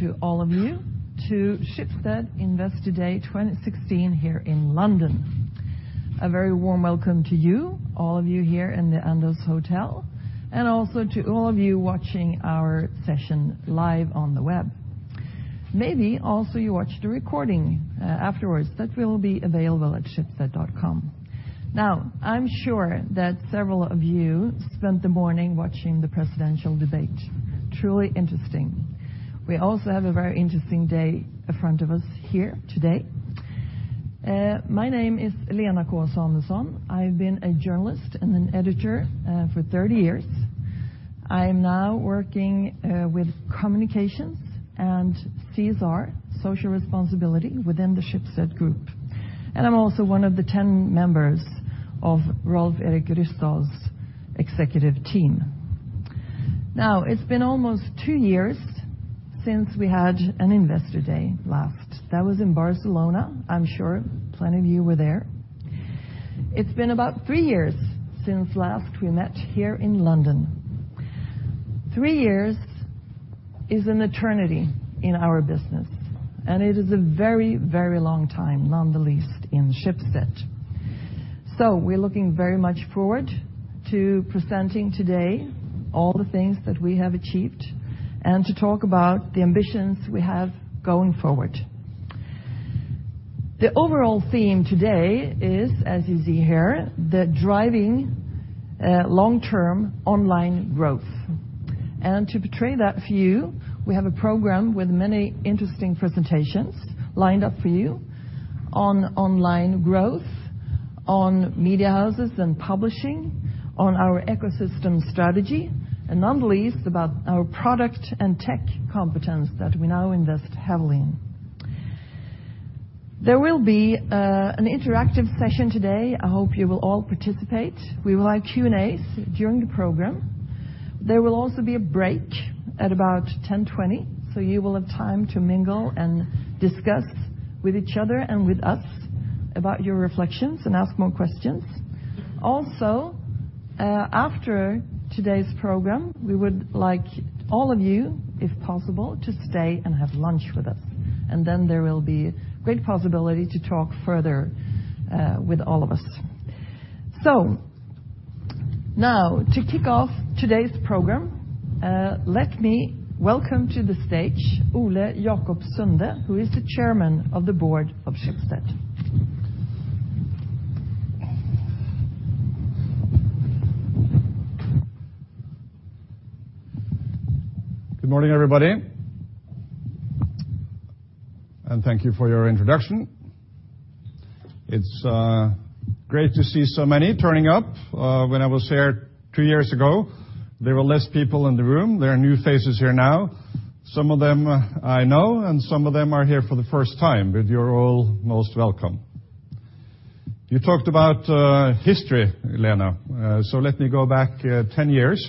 To all of you to Schibsted Investor Day 2016 here in London. A very warm welcome to you, all of you here in the Andaz Hotel, and also to all of you watching our session live on the web. Maybe also you watch the recording afterwards that will be available at schibsted.com. I'm sure that several of you spent the morning watching the presidential debate. Truly interesting. We also have a very interesting day in front of us here today. My name is Lena K. Samuelsson. I've been a journalist and an editor for 30 years. I'm now working with communications and CSR, social responsibility within the Schibsted Group. I'm also one of the 10 members of Rolv Erik Ryssdal executive team. It's been almost 2 years since we had an investor day last. That was in Barcelona. I'm sure plenty of you were there. It's been about three years since last we met here in London. Three years is an eternity in our business, and it is a very, very long time, none the least in Schibsted. So we're looking very much forward to presenting today all the things that we have achieved and to talk about the ambitions we have going forward. The overall theme today is, as you see here, the driving long-term online growth. And to portray that for you, we have a program with many interesting presentations lined up for you on online growth, on media houses and publishing, on our ecosystem strategy, and none the least about our product and tech competence that we now invest heavily in. There will be an interactive session today. I hope you will all participate. We will have Q&As during the program. There will also be a break at about 10:20 A.M., so you will have time to mingle and discuss with each other and with us about your reflections and ask more questions. Also, after today's program, we would like all of you, if possible, to stay and have lunch with us. Then there will be great possibility to talk further with all of us. Now to kick off today's program, let me welcome to the stage Ole Jaco, who is the Chairman of the Board of Schibsted. Good morning, everybody. Thank you for your introduction. It's great to see so many turning up. When I was here two years ago, there were less people in the room. There are new faces here now. Some of them, I know, and some of them are here for the first time, but you're all most welcome. You talked about history, Elena. So let me go back 10 years.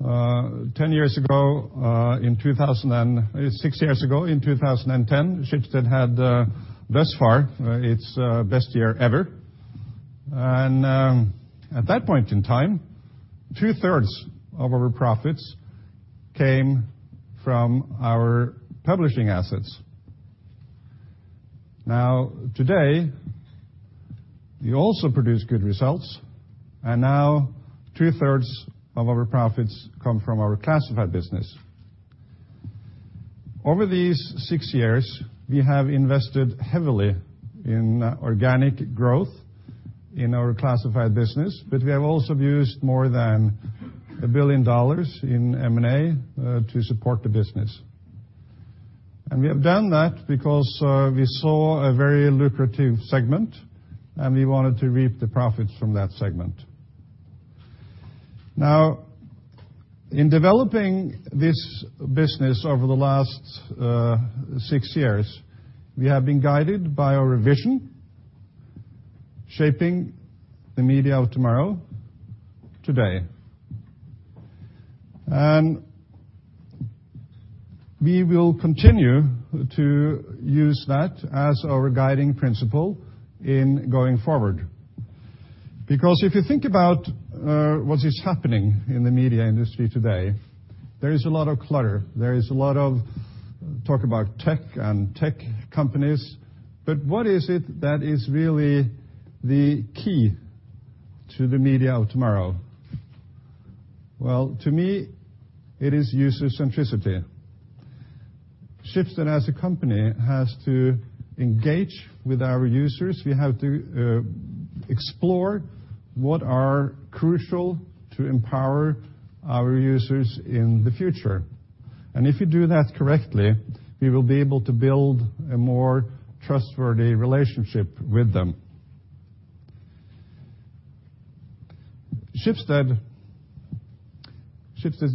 10 years ago, 6 years ago, in 2010, Schibsted had thus far its best year ever. At that point in time, two-thirds of our profits came from our publishing assets. Today, we also produce good results, and now two-thirds of our profits come from our classified business. Over these 6 years, we have invested heavily in organic growth in our classified business, but we have also used more than $1 billion in M&A to support the business. We have done that because we saw a very lucrative segment, and we wanted to reap the profits from that segment. Now, in developing this business over the last 6 years, we have been guided by our vision, shaping the media of tomorrow, today. We will continue to use that as our guiding principle in going forward. If you think about what is happening in the media industry today, there is a lot of clutter. There is a lot of talk about tech and tech companies. What is it that is really the key to the media of tomorrow? Well, to me, it is user centricity. Schibsted as a company has to engage with our users. We have to explore what are crucial to empower our users in the future. If you do that correctly, we will be able to build a more trustworthy relationship with them. Schibsted's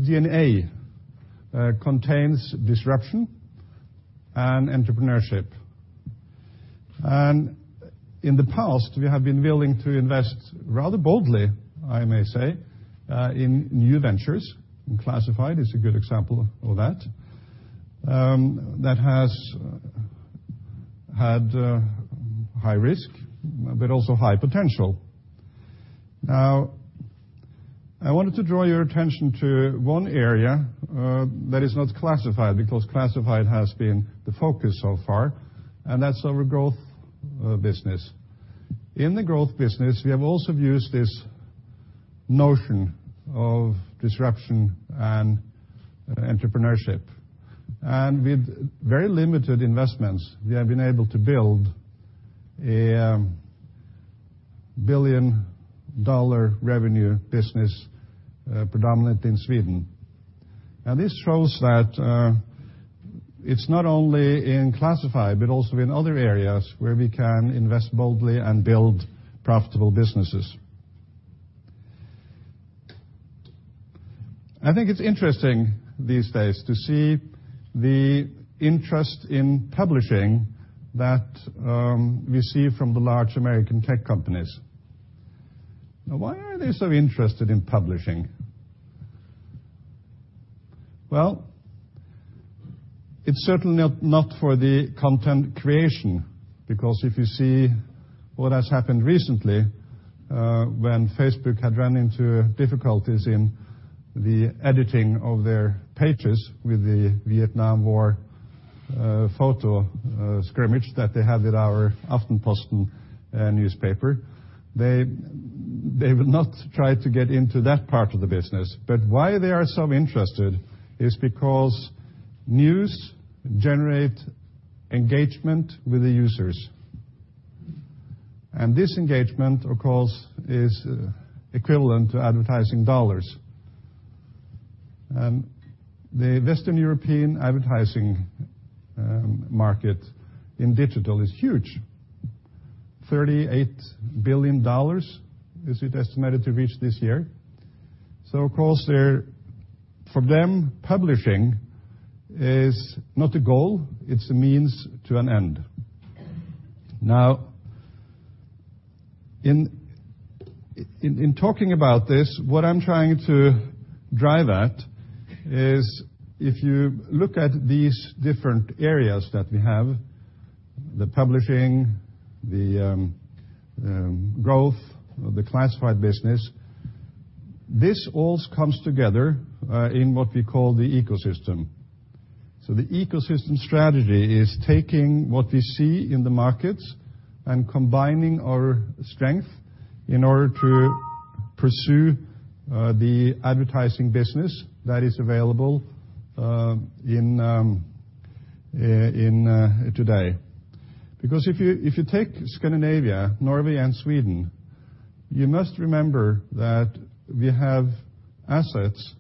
DNA contains disruption and entrepreneurship. In the past, we have been willing to invest rather boldly, I may say, in new ventures, and classified is a good example of that has had high risk, but also high potential. Now I wanted to draw your attention to one area that is not classified, because classified has been the focus so far, and that's our growth business. In the growth business, we have also used this notion of disruption and entrepreneurship. With very limited investments, we have been able to build a billion-dollar revenue business, predominant in Sweden. This shows that it's not only in classified, but also in other areas where we can invest boldly and build profitable businesses. I think it's interesting these days to see the interest in publishing that we see from the large American tech companies. Why are they so interested in publishing? Well, it's certainly not for the content creation, because if you see what has happened recently, when Facebook had ran into difficulties in the editing of their pages with the Vietnam War photo scrimmage that they had with our Aftenposten newspaper, they would not try to get into that part of the business. Why they are so interested is because news generate engagement with the users. This engagement, of course, is equivalent to advertising dollars. The Western European advertising market in digital is huge. $38 billion is it estimated to reach this year. Of course, there, for them, publishing is not a goal, it's a means to an end. Now, in, in talking about this, what I'm trying to drive at is if you look at these different areas that we have, the publishing, the growth, the classified business, this all comes together in what we call the ecosystem. The ecosystem strategy is taking what we see in the markets and combining our strength in order to pursue the advertising business that is available in today. If you take Scandinavia, Norway and Sweden, you must remember that we have assets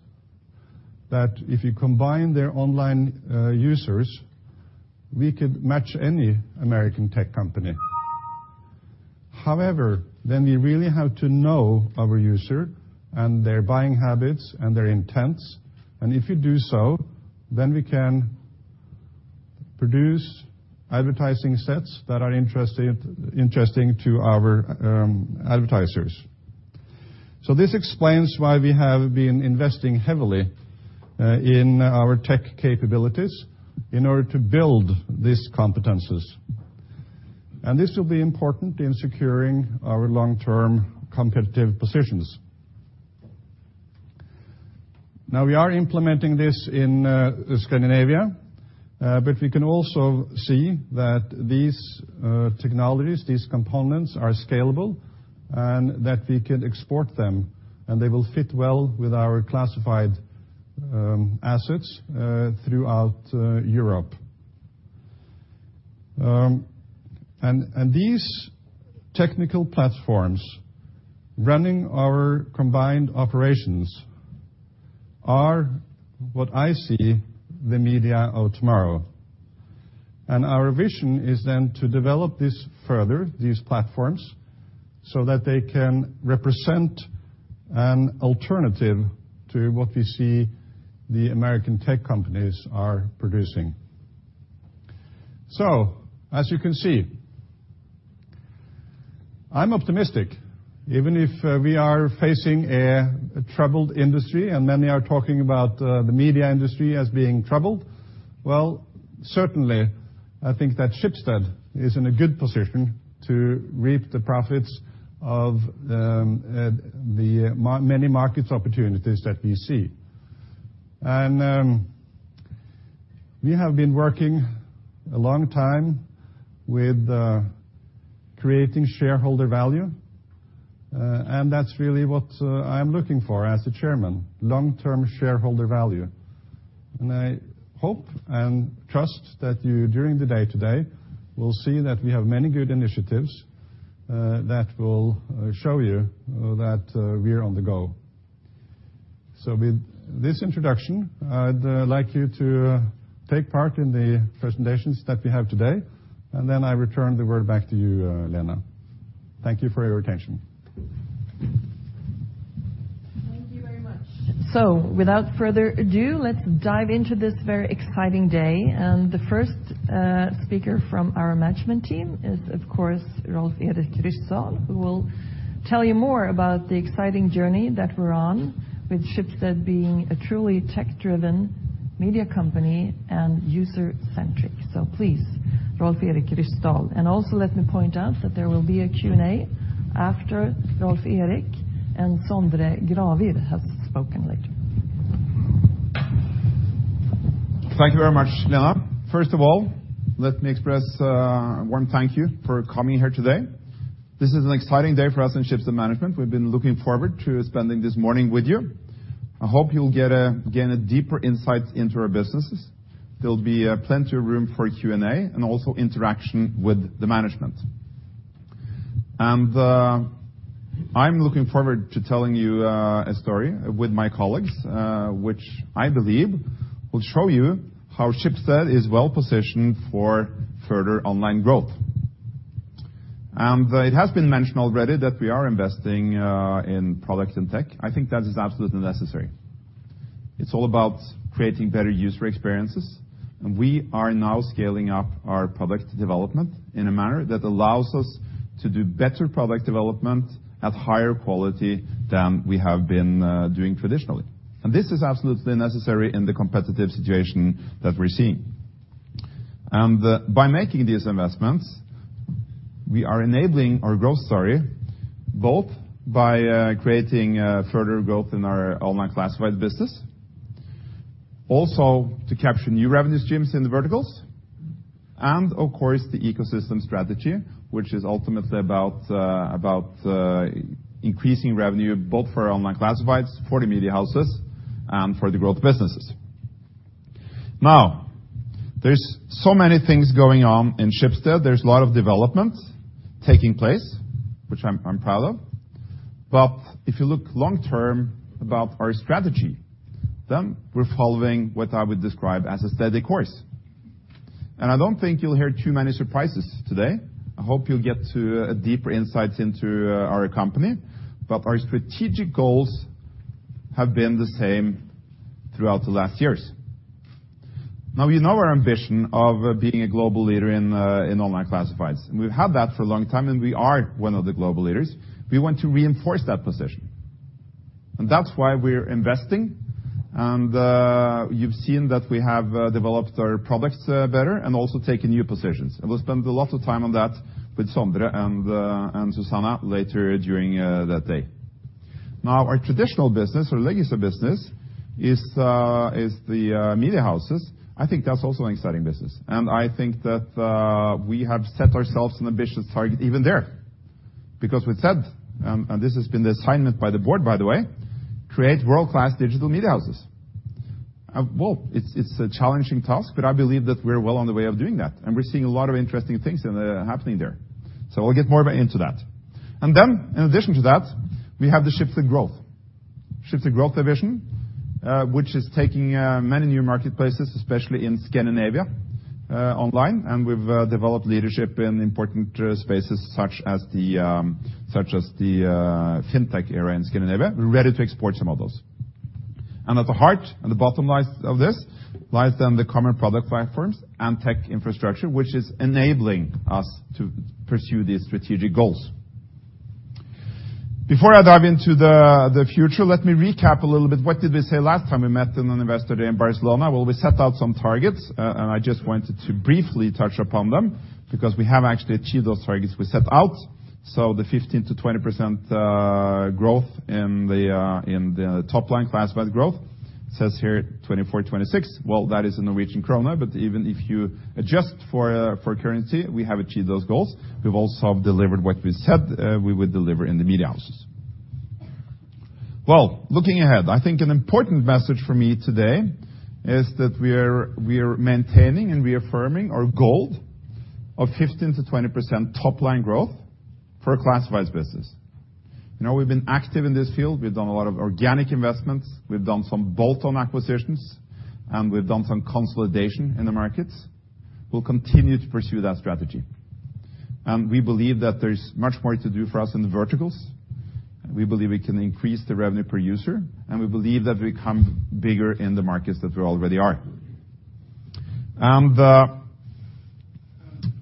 that if you combine their online users, we could match any American tech company. Then we really have to know our user and their buying habits and their intents. If you do so, then we can produce advertising sets that are interesting to our advertisers. This explains why we have been investing heavily in our tech capabilities in order to build these competencies. This will be important in securing our long-term competitive positions. We are implementing this in Scandinavia, but we can also see that these technologies, these components are scalable and that we can export them, and they will fit well with our classified assets throughout Europe. These technical platforms running our combined operations are what I see the media of tomorrow. Our vision is then to develop this further, these platforms, so that they can represent an alternative to what we see the American tech companies are producing. As you can see, I'm optimistic, even if we are facing a troubled industry, and many are talking about the media industry as being troubled. Well, certainly, I think that Schibsted is in a good position to reap the profits of the many market opportunities that we see. We have been working a long time with creating shareholder value, and that's really what I'm looking for as a chairman, long-term shareholder value. I hope and trust that you, during the day today, will see that we have many good initiatives that will show you that we're on the go. With this introduction, I'd like you to take part in the presentations that we have today. Then I return the word back to you, Lena. Thank you for your attention. Without further ado, let's dive into this very exciting day. The first speaker from our management team is, of course, Rolf-Erik Ryssdal, who will tell you more about the exciting journey that we're on with Schibsted being a truly tech-driven media company and user-centric. Please, Rolv Erik Ryssdal. Also let me point out that there will be a Q&A after Rolf-Erik and Sondre Gravir has spoken later. Thank you very much, Lena. First of all, let me express a warm thank you for coming here today. This is an exciting day for us in Schibsted management. We've been looking forward to spending this morning with you. I hope you'll gain a deeper insight into our businesses. There'll be plenty of room for Q&A and also interaction with the management. I'm looking forward to telling you a story with my colleagues, which I believe will show you how Schibsted is well positioned for further online growth. It has been mentioned already that we are investing in product and tech. I think that is absolutely necessary. It's all about creating better user experiences, we are now scaling up our product development in a manner that allows us to do better product development at higher quality than we have been doing traditionally. This is absolutely necessary in the competitive situation that we're seeing. by making these investments, we are enabling our growth story, both by creating further growth in our online classified business, also to capture new revenue streams in the verticals, and of course, the ecosystem strategy, which is ultimately about about increasing revenue, both for our online classifieds, for the media houses, and for the growth businesses. there's so many things going on in Schibsted. There's a lot of development taking place, which I'm proud of. if you look long-term about our strategy, we're following what I would describe as a steady course. I don't think you'll hear too many surprises today. I hope you'll get to a deeper insight into our company. Our strategic goals have been the same throughout the last years. Now, you know our ambition of being a global leader in online classifieds. We've had that for a long time, and we are one of the global leaders. We want to reinforce that position. That's why we're investing. You've seen that we have developed our products better and also taken new positions. We'll spend a lot of time on that with Sondre and Susanna later during the day. Now, our traditional business or legacy business is the media houses. I think that's also an exciting business. I think that we have set ourselves an ambitious target even there. We've said, this has been the assignment by the board, by the way, create world-class digital media houses. Well, it's a challenging task. I believe that we're well on the way of doing that. We're seeing a lot of interesting things happening there. We'll get more into that. In addition to that, we have the Schibsted Growth division, which is taking many new marketplaces, especially in Scandinavia, online. We've developed leadership in important spaces such as the fintech area in Scandinavia. We're ready to export some of those. At the heart and the bottom lines of this lies then the common product platforms and tech infrastructure, which is enabling us to pursue these strategic goals. Before I dive into the future, let me recap a little bit what did we say last time we met in an investor day in Barcelona. We set out some targets and I just wanted to briefly touch upon them because we have actually achieved those targets we set out. The 15%-20% growth in the top-line classified growth. Says here 24%, 26%. That is in Norwegian krone, but even if you adjust for currency, we have achieved those goals. We've also delivered what we said we would deliver in the media houses. Looking ahead, I think an important message for me today is that we're maintaining and reaffirming our goal of 15%-20% top-line growth for our classifieds business. You know, we've been active in this field. We've done a lot of organic investments. We've done some bolt-on acquisitions, and we've done some consolidation in the markets. We'll continue to pursue that strategy. We believe that there's much more to do for us in the verticals. We believe we can increase the revenue per user, and we believe that we become bigger in the markets that we already are.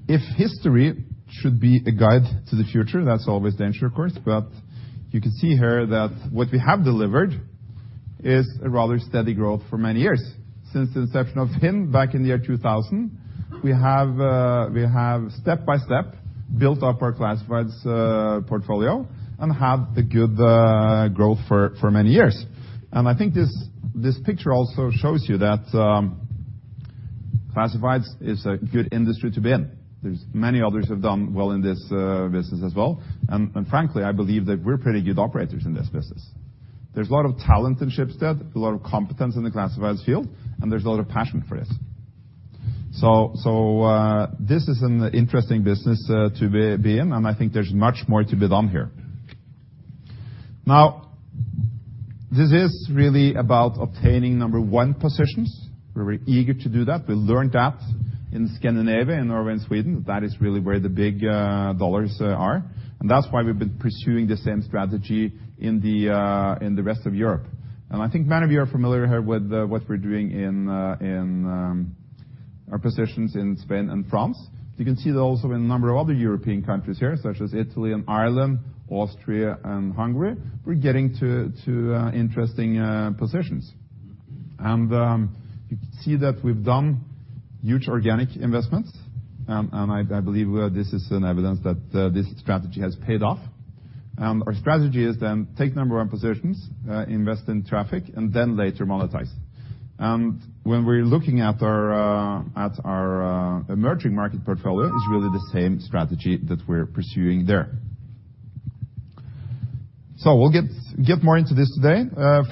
If history should be a guide to the future, that's always the interest, of course, but you can see here that what we have delivered is a rather steady growth for many years. Since the inception of FINN.no back in the year 2000, we have step-by-step built up our classifieds portfolio and have the good growth for many years. I think this picture also shows you that classifieds is a good industry to be in. There's many others have done well in this business as well. Frankly, I believe that we're pretty good operators in this business. There's a lot of talent in Schibsted, a lot of competence in the classifieds field, and there's a lot of passion for this. This is an interesting business to be in, and I think there's much more to be done here. Now, this is really about obtaining number one positions. We're eager to do that. We learned that in Scandinavia, in Norway and Sweden, that is really where the big dollars are. That's why we've been pursuing the same strategy in the rest of Europe. I think many of you are familiar here with what we're doing in our positions in Spain and France. You can see that also in a number of other European countries here, such as Italy and Ireland, Austria and Hungary, we're getting to interesting positions. You can see that we've done huge organic investments, and I believe this is an evidence that this strategy has paid off. Our strategy is then take number one positions, invest in traffic, and then later monetize. When we're looking at our, at our emerging market portfolio, it's really the same strategy that we're pursuing there. We'll get more into this today.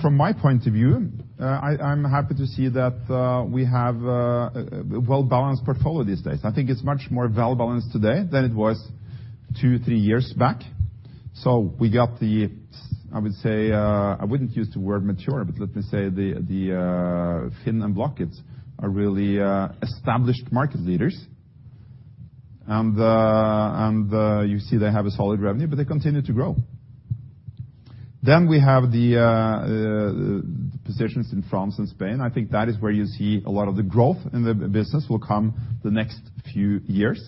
From my point of view, I'm happy to see that we have a well-balanced portfolio these days. I think it's much more well-balanced toda y than it was two, three years back. We got the, I would say, I wouldn't use the word mature, but let me say FINN.no and Blocket are really established market leaders. You see they have a solid revenue, but they continue to grow. We have positions in France and Spain. I think that is where you see a lot of the growth in the business will come the next few years.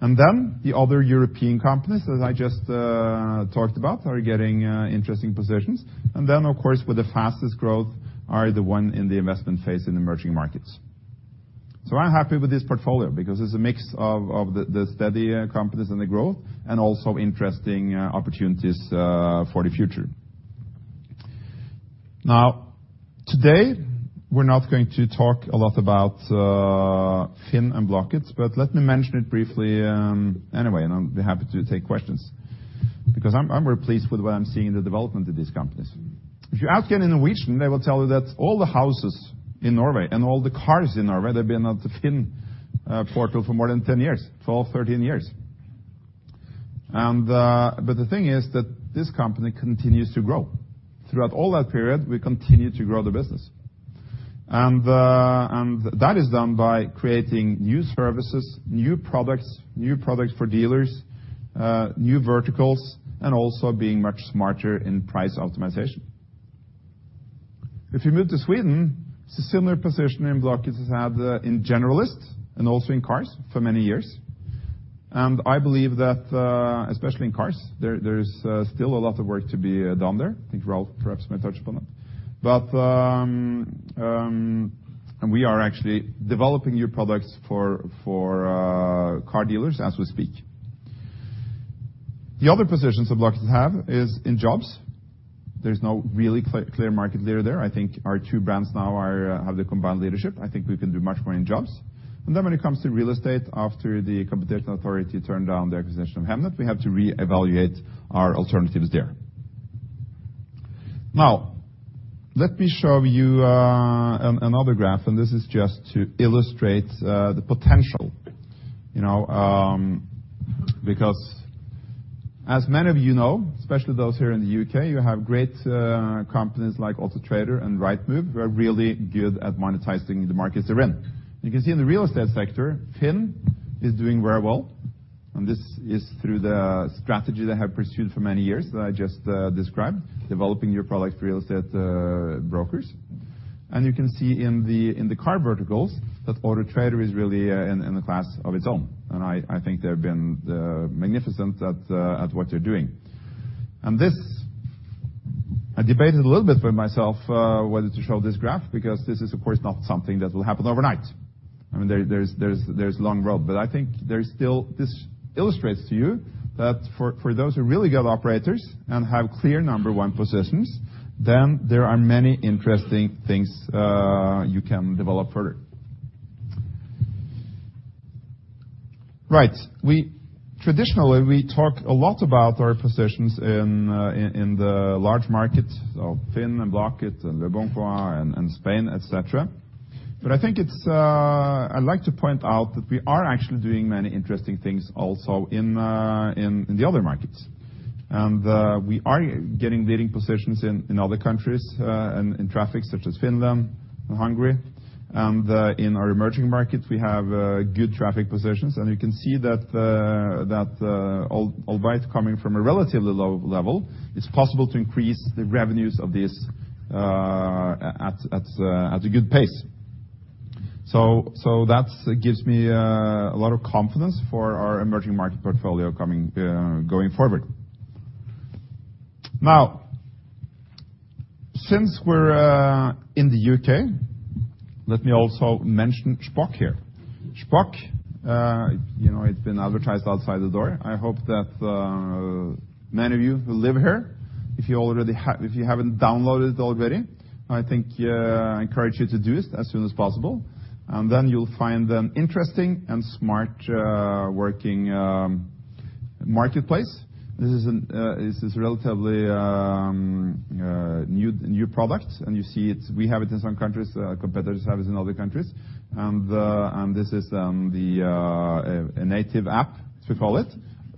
The other European companies that I just talked about are getting interesting positions. Of course, with the fastest growth are the one in the investment phase in emerging markets. I'm happy with this portfolio because it's a mix of the steady companies and the growth and also interesting opportunities for the future. Now, today, we're not going to talk a lot about FINN.no and Blocket, but let me mention it briefly anyway, and I'll be happy to take questions because I'm very pleased with what I'm seeing in the development of these companies. If you ask any Norwegian, they will tell you that all the houses in Norway and all the cars in Norway, they've been on the FINN.no portal for more than 10 years, 12, 13 years. The thing is that this company continues to grow. Throughout all that period, we continue to grow the business. That is done by creating new services, new products, new products for dealers, new verticals, and also being much smarter in price optimization. If you move to Sweden, it's a similar position Blocket has had in generalist and also in cars for many years. I believe that, especially in cars, there is still a lot of work to be done there. I think Raoul perhaps may touch upon that. We are actually developing new products for car dealers as we speak. The other positions that Blocket have is in jobs. There's no really clear market leader there. I think our two brands now are have the combined leadership. I think we can do much more in jobs. When it comes to real estate, after the Competition Authority turned down the acquisition of Hemnet, we had to reevaluate our alternatives there. Let me show you another graph, just to illustrate the potential, you know, because as many of you know, especially those here in the UK, you have great companies like Auto Trader and Rightmove who are really good at monetizing the markets they're in. You can see in the real estate sector, FINN.no is doing very well, through the strategy they have pursued for many years that I just described, developing new products for real estate brokers. You can see in the car verticals that Auto Trader is really in a class of its own, I think they've been magnificent at what they're doing. This, I debated a little bit with myself, whether to show this graph because this is, of course, not something that will happen overnight. I mean, there's long road. I think there is still. This illustrates to you that for those who are really good operators and have clear number one positions, then there are many interesting things you can develop further. Right. We, traditionally, we talk a lot about our positions in the large markets of FINN.no and Blocket and leboncoin and Spain, et cetera. I think it's, I'd like to point out that we are actually doing many interesting things also in the other markets. We are getting leading positions in other countries, in traffic such as Finland and Hungary. In our emerging markets, we have good traffic positions. You can see that, albeit coming from a relatively low level, it's possible to increase the revenues of these, at a good pace. That's gives me a lot of confidence for our emerging market portfolio coming going forward. Now, since we're in the UK, let me also mention Shpock here. Shpock, you know, it's been advertised outside the door. I hope that many of you who live here, if you haven't downloaded it already, I think, encourage you to do so as soon as possible. Then you'll find an interesting and smart working marketplace. This is relatively new product, you see it's, we have it in some countries, competitors have it in other countries. This is a native app, as we call it,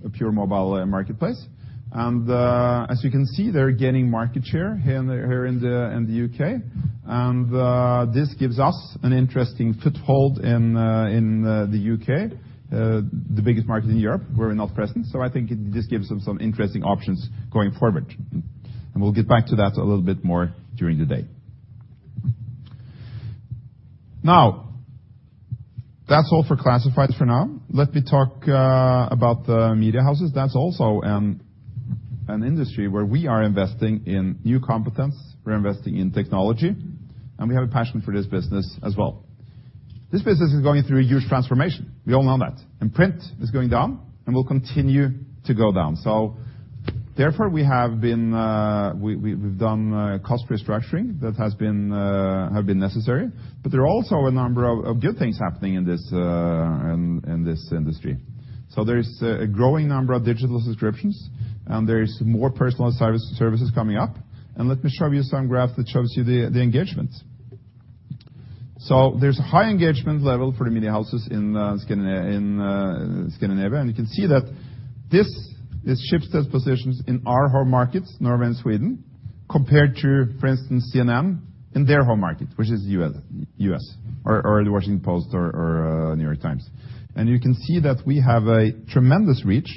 a pure mobile marketplace. As you can see, they're gaining market share here in the UK. This gives us an interesting foothold in the UK, the biggest market in Europe where we're not present. I think this gives us some interesting options going forward. We'll get back to that a little bit more during the day. That's all for classifieds for now. Let me talk about the media houses. That's also an industry where we are investing in new competence, we're investing in technology, and we have a passion for this business as well. This business is going through a huge transformation. We all know that. Print is going down and will continue to go down. Therefore, we've done cost restructuring that has been necessary, but there are also a number of good things happening in this industry. There is a growing number of digital subscriptions, and there is more personalized services coming up. Let me show you some graphs that shows you the engagements. There's high engagement level for the media houses in Scandinavia. You can see that this shifts those positions in our home markets, Norway and Sweden, compared to, for instance, CNN in their home market, which is U.S. or the Washington Post or New York Times. You can see that we have a tremendous reach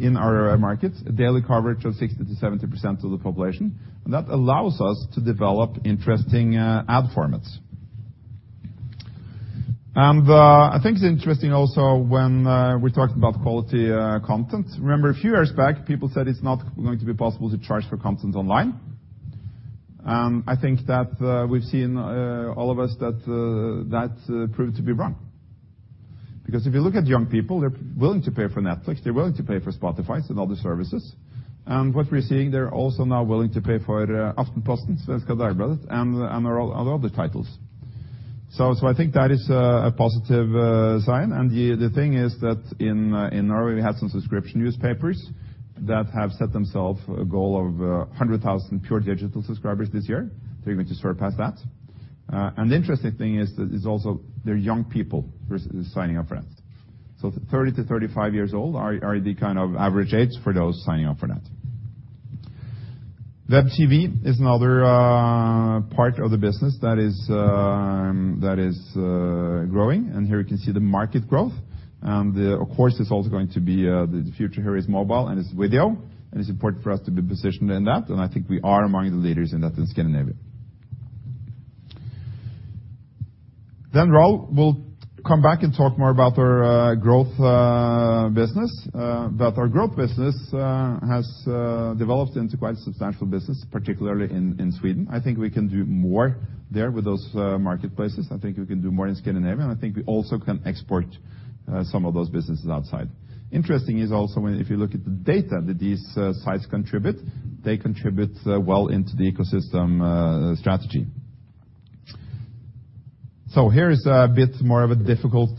in our markets, a daily coverage of 60%-70% of the population. That allows us to develop interesting ad formats. I think it's interesting also when we talked about quality content. Remember a few years back, people said it's not going to be possible to charge for content online. I think that we've seen all of us that that proved to be wrong. If you look at young people, they're willing to pay for Netflix, they're willing to pay for Spotifys and other services. What we're seeing, they're also now willing to pay for Aftenposten, Svenska Dagbladet, and our other titles. I think that is a positive sign. The thing is that in Norway, we had some subscription newspapers that have set themselves a goal of 100,000 pure digital subscribers this year. They're going to surpass that. The interesting thing is that it's also they're young people signing up for that. 30-35 years old are the kind of average age for those signing up for that. Web TV is another part of the business that is that is growing. Here we can see the market growth. Of course, it's also going to be the future here is mobile and it's video, and it's important for us to be positioned in that. I think we are among the leaders in that in Scandinavia. Raul will come back and talk more about our growth business. Our growth business has developed into quite a substantial business, particularly in Sweden. I think we can do more there with those marketplaces. I think we can do more in Scandinavia, and I think we also can export some of those businesses outside. Interesting is also if you look at the data that these sites contribute, they contribute well into the ecosystem strategy. Here is a bit more of a difficult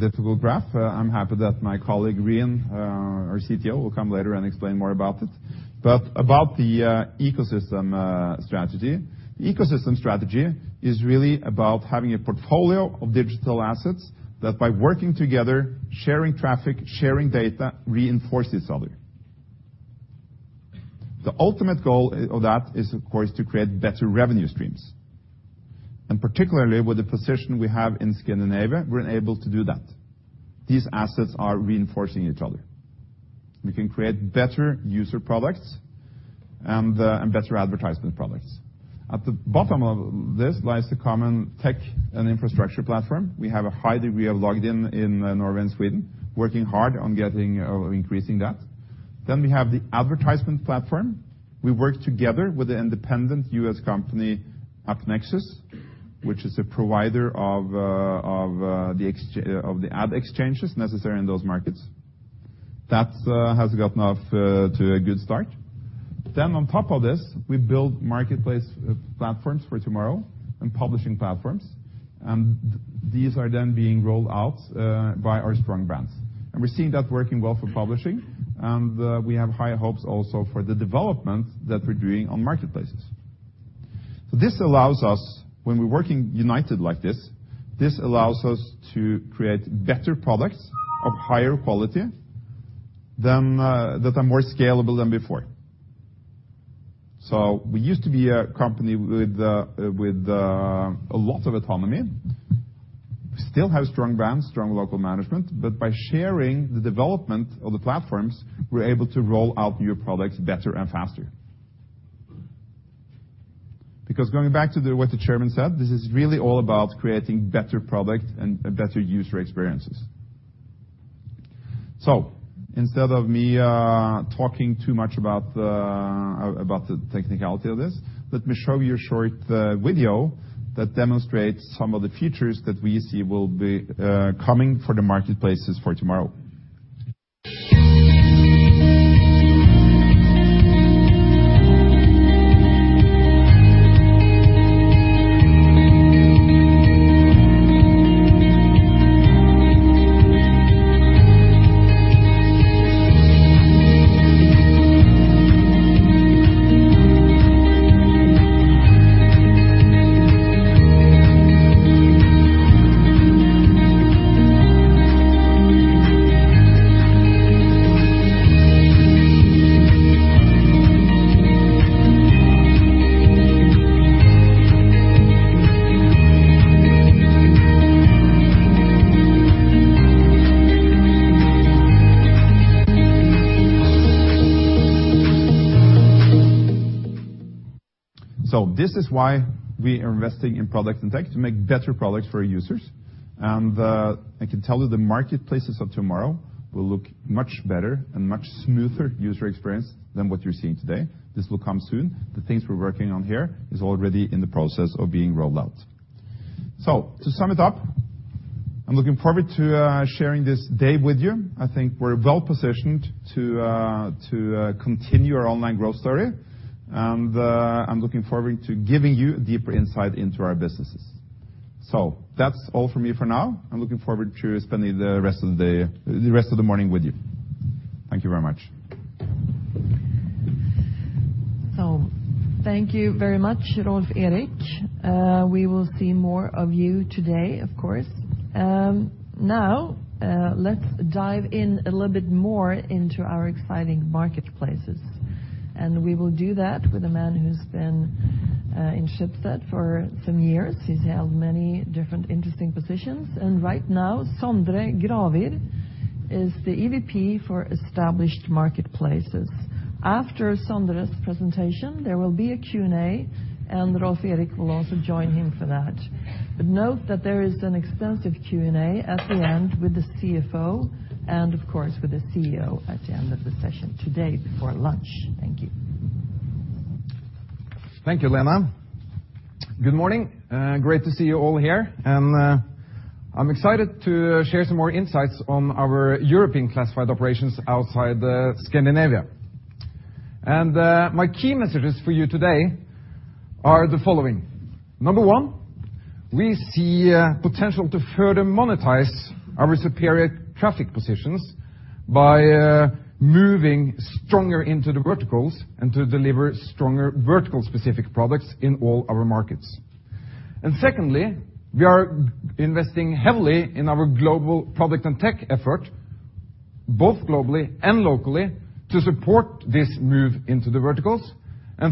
difficult graph. I'm happy that my colleague, Rian, our CTO, will come later and explain more about it. About the ecosystem strategy. The ecosystem strategy is really about having a portfolio of digital assets that by working together, sharing traffic, sharing data, reinforce each other. The ultimate goal of that is, of course, to create better revenue streams. Particularly with the position we have in Scandinavia, we're enabled to do that. These assets are reinforcing each other. We can create better user products and better advertisement products. At the bottom of this lies the common tech and infrastructure platform. We have a high degree of logged in in Norway and Sweden, working hard on getting or increasing that. We have the advertisement platform. We work together with an independent US company, AppNexus, which is a provider of the ad exchanges necessary in those markets. That has gotten off to a good start. On top of this, we build marketplace platforms for tomorrow and publishing platforms, and these are then being rolled out by our strong brands. We're seeing that working well for publishing, and we have high hopes also for the development that we're doing on marketplaces. This allows us, when we're working united like this allows us to create better products of higher quality than that are more scalable than before. We used to be a company with a lot of autonomy. We still have strong brands, strong local management, but by sharing the development of the platforms, we're able to roll out new products better and faster. Going back to what the chairman said, this is really all about creating better product and better user experiences. Instead of me talking too much about the about the technicality of this, let me show you a short video that demonstrates some of the features that we see will be coming for the marketplaces for tomorrow. This is why we are investing in product and tech to make better products for our users. I can tell you the marketplaces of tomorrow will look much better and much smoother user experience than what you're seeing today. This will come soon. The things we're working on here is already in the process of being rolled out. To sum it up, I'm looking forward to sharing this day with you. I think we're well positioned to continue our online growth story. I'm looking forward to giving you a deeper insight into our businesses. That's all from me for now. I'm looking forward to spending the rest of the morning with you. Thank you very much. Thank you very much, Rolv Erik. We will see more of you today, of course. Now, let's dive in a little bit more into our exciting marketplaces. We will do that with a man who's been in Schibsted for some years. He's held many different interesting positions, and right now Sondre Gravir is the EVP for Established Marketplaces. After Sondre's presentation, there will be a Q&A, and Rolv Erik will also join him for that. Note that there is an extensive Q&A at the end with the CFO and of course with the CEO at the end of the session today before lunch. Thank you. Thank you, Lena. Good morning. Great to see you all here. I'm excited to share some more insights on our European classified operations outside the Scandinavia. My key messages for you today are the following. Number one, we see potential to further monetize our superior traffic positions by moving stronger into the verticals and to deliver stronger vertical specific products in all our markets. Secondly, we are investing heavily in our global product and tech effort, both globally and locally, to support this move into the verticals.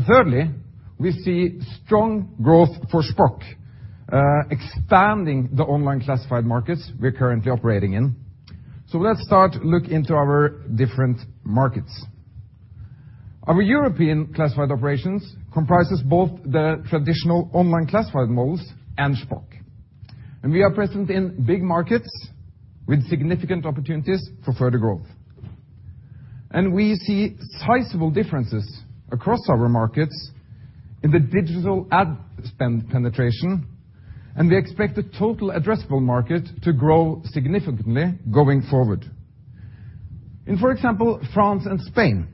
Thirdly, we see strong growth for Shpock, expanding the online classified markets we're currently operating in. Let's start look into our different markets. Our European classified operations comprises both the traditional online classified models and Shpock, and we are present in big markets with significant opportunities for further growth. We see sizable differences across our markets in the digital ad spend penetration, and we expect the total addressable market to grow significantly going forward. In, for example, France and Spain,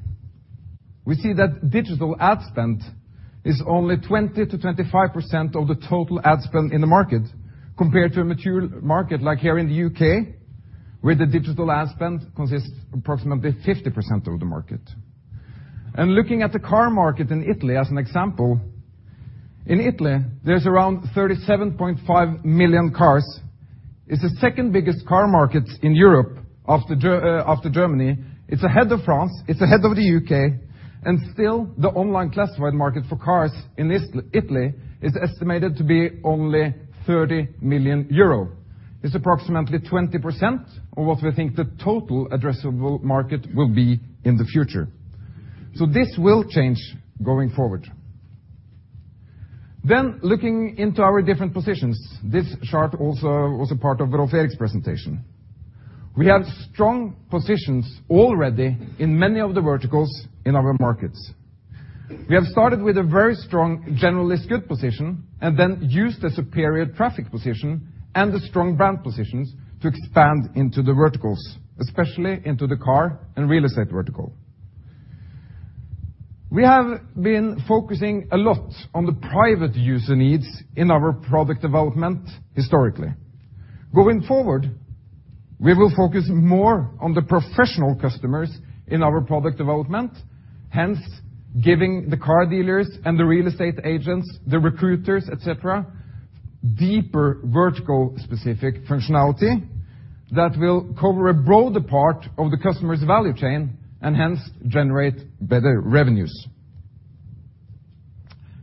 we see that digital ad spend is only 20%-25% of the total ad spend in the market compared to a mature market like here in the UK, where the digital ad spend consists approximately 50% of the market. Looking at the car market in Italy as an example, in Italy there's around 37.5 million cars. It's the second biggest car market in Europe after Germany. It's ahead of France, it's ahead of the UK, and still the online classified market for cars in Italy is estimated to be only 30 million euro. It's approximately 20% of what we think the total addressable market will be in the future. This will change going forward. Looking into our different positions, this chart also was a part of Rolv Erik's presentation. We have strong positions already in many of the verticals in our markets. We have started with a very strong generalist good position and then used the superior traffic position and the strong brand positions to expand into the verticals, especially into the car and real estate vertical. We have been focusing a lot on the private user needs in our product development historically. Going forward, we will focus more on the professional customers in our product development, hence giving the car dealers and the real estate agents, the recruiters, et cetera, deeper vertical specific functionality that will cover a broader part of the customer's value chain and hence generate better revenues.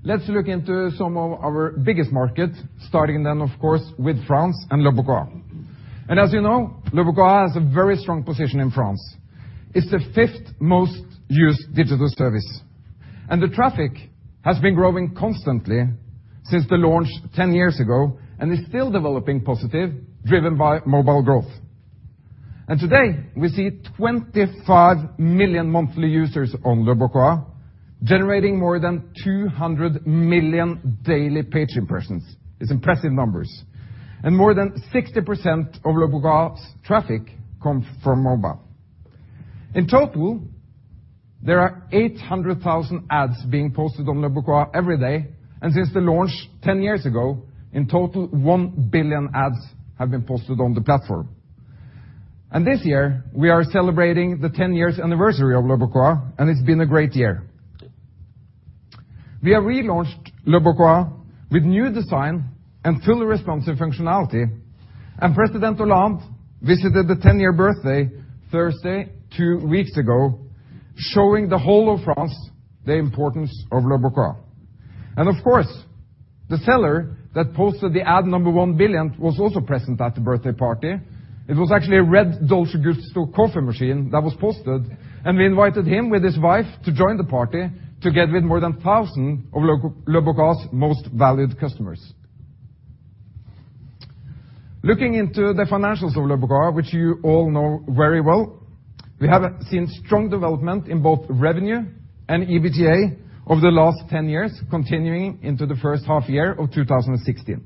Let's look into some of our biggest markets, starting of course with France and leboncoin. As you know, leboncoin has a very strong position in France. It's the fifth most used digital service, and the traffic has been growing constantly since the launch 10 years ago and is still developing positive, driven by mobile growth. Today, we see 25 million monthly users on leboncoin, generating more than 200 million daily page impressions. It's impressive numbers. More than 60% of leboncoin's traffic come from mobile. In total, there are 800,000 ads being posted on leboncoin every day, and since the launch 10 years ago, in total 1 billion ads have been posted on the platform. This year, we are celebrating the 10 years anniversary of leboncoin, and it's been a great year. We have relaunched leboncoin with new design and full responsive functionality, and President Hollande visited the 10-year birthday Thursday 2 weeks ago, showing the whole of France the importance of leboncoin. Of course, the seller that posted the ad number 1 billion was also present at the birthday party. It was actually a red Dolce Gusto coffee machine that was posted, and we invited him with his wife to join the party together with more than 1,000 of leboncoin's most valued customers. Looking into the financials of leboncoin, which you all know very well, we have seen strong development in both revenue and EBITDA over the last 10 years, continuing into the first half year of 2016.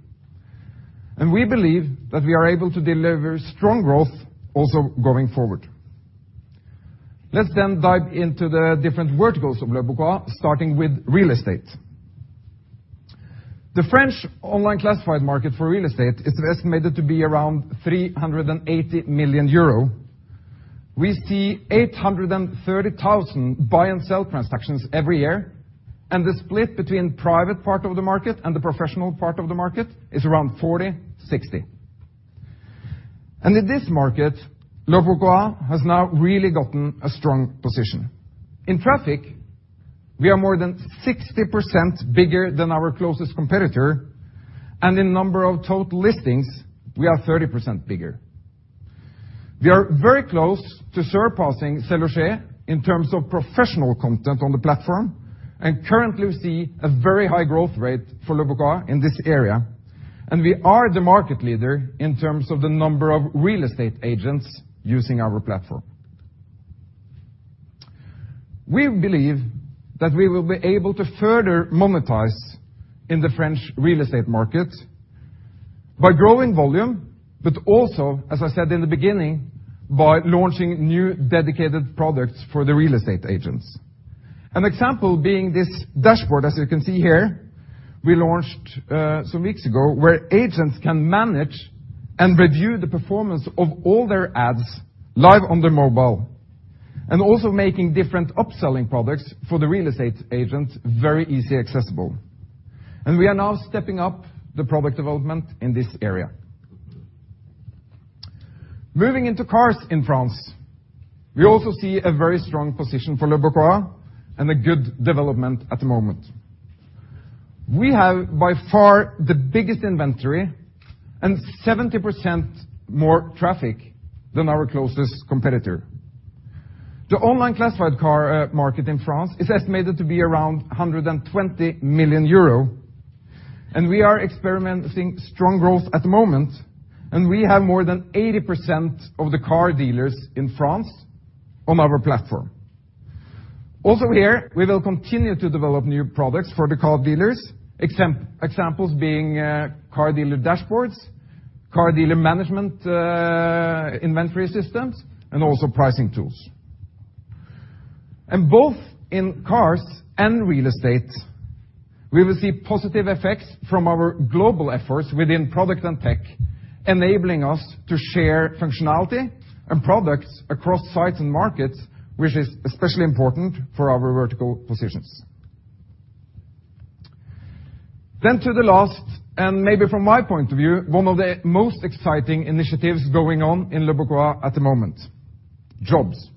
We believe that we are able to deliver strong growth also going forward. Let's then dive into the different verticals of leboncoin, starting with real estate. The French online classified market for real estate is estimated to be around 380 million euro. We see 830,000 buy and sell transactions every year. The split between private part of the market and the professional part of the market is around 40-60. In this market, leboncoin has now really gotten a strong position. In traffic, we are more than 60% bigger than our closest competitor, and in number of total listings, we are 30% bigger. We are very close to surpassing SeLoger in terms of professional content on the platform, and currently we see a very high growth rate for leboncoin in this area. We are the market leader in terms of the number of real estate agents using our platform. We believe that we will be able to further monetize in the French real estate market by growing volume, but also, as I said in the beginning, by launching new dedicated products for the real estate agents. An example being this dashboard, as you can see here, we launched some weeks ago, where agents can manage and review the performance of all their ads live on the mobile and also making different upselling products for the real estate agents, very easy accessible. We are now stepping up the product development in this area. Moving into cars in France, we also see a very strong position for leboncoin and a good development at the moment. We have by far the biggest inventory and 70% more traffic than our closest competitor. The online classified car market in France is estimated to be around 120 million euro. We are experimenting strong growth at the moment. We have more than 80% of the car dealers in France on our platform. Also here, we will continue to develop new products for the car dealers, examples being car dealer dashboards, car dealer management inventory systems, and also pricing tools. Both in cars and real estate, we will see positive effects from our global efforts within product and tech, enabling us to share functionality and products across sites and markets, which is especially important for our vertical positions. To the last, and maybe from my point of view, one of the most exciting initiatives going on in leboncoin at the moment, jobs.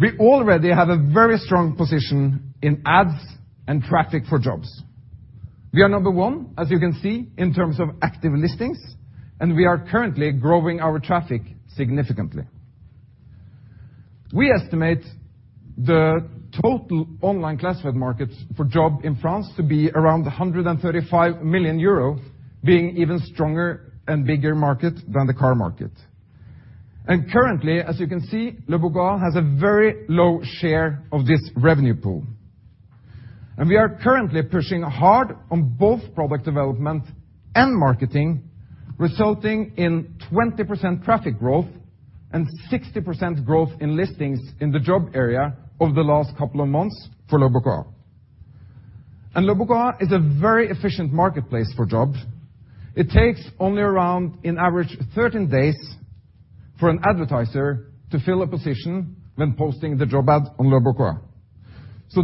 We already have a very strong position in ads and traffic for jobs. We are number one, as you can see, in terms of active listings. We are currently growing our traffic significantly. We estimate the total online classified markets for job in France to be around 135 million euro, being even stronger and bigger market than the car market. Currently, as you can see, leboncoin has a very low share of this revenue pool. We are currently pushing hard on both product development and marketing, resulting in 20% traffic growth and 60% growth in listings in the job area over the last couple of months for leboncoin. leboncoin is a very efficient marketplace for jobs. It takes only around in average 13 days for an advertiser to fill a position when posting the job ad on leboncoin.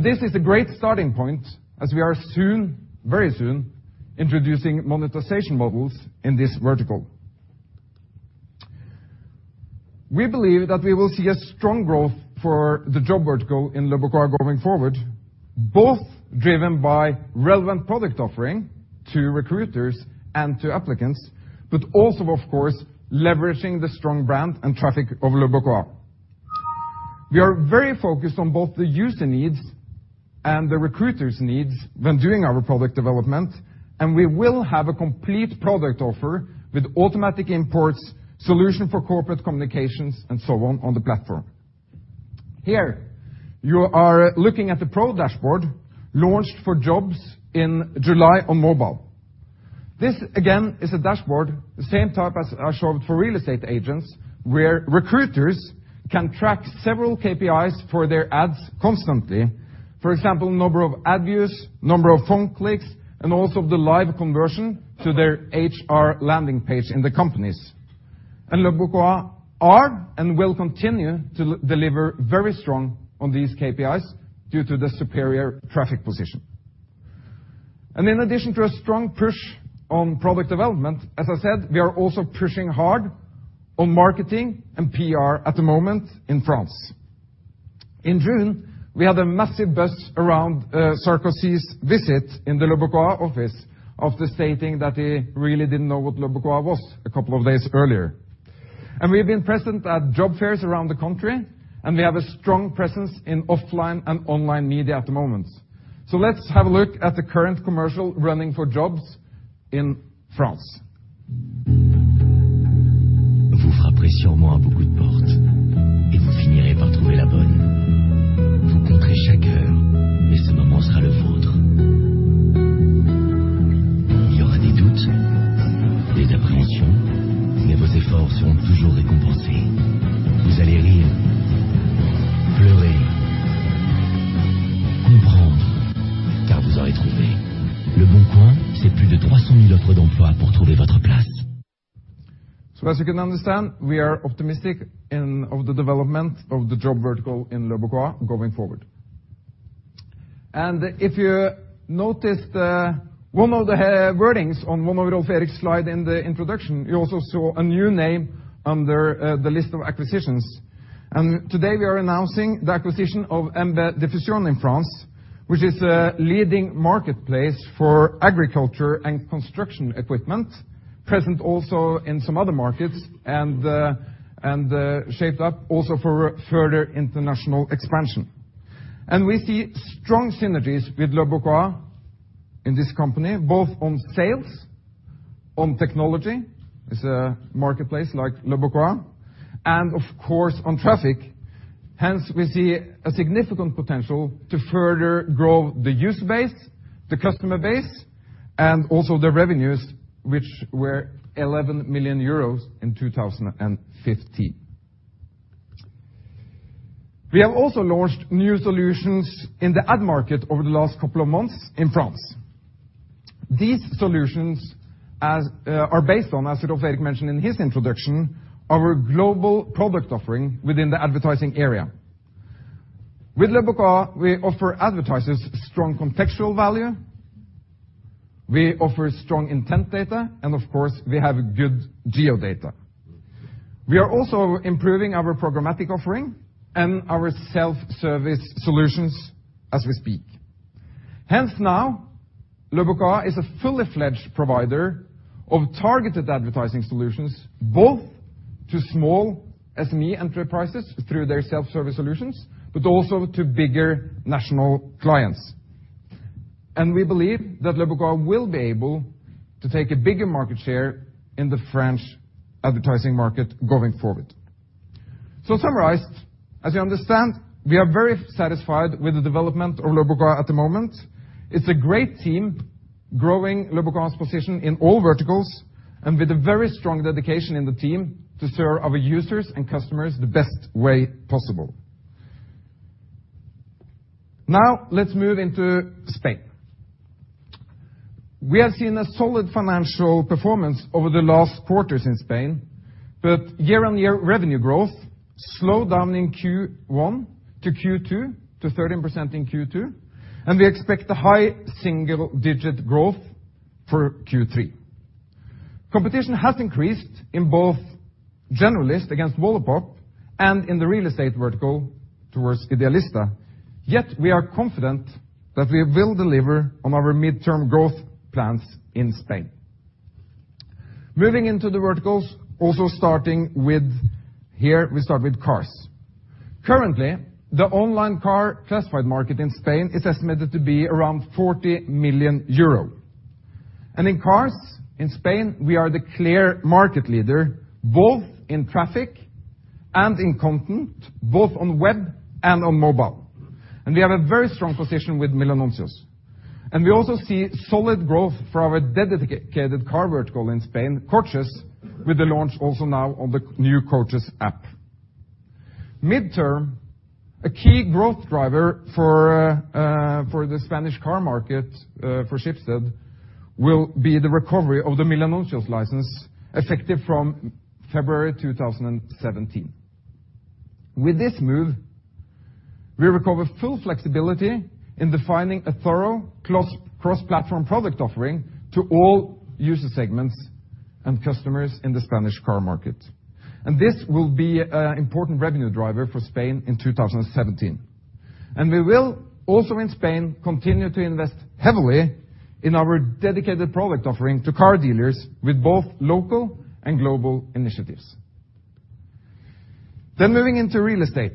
This is a great starting point as we are soon, very soon, introducing monetization models in this vertical. We believe that we will see a strong growth for the job vertical in leboncoin going forward, both driven by relevant product offering to recruiters and to applicants, but also, of course, leveraging the strong brand and traffic of leboncoin. We are very focused on both the user needs and the recruiters' needs when doing our product development, and we will have a complete product offer with automatic imports, solution for corporate communications, and so on the platform. Here, you are looking at the pro dashboard launched for jobs in July on mobile. This again, is a dashboard, the same type as I showed for real estate agents, where recruiters can track several KPIs for their ads constantly. For example, number of ad views, number of phone clicks, and also the live conversion to their HR landing page in the companies. leboncoin are and will continue to deliver very strong on these KPIs due to the superior traffic position. In addition to a strong push on product development, as I said, we are also pushing hard on marketing and PR at the moment in France. In June, we had a massive buzz around Sarkozy's visit in the leboncoin office after stating that he really didn't know what leboncoin was a couple of days earlier. We've been present at job fairs around the country, and we have a strong presence in offline and online media at the moment. Let's have a look at the current commercial running for jobs in France. As you can understand, we are optimistic in, of the development of the job vertical in leboncoin going forward. If you noticed, one of the head wordings on one of Rolv Erik's slide in the introduction, you also saw a new name under the list of acquisitions. Today we are announcing the acquisition of MB Diffusion in France, which is a leading marketplace for agriculture and construction equipment, present also in some other markets and shaped up also for further international expansion. We see strong synergies with leboncoin in this company, both on sales, on technology, it's a marketplace like leboncoin, and of course, on traffic. Hence, we see a significant potential to further grow the user base, the customer base, and also the revenues, which were 11 million euros in 2015. We have also launched new solutions in the ad market over the last couple of months in France. These solutions are based on, as Rolv Erik mentioned in his introduction, our global product offering within the advertising area. With leboncoin, we offer advertisers strong contextual value, we offer strong intent data, and of course, we have good geo-data. We are also improving our programmatic offering and our self-service solutions as we speak. Now, leboncoin is a fully fledged provider of targeted advertising solutions, both to small SME enterprises through their self-service solutions, but also to bigger national clients. We believe that leboncoin will be able to take a bigger market share in the French advertising market going forward. Summarized, as you understand, we are very satisfied with the development of leboncoin at the moment. It's a great team growing leboncoin's position in all verticals and with a very strong dedication in the team to serve our users and customers the best way possible. Let's move into Spain. We have seen a solid financial performance over the last quarters in Spain, year-on-year revenue growth slowed down in Q1 to Q2 to 13% in Q2, and we expect a high single-digit growth for Q3. Competition has increased in both generalist against Wallapop and in the real estate vertical towards idealista. We are confident that we will deliver on our midterm growth plans in Spain. Moving into the verticals, here we start with cars. Currently, the online car classified market in Spain is estimated to be around 40 million euro. In cars in Spain, we are the clear market leader, both in traffic and in content, both on web and on mobile. We have a very strong position with Milanuncios. We also see solid growth for our dedicated car vertical in Spain, Coches, with the launch also now on the new Coches app. Midterm, a key growth driver for the Spanish car market for Schibsted will be the recovery of the Milanuncios license effective from February 2017. With this move, we recover full flexibility in defining a thorough cross-platform product offering to all user segments and customers in the Spanish car market. This will be an important revenue driver for Spain in 2017. We will also in Spain continue to invest heavily in our dedicated product offering to car dealers with both local and global initiatives. Moving into real estate,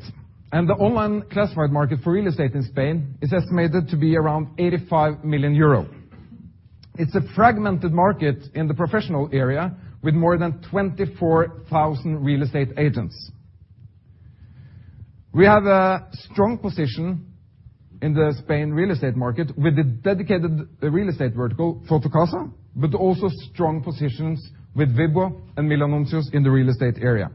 the online classified market for real estate in Spain is estimated to be around 85 million euro. It's a fragmented market in the professional area with more than 24,000 real estate agents. We have a strong position in the Spain real estate market with a dedicated real estate vertical, Fotocasa, but also strong positions with Vibbo and Milanuncios in the real estate area.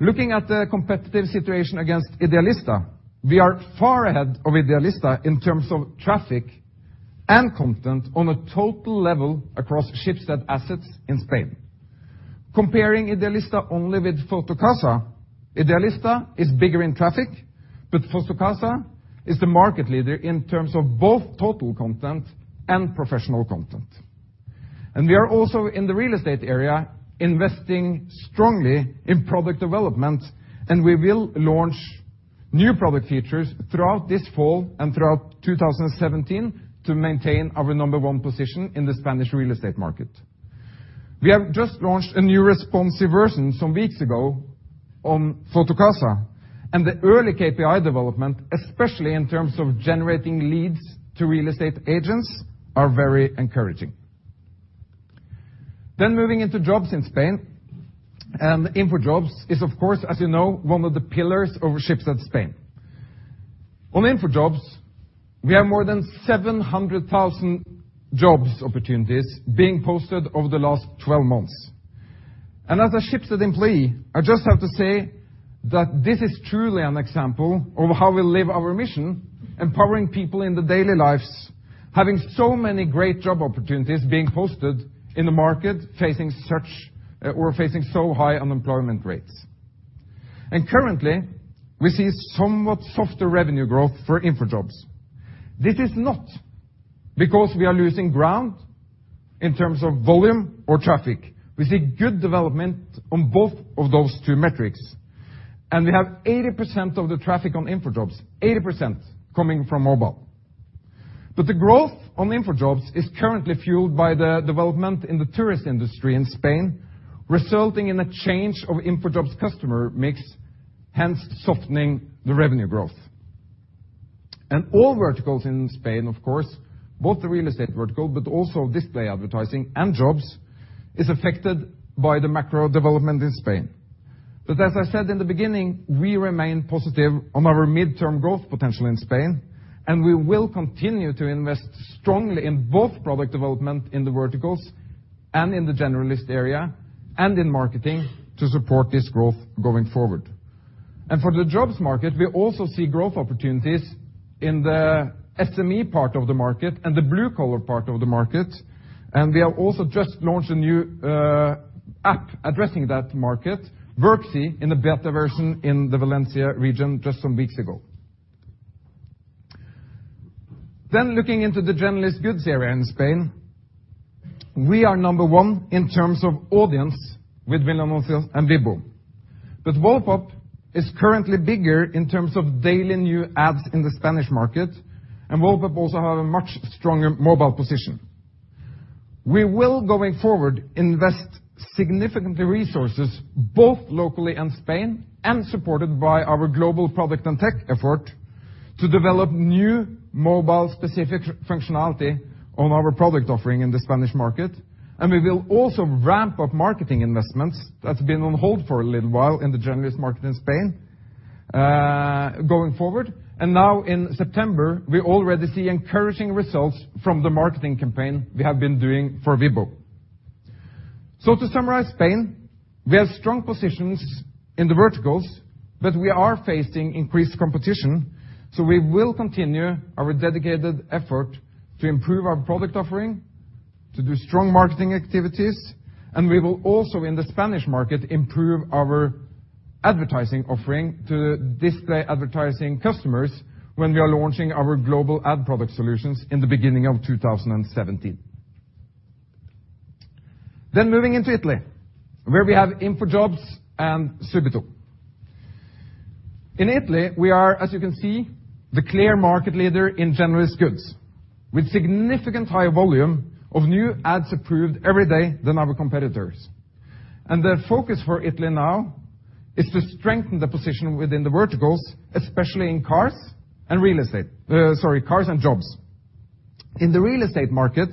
Looking at the competitive situation against idealista, we are far ahead of idealista in terms of traffic and content on a total level across Schibsted assets in Spain. Comparing idealista only with Fotocasa, idealista is bigger in traffic, but Fotocasa is the market leader in terms of both total content and professional content. We are also in the real estate area, investing strongly in product development, and we will launch new product features throughout this fall and throughout 2017 to maintain our number 1 position in the Spanish real estate market. We have just launched a new responsive version some weeks ago on Fotocasa, and the early KPI development, especially in terms of generating leads to real estate agents, are very encouraging. Moving into jobs in Spain, and InfoJobs is, of course, as you know, one of the pillars of Schibsted Spain. On InfoJobs, we have more than 700,000 jobs opportunities being posted over the last 12 months. As a Schibsted employee, I just have to say that this is truly an example of how we live our mission, empowering people in their daily lives, having so many great job opportunities being posted in the market, facing so high unemployment rates. Currently, we see somewhat softer revenue growth for InfoJobs. This is not because we are losing ground in terms of volume or traffic. We see good development on both of those two metrics, and we have 80% of the traffic on InfoJobs, 80% coming from mobile. The growth on InfoJobs is currently fueled by the development in the tourist industry in Spain, resulting in a change of InfoJobs customer mix, hence softening the revenue growth. All verticals in Spain, of course, both the real estate vertical, but also display advertising and jobs, is affected by the macro development in Spain. As I said in the beginning, we remain positive on our midterm growth potential in Spain, and we will continue to invest strongly in both product development in the verticals and in the generalist area and in marketing to support this growth going forward. For the jobs market, we also see growth opportunities in the SME part of the market and the blue-collar part of the market, and we have also just launched a new app addressing that market, Workzy, in a beta version in the Valencia region just some weeks ago. Looking into the generalist goods area in Spain, we are number 1 in terms of audience with Milanuncios and Vibbo. Wallapop is currently bigger in terms of daily new ads in the Spanish market. Wallapop also have a much stronger mobile position. We will, going forward, invest significantly resources both locally in Spain and supported by our global product and tech effort to develop new mobile-specific functionality on our product offering in the Spanish market. We will also ramp up marketing investments that's been on hold for a little while in the generalist market in Spain, going forward. Now in September, we already see encouraging results from the marketing campaign we have been doing for Vibbo. To summarize Spain, we have strong positions in the verticals, but we are facing increased competition, so we will continue our dedicated effort to improve our product offering, to do strong marketing activities, and we will also, in the Spanish market, improve our advertising offering to display advertising customers when we are launching our global ad product solutions in the beginning of 2017. Moving into Italy, where we have InfoJobs and Subito. In Italy, we are, as you can see, the clear market leader in generalist goods, with significant higher volume of new ads approved every day than our competitors. The focus for Italy now is to strengthen the position within the verticals, especially in cars and real estate, sorry, cars and jobs. In the real estate market,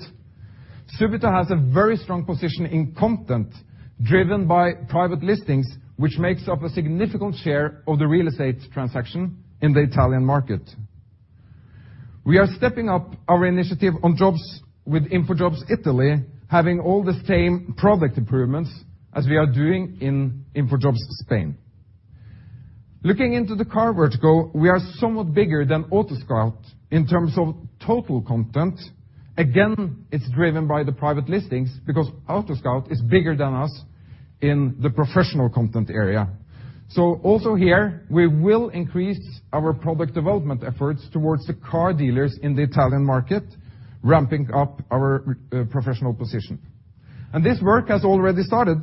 Subito has a very strong position in content driven by private listings, which makes up a significant share of the real estate transaction in the Italian market. We are stepping up our initiative on jobs with InfoJobs Italy, having all the same product improvements as we are doing in InfoJobs Spain. Looking into the car vertical, we are somewhat bigger than AutoScout in terms of total content. It's driven by the private listings because AutoScout is bigger than us in the professional content area. Also here, we will increase our product development efforts towards the car dealers in the Italian market, ramping up our professional position. This work has already started,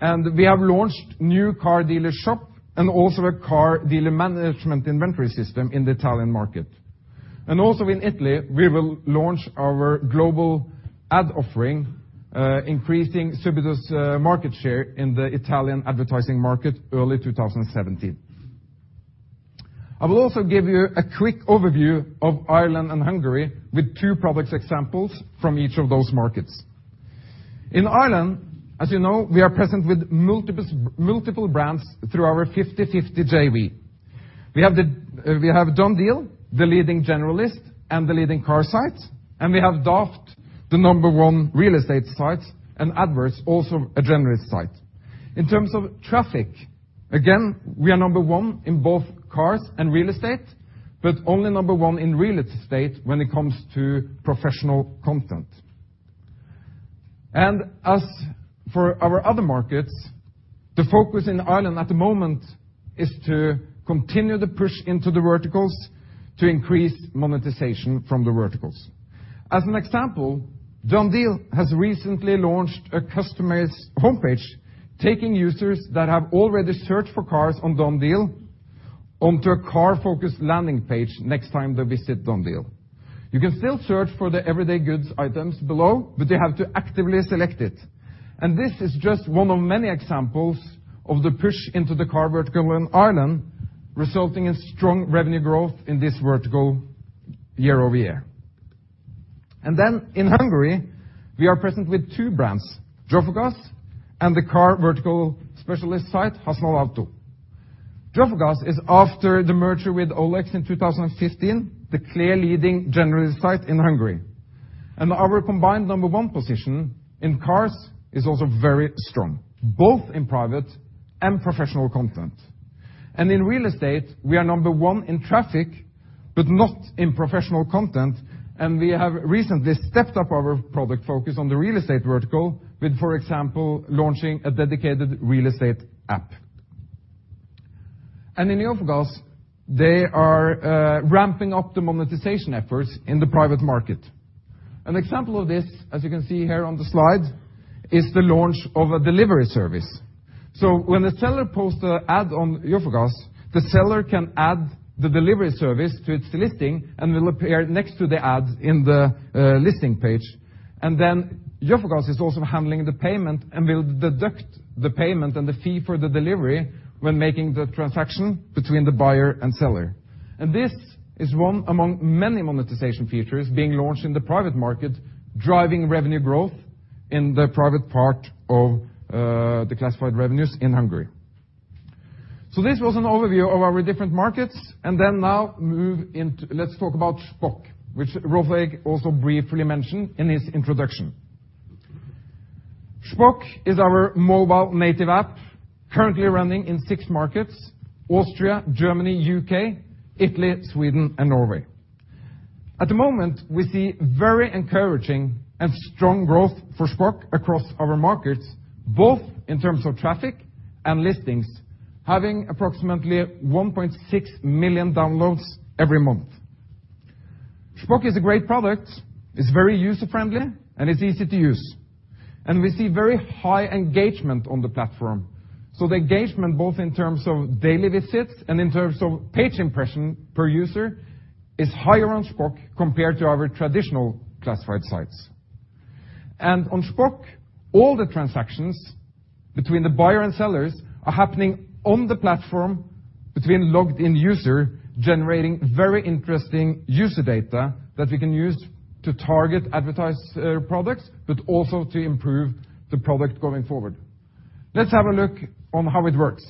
and we have launched new car dealer shop and also a car dealer management inventory system in the Italian market. Also in Italy, we will launch our global ad offering, increasing Subito's market share in the Italian advertising market early 2017. I will also give you a quick overview of Ireland and Hungary with two products examples from each of those markets. In Ireland, as you know, we are present with multiple brands through our 50/50 JV. We have DoneDeal, the leading generalist, and the leading car site, and we have Daft, the number one real estate site, and Adverts, also a generalist site. In terms of traffic, again, we are number one in both cars and real estate. Only number one in real estate when it comes to professional content. As for our other markets, the focus in Ireland at the moment is to continue the push into the verticals to increase monetization from the verticals. As an example, DoneDeal has recently launched a customized homepage, taking users that have already searched for cars on DoneDeal onto a car-focused landing page next time they visit DoneDeal. You can still search for the everyday goods items below, but they have to actively select it. This is just one of many examples of the push into the car vertical in Ireland, resulting in strong revenue growth in this vertical year-over-year. In Hungary, we are present with two brands, Jófogás, and the car vertical specialist site, Használtautó. Jófogás is after the merger with OLX in 2015, the clear leading generalist site in Hungary. Our combined number one position in cars is also very strong, both in private and professional content. In real estate, we are number one in traffic, but not in professional content, and we have recently stepped up our product focus on the real estate vertical with, for example, launching a dedicated real estate app. In Jófogás, they are ramping up the monetization efforts in the private market. An example of this, as you can see here on the slide, is the launch of a delivery service. When the seller posts a ad on Jófogás, the seller can add the delivery service to its listing and will appear next to the ad in the listing page. Jófogás is also handling the payment and will deduct the payment and the fee for the delivery when making the transaction between the buyer and seller. This is one among many monetization features being launched in the private market, driving revenue growth in the private part of the classified revenues in Hungary. This was an overview of our different markets, let's talk about Shpock, which Rolf Erik also briefly mentioned in his introduction. Shpock is our mobile native app currently running in 6 markets: Austria, Germany, UK, Italy, Sweden, and Norway. At the moment, we see very encouraging and strong growth for Shpock across our markets, both in terms of traffic and listings, having approximately 1.6 million downloads every month. Shpock is a great product. It's very user-friendly, and it's easy to use. We see very high engagement on the platform. So the engagement, both in terms of daily visits and in terms of page impression per user, is higher on Shpock compared to our traditional classified sites. And on Shpock, all the transactions between the buyer and sellers are happening on the platform between logged-in user, generating very interesting user data that we can use to target advertised products but also to improve the product going forward. Let's have a look on how it works.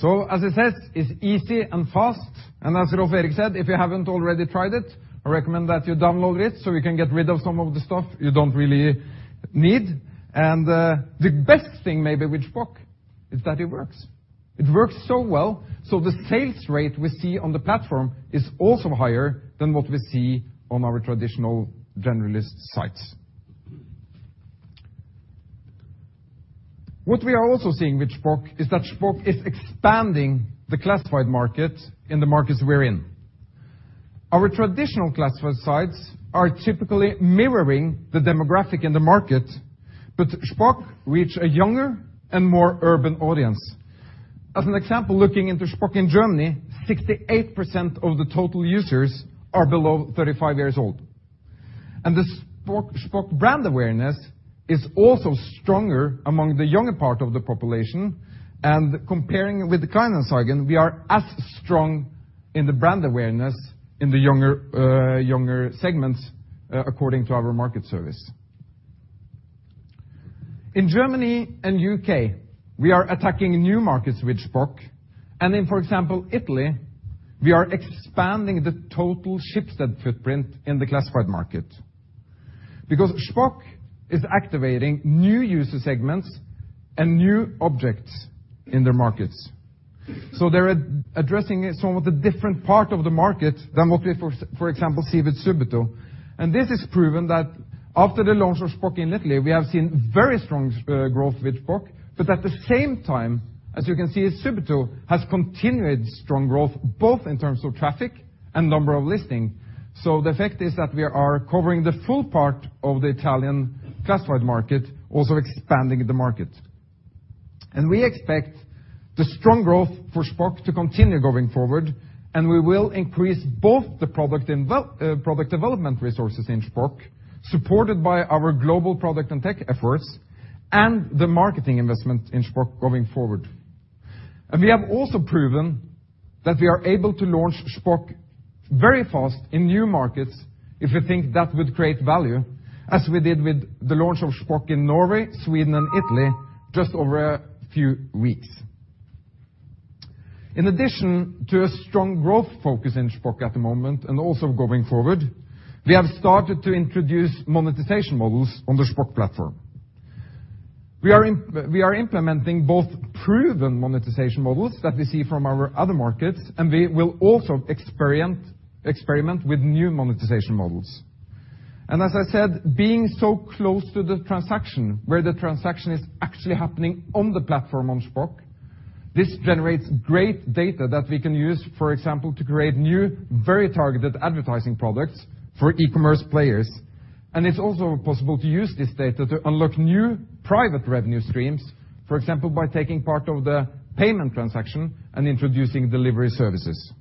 So as I said, it's easy and fast. And as Rolf Erik said, if you haven't already tried it, I recommend that you download it, so you can get rid of some of the stuff you don't really need. The best thing maybe with Shpock is that it works. It works so well, the sales rate we see on the platform is also higher than what we see on our traditional generalist sites. What we are also seeing with Shpock is that Shpock is expanding the classified market in the markets we're in. Our traditional classified sites are typically mirroring the demographic in the market, Shpock reach a younger and more urban audience. As an example, looking into Shpock in Germany, 68% of the total users are below 35 years old. The Shpock brand awareness is also stronger among the younger part of the population, and comparing with Kleinanzeigen, we are as strong in the brand awareness in the younger segments, according to our market service. In Germany and UK, we are attacking new markets with Shpock, and in, for example, Italy, we are expanding the total Schibsted footprint in the classified market. Shpock is activating new user segments and new objects in the markets. They're ad-addressing some of the different part of the market than what we for example see with Subito. This is proven that after the launch of Shpock in Italy, we have seen very strong growth with Shpock. At the same time, as you can see, Subito has continued strong growth, both in terms of traffic and number of listing. The effect is that we are covering the full part of the Italian classified market, also expanding the market. We expect the strong growth for Shpock to continue going forward, and we will increase both the product and product development resources in Shpock, supported by our global product and tech efforts, and the marketing investment in Shpock going forward. We have also proven that we are able to launch Shpock very fast in new markets if we think that would create value, as we did with the launch of Shpock in Norway, Sweden, and Italy just over a few weeks. In addition to a strong growth focus in Shpock at the moment, and also going forward, we have started to introduce monetization models on the Shpock platform. We are implementing both proven monetization models that we see from our other markets. We will also experiment with new monetization models. As I said, being so close to the transaction, where the transaction is actually happening on the platform on Shpock, this generates great data that we can use, for example, to create new, very targeted advertising products for e-commerce players. It's also possible to use this data to unlock new private revenue streams, for example, by taking part of the payment transaction and introducing delivery services.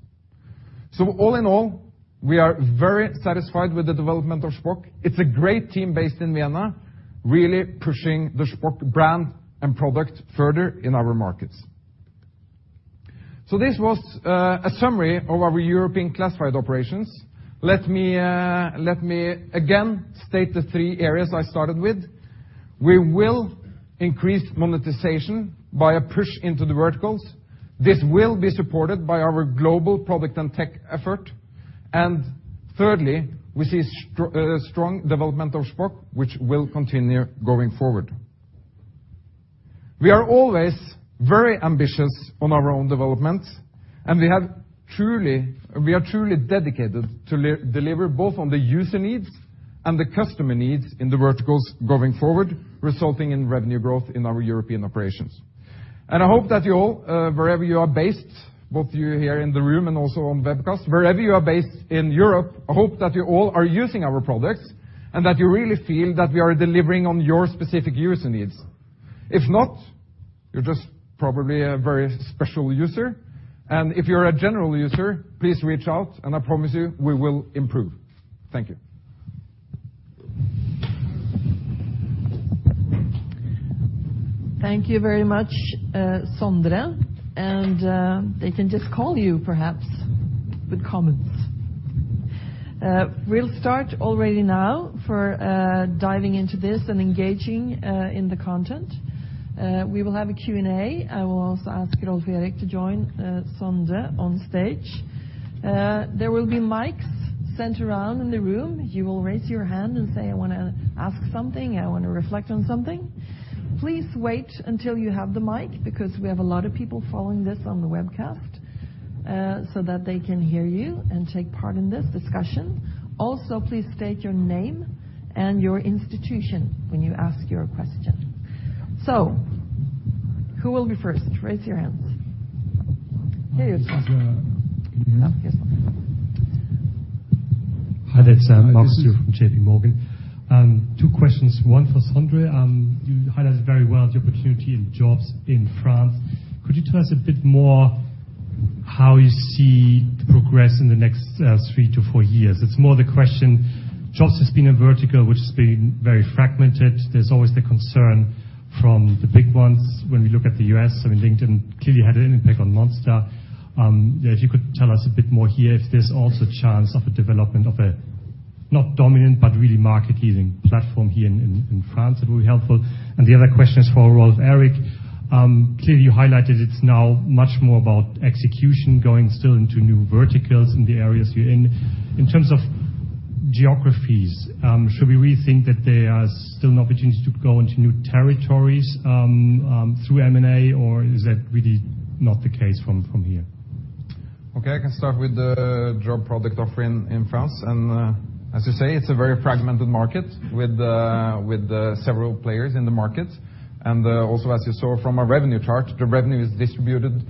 All in all, we are very satisfied with the development of Shpock. It's a great team based in Vienna, really pushing the Shpock brand and product further in our markets. This was a summary of our European classified operations. Let me again state the three areas I started with. We will increase monetization by a push into the verticals. This will be supported by our global product and tech effort. Thirdly, we see strong development of Shpock, which will continue going forward. We are always very ambitious on our own development, We are truly dedicated to deliver both on the user needs and the customer needs in the verticals going forward, resulting in revenue growth in our European operations. I hope that you all, wherever you are based, both you here in the room and also on webcast, wherever you are based in Europe, I hope that you all are using our products and that you really feel that we are delivering on your specific user needs. If not, you're just probably a very special user. If you're a general user, please reach out, and I promise you, we will improve. Thank you. Thank you very much, Sondre. They can just call you perhaps with comments. We'll start already now for diving into this and engaging in the content. We will have a Q&A. I will also ask Rolf Erik to join Sondre on stage. There will be mics sent around in the room. You will raise your hand and say, "I wanna ask something, I wanna reflect on something." Please wait until you have the mic, because we have a lot of people following this on the webcast, so that they can hear you and take part in this discussion. Please state your name and your institution when you ask your question. Who will be first? Raise your hands. Here you go. Hi, there. It's Marcus here from JPMorgan. Two questions, one for Sondre. You highlighted very well the opportunity in jobs in France. Could you tell us a bit more how you see the progress in the next 3 to 4 years? It's more the question. Jobs has been a vertical which has been very fragmented. There's always the concern from the big ones when we look at the U.S., I mean, LinkedIn clearly had an impact on Monster. If you could tell us a bit more here, if there's also chance of a development of a, not dominant, but really market-leading platform here in France, that would be helpful. The other question is for Rolf Erik. Clearly, you highlighted it's now much more about execution going still into new verticals in the areas you're in. In terms of geographies, should we really think that there are still an opportunity to go into new territories, through M&A, or is that really not the case from here? Okay, I can start with the job product offering in France. As you say, it's a very fragmented market with several players in the market. Also, as you saw from our revenue chart, the revenue is distributed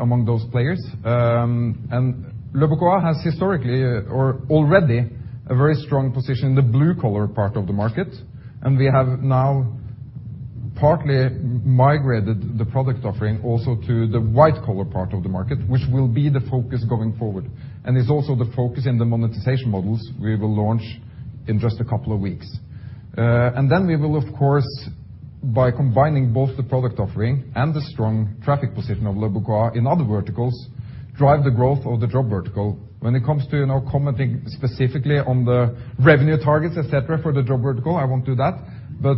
among those players. Leboncoin has historically or already a very strong position in the blue collar part of the market, and we have now partly migrated the product offering also to the white collar part of the market, which will be the focus going forward. It's also the focus in the monetization models we will launch in just a couple of weeks. Then we will, of course, by combining both the product offering and the strong traffic position of Leboncoin in other verticals, drive the growth of the job vertical. When it comes to now commenting specifically on the revenue targets, et cetera, for the job vertical, I won't do that. We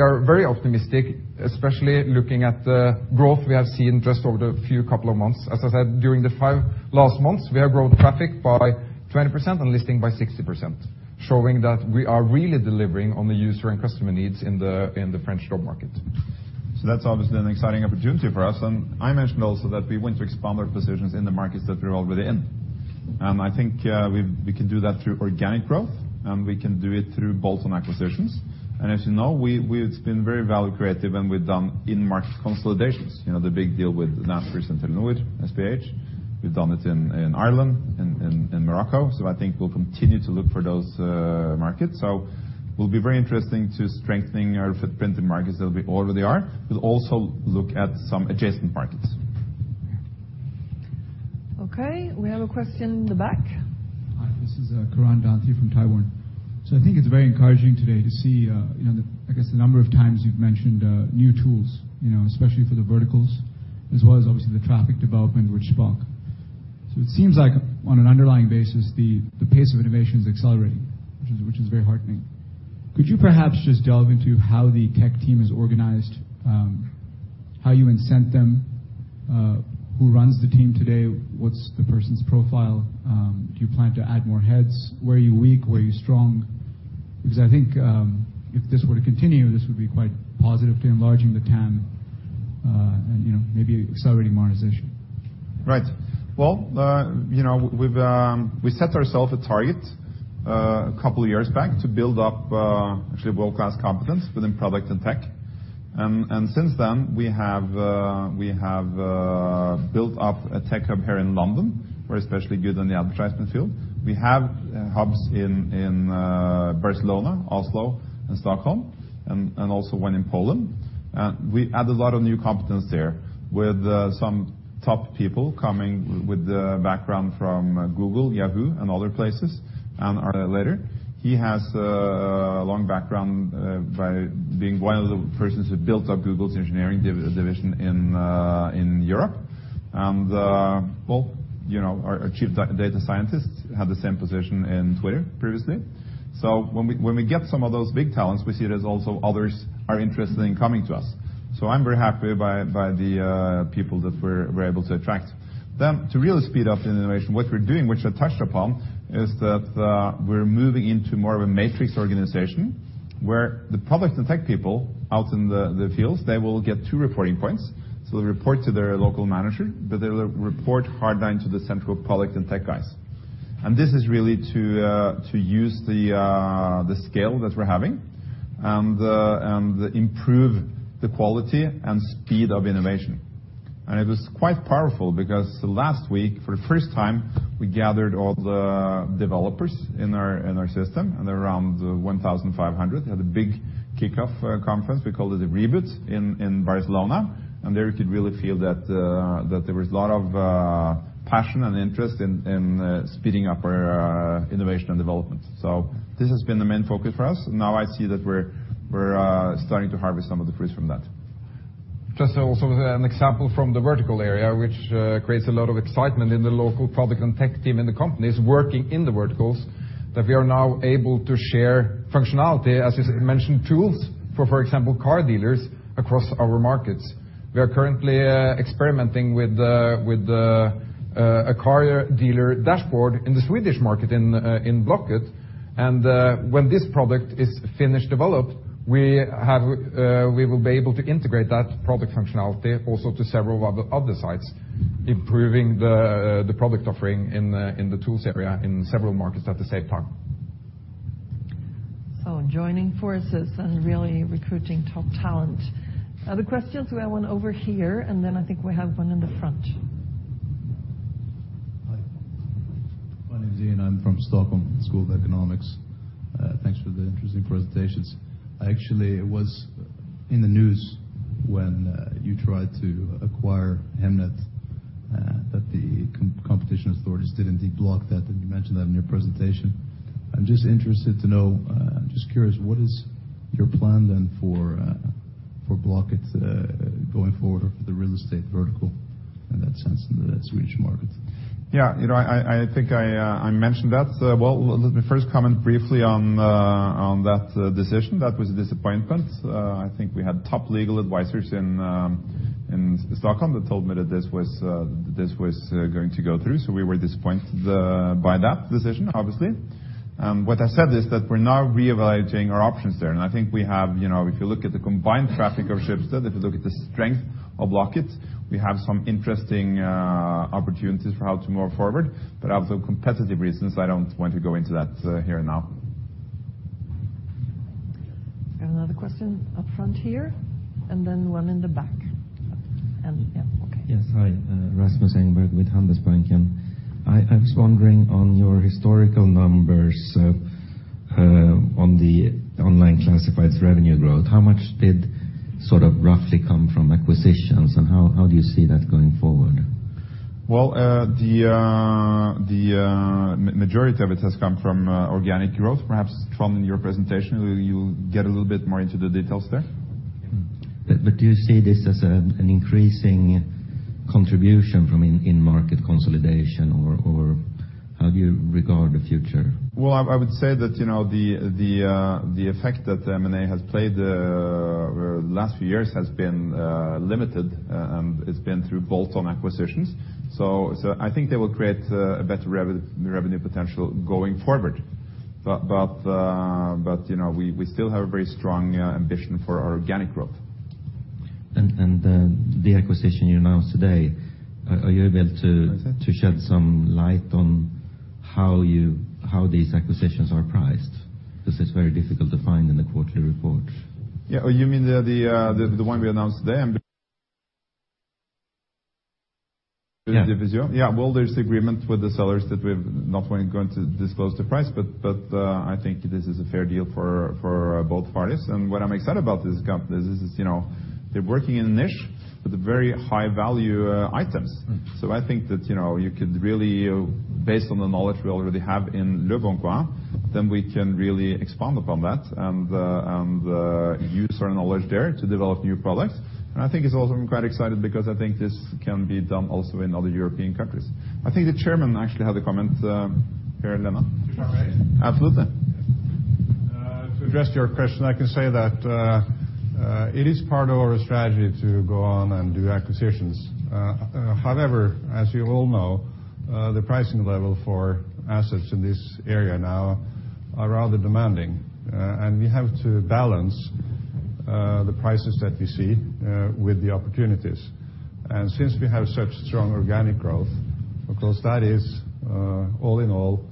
are very optimistic, especially looking at the growth we have seen just over the few couple of months. As I said, during the 5 last months, we have grown traffic by 20% and listing by 60%, showing that we are really delivering on the user and customer needs in the French job market. That's obviously an exciting opportunity for us. I mentioned also that we want to expand our positions in the markets that we're already in. I think we can do that through organic growth, and we can do it through bolt-on acquisitions. As you know, we've been very value creative, and we've done in-market consolidations. You know, the big deal with Naspers and Telenor, SPH. We've done it in Ireland, in, in Morocco. I think we'll continue to look for those markets. Will be very interesting to strengthening our footprint in markets that we already are. We'll also look at some adjacent markets. Okay, we have a question in the back. Hi, this is Karan Danthi from Tybourne. I think it's very encouraging today to see, you know, the, I guess the number of times you've mentioned, new tools, you know, especially for the verticals, as well as obviously the traffic development with Schibsted. It seems like on an underlying basis, the pace of innovation is accelerating, which is very heartening. Could you perhaps just delve into how the tech team is organized? How you incent them? Who runs the team today? What's the person's profile? Do you plan to add more heads? Where are you weak? Where are you strong? I think, if this were to continue, this would be quite positive to enlarging the TAM, and, you know, maybe accelerating monetization. Right. Well, you know, we've, we set ourself a target, a couple of years back to build up, actually world-class competence within product and tech. Since then, we have built up a tech hub here in London. We're especially good in the advertisement field. We have hubs in Barcelona, Oslo, and Stockholm, and also one in Poland. We added a lot of new competence there with some top people coming with the background from Google, Yahoo, and other places. Our leader, he has a long background by being one of the persons who built up Google's engineering division in Europe. Well, you know, our chief data scientist had the same position in Twitter previously. When we get some of those big talents, we see there's also others are interested in coming to us. I'm very happy by the people that we're able to attract. To really speed up the innovation, what we're doing, which I touched upon, is that we're moving into more of a matrix organization where the product and tech people out in the fields, they will get two reporting points. They'll report to their local manager, but they'll report hardline to the central product and tech guys. This is really to use the scale that we're having and improve the quality and speed of innovation. It was quite powerful because last week, for the first time, we gathered all the developers in our system, and around 1,500 had a big kickoff conference. We called it a Reboot in Barcelona. There you could really feel that there was a lot of passion and interest in speeding up our innovation and development. This has been the main focus for us. Now I see that we're starting to harvest some of the fruits from that. Just also an example from the vertical area, which creates a lot of excitement in the local product and tech team in the companies working in the verticals, that we are now able to share functionality, as you mentioned, tools for example, car dealers across our markets. We are currently experimenting with a car dealer dashboard in the Swedish market in Blocket. When this product is finished developed, we have we will be able to integrate that product functionality also to several other sites, improving the product offering in the tools area in several markets at the same time. joining forces and really recruiting top talent. Other questions, we have one over here, and then I think we have one in the front. Hi. My name is Ian. I'm from Stockholm School of Economics. Thanks for the interesting presentations. Actually, it was in the news when you tried to acquire Hemnet, that the competition authorities did indeed block that, and you mentioned that in your presentation. I'm just interested to know, just curious, what is your plan then for Blocket, going forward or for the real estate vertical in that sense in the Swedish market? Yeah. You know, I think I mentioned that. Well, let me first comment briefly on that decision. That was a disappointment. I think we had top legal advisors in Stockholm that told me that this was going to go through. We were disappointed by that decision, obviously. What I said is that we're now reevaluating our options there. I think we have, you know, if you look at the combined traffic of Schibsted, if you look at the strength of Blocket, we have some interesting opportunities for how to move forward. Out of competitive reasons, I don't want to go into that here now. Another question up front here, and then one in the back. Yeah. Okay. Yes. Hi, Rasmus Engberg with Handelsbanken. I was wondering on your historical numbers, on the online classifieds revenue growth, how much did sort of roughly come from acquisitions, and how do you see that going forward? Well, the majority of it has come from organic growth. Perhaps from your presentation, you'll get a little bit more into the details there. Do you see this as an increasing contribution from in-market consolidation or how do you regard the future? Well, I would say that, you know, the effect that M&A has played last few years has been limited. It's been through bolt-on acquisitions. I think they will create a better revenue potential going forward. You know, we still have a very strong ambition for our organic growth. The acquisition you announced today, are you able? What is that? to shed some light on how these acquisitions are priced? This is very difficult to find in the quarterly report. Yeah. You mean the one we announced then? There's the agreement with the sellers that we're not going to disclose the price, but I think this is a fair deal for both parties. What I'm excited about this company is, you know, they're working in a niche with very high value items. I think that, you know, you could really, based on the knowledge we already have in leboncoin, then we can really expand upon that and use our knowledge there to develop new products. I think it's also I'm quite excited because I think this can be done also in other European countries. I think the chairman actually had a comment here, Lena. Sure. Absolutely. To address your question, I can say that it is part of our strategy to go on and do acquisitions. However, as you all know, the pricing level for assets in this area now are rather demanding. We have to balance the prices that we see with the opportunities. Since we have such strong organic growth, of course, that is all in all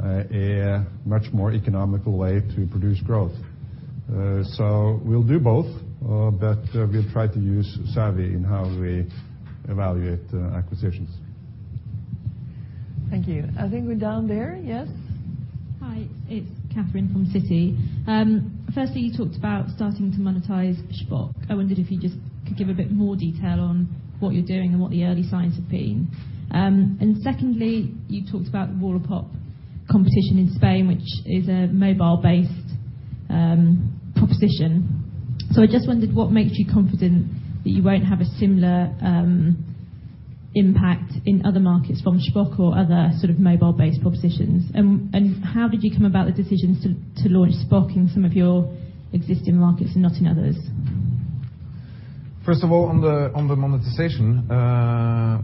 a much more economical way to produce growth. We'll do both, but we'll try to use savvy in how we evaluate acquisitions. Thank you. I think we're down there. Yes. Hi, it's Catherine from Citi. Firstly, you talked about starting to monetize Shpock. I wondered if you just could give a bit more detail on what you're doing and what the early signs have been. Secondly, you talked about Wallapop competition in Spain, which is a mobile-based proposition. I just wondered what makes you confident that you won't have a similar impact in other markets from Shpock or other sort of mobile-based propositions. How did you come about the decisions to launch Shpock in some of your existing markets and not in others? First of all, on the monetization,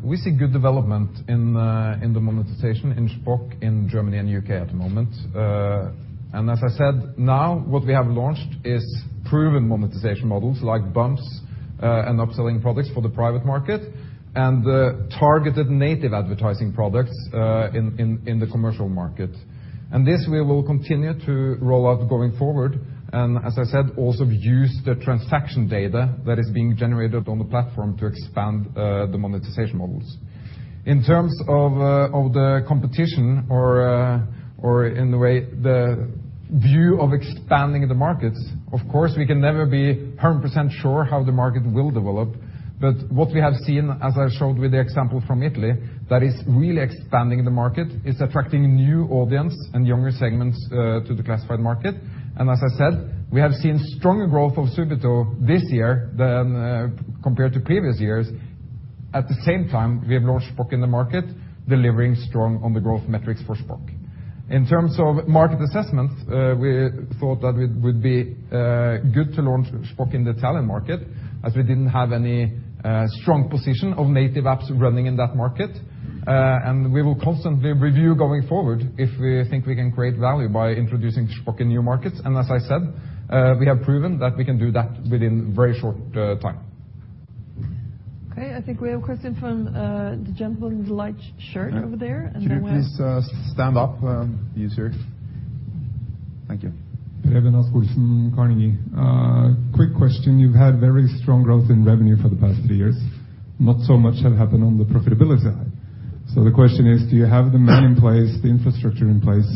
we see good development in the monetization in Shpock in Germany and UK at the moment. As I said, now what we have launched is proven monetization models like bumps and upselling products for the private market and targeted native advertising products in the commercial market. This we will continue to roll out going forward. As I said, also use the transaction data that is being generated on the platform to expand the monetization models. In terms of the competition or in the way the view of expanding the markets, of course, we can never be 100% sure how the market will develop. What we have seen, as I showed with the example from Italy, that is really expanding the market. It's attracting new audience and younger segments, to the classified market. As I said, we have seen stronger growth of Subito this year than compared to previous years. At the same time, we have launched Shpock in the market, delivering strong on the growth metrics for Shpock. In terms of market assessments, we thought that it would be good to launch Shpock in the Italian market, as we didn't have any strong position of native apps running in that market. We will constantly review going forward if we think we can create value by introducing Shpock in new markets. As I said, we have proven that we can do that within very short time. Okay, I think we have a question from the gentleman in the light shirt over there. Could you please, stand up, you, sir? Thank you. Preben Rasch-Olsen, Carnegie. Quick question. You've had very strong growth in revenue for the past three years. Not so much have happened on the profitability side. The question is, do you have the man in place, the infrastructure in place,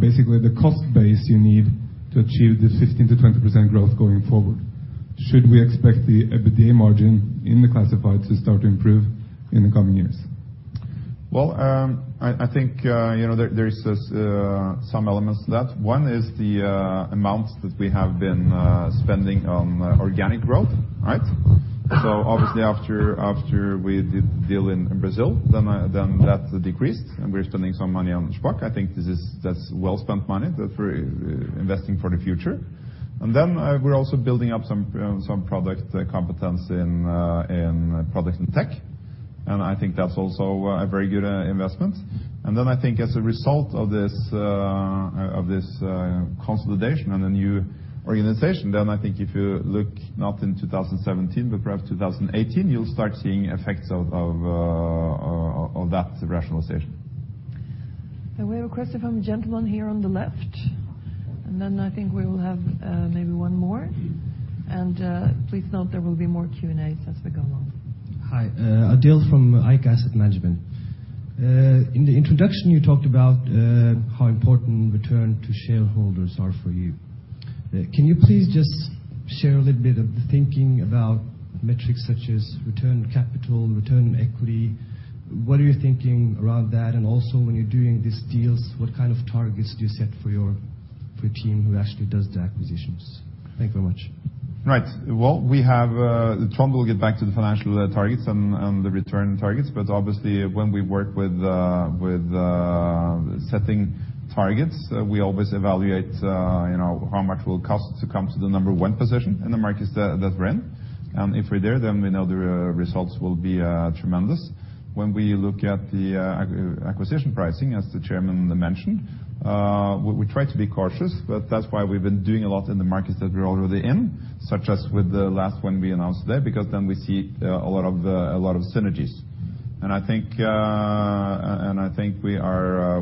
basically the cost base you need to achieve the 15%-20% growth going forward? Should we expect the EBITDA margin in the classified to start to improve in the coming years? Well, I think, you know, there's some elements to that. One is the amount that we have been spending on organic growth, right? Obviously after we did the deal in Brazil, then that decreased, and we're spending some money on Shpock. I think this is, that's well-spent money that we're investing for the future. Then we're also building up some product competence in product and tech, and I think that's also a very good investment. Then I think as a result of this consolidation and the new organization, then I think if you look not in 2017, but perhaps 2018, you'll start seeing effects of that rationalization. We have a question from the gentleman here on the left. Then I think we will have, maybe one more. Please note there will be more Q&As as we go along. Hi, Adil from IK Investment Partners. In the introduction you talked about how important return to shareholders are for you. Can you please just share a little bit of the thinking about metrics such as return on capital, return on equity? What are you thinking around that? Also, when you're doing these deals, what kind of targets do you set for your, for team who actually does the acquisitions? Thank you very much. Well, we have Trond will get back to the financial targets and the return targets. Obviously, when we work with setting targets, we always evaluate, you know, how much will it cost to come to the number one position in the markets that we're in. If we're there, then we know the results will be tremendous. When we look at the acquisition pricing, as the chairman mentioned, we try to be cautious, but that's why we've been doing a lot in the markets that we're already in, such as with the last one we announced there, because then we see a lot of a lot of synergies. I think and I think we are.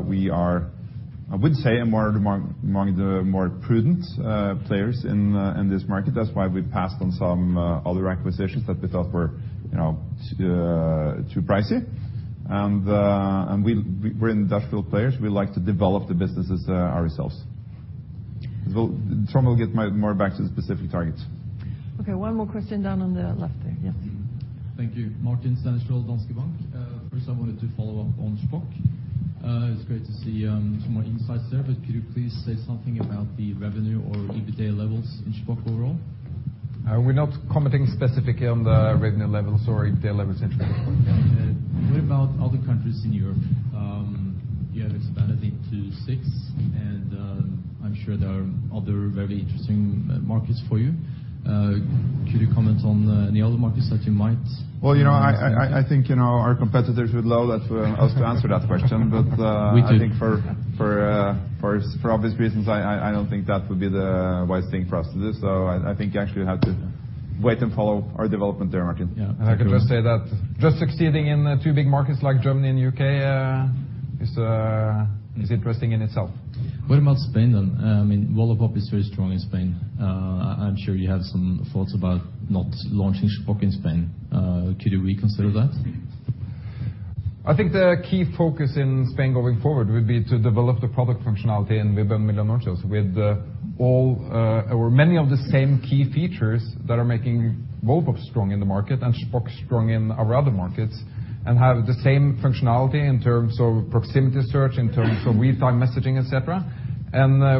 I would say I'm more among the more prudent players in this market. That's why we passed on some other acquisitions that we thought were, you know, too pricey. We're industrial players, we like to develop the businesses ourselves. Trond will get more back to the specific targets. Okay, one more question down on the left there. Yes. Thank you. Martin Sandstede, Danske Bank. First I wanted to follow up on Shpock. It's great to see, some more insights there, could you please say something about the revenue or EBITDA levels in Shpock overall? We're not commenting specifically on the revenue levels or EBITDA levels in Shpock. Okay. What about other countries in Europe? You have expanded into 6, and I'm sure there are other very interesting markets for you. Could you comment on any other markets? Well, you know, I think, you know, our competitors would love that for us to answer that question. We too. I think for obvious reasons I don't think that would be the wise thing for us to do. I think you actually have to wait and follow our development there, Martin. Yeah. I can just say that just succeeding in two big markets like Germany and UK is interesting in itself. What about Spain then? I mean, Wallapop is very strong in Spain. I'm sure you have some thoughts about not launching Shpock in Spain. Could you reconsider that? I think the key focus in Spain going forward would be to develop the product functionality in Vibbo and Milanuncios with the all, or many of the same key features that are making Wallapop strong in the market and Shpock strong in our other markets. Have the same functionality in terms of proximity search, in terms of real-time messaging, et cetera.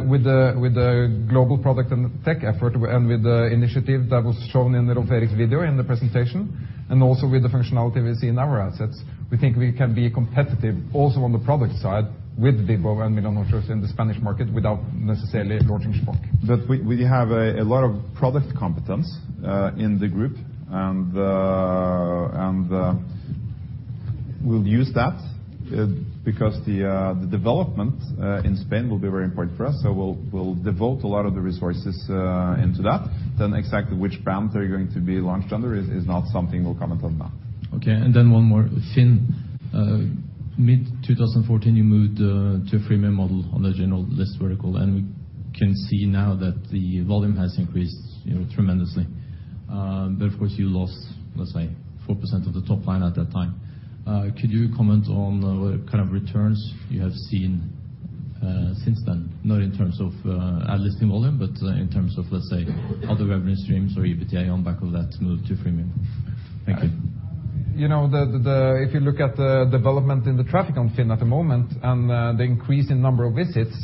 With the global product and tech effort and with the initiative that was shown in Roar Færseth's video in the presentation, and also with the functionality we see in our assets, we think we can be competitive also on the product side with Vibbo and Milanuncios in the Spanish market without necessarily launching Shpock. We have a lot of product competence in the group. We'll use that because the development in Spain will be very important for us. We'll devote a lot of the resources into that. Exactly which brands are going to be launched under is not something we'll comment on now. Okay, one more. FINN, mid-2014 you moved to a freemium model on the general list vertical. We can see now that the volume has increased, you know, tremendously. Of course you lost, let's say, 4% of the top line at that time. Could you comment on what kind of returns you have seen since then? Not in terms of ad listing volume, but in terms of, let's say, other revenue streams or EBITDA on back of that move to freemium. Thank you. You know, if you look at the development in the traffic on FINN at the moment and the increase in number of visits,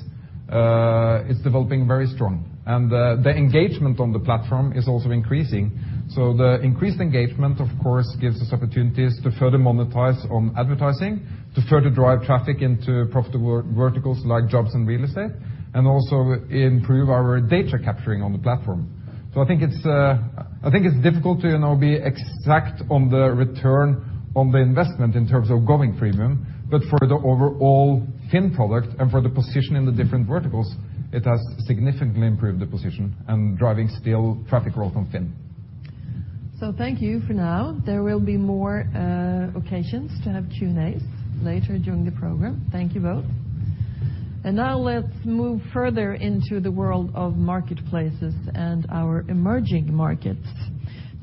it's developing very strong. The engagement on the platform is also increasing. The increased engagement, of course, gives us opportunities to further monetize on advertising, to further drive traffic into profitable verticals like jobs and real estate, and also improve our data capturing on the platform. I think it's, I think it's difficult to, you know, be exact on the return on the investment in terms of going freemium, but for the overall FINN product and for the position in the different verticals, it has significantly improved the position and driving still traffic growth on FINN. Thank you for now. There will be more occasions to have Q&As later during the program. Thank you both. Now let's move further into the world of marketplaces and our emerging markets.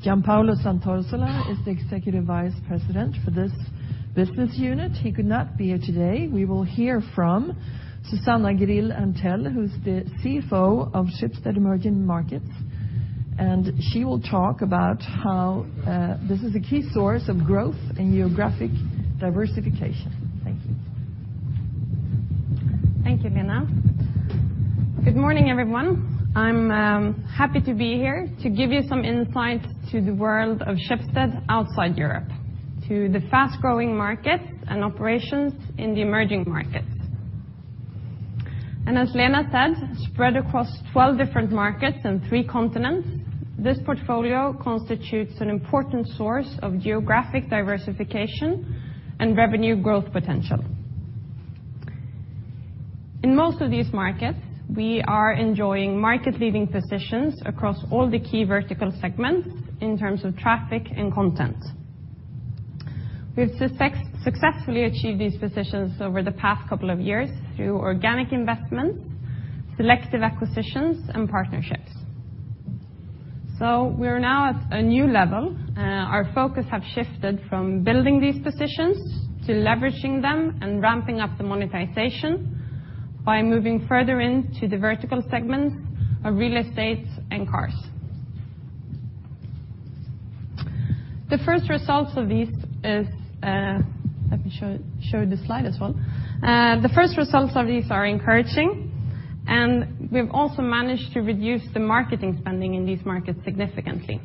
Gianpaolo Santorsola is the Executive Vice President for this business unit. He could not be here today. We will hear from Susanna Grill Erntell, who's the CFO of Schibsted Emerging Markets, and she will talk about how this is a key source of growth and geographic diversification. Thank you. Thank you, Lena. Good morning, everyone. I'm happy to be here to give you some insight to the world of Schibsted outside Europe, to the fast-growing markets and operations in the emerging markets. As Lena said, spread across 12 different markets and three continents, this portfolio constitutes an important source of geographic diversification and revenue growth potential. In most of these markets, we are enjoying market-leading positions across all the key vertical segments in terms of traffic and content. We've successfully achieved these positions over the past couple of years through organic investments, selective acquisitions, and partnerships. We're now at a new level. Our focus have shifted from building these positions to leveraging them and ramping up the monetization by moving further into the vertical segments of real estate and cars. The first results of these is. Let me show this slide as well. The first results of these are encouraging, and we've also managed to reduce the marketing spending in these markets significantly.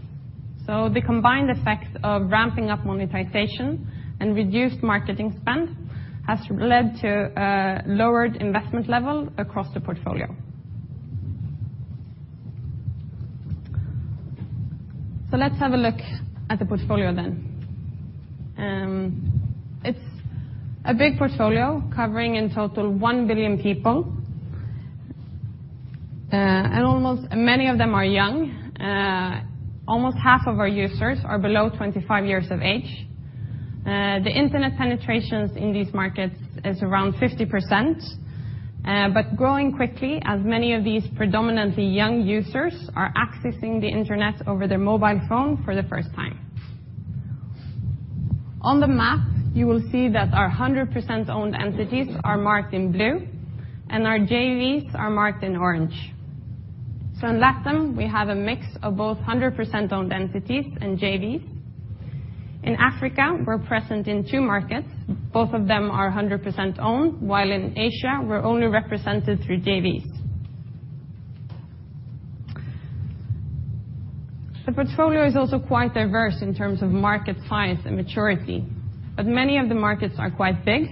The combined effects of ramping up monetization and reduced marketing spend has led to a lowered investment level across the portfolio. Let's have a look at the portfolio then. It's a big portfolio covering in total 1 billion people. Almost many of them are young. Almost half of our users are below 25 years of age. The internet penetrations in these markets is around 50%, but growing quickly, as many of these predominantly young users are accessing the internet over their mobile phone for the first time. On the map, you will see that our 100% owned entities are marked in blue, and our JVs are marked in orange. In LATAM, we have a mix of both 100% owned entities and JVs. In Africa, we're present in two markets, both of them are 100% owned, while in Asia, we're only represented through JVs. The portfolio is also quite diverse in terms of market size and maturity, but many of the markets are quite big.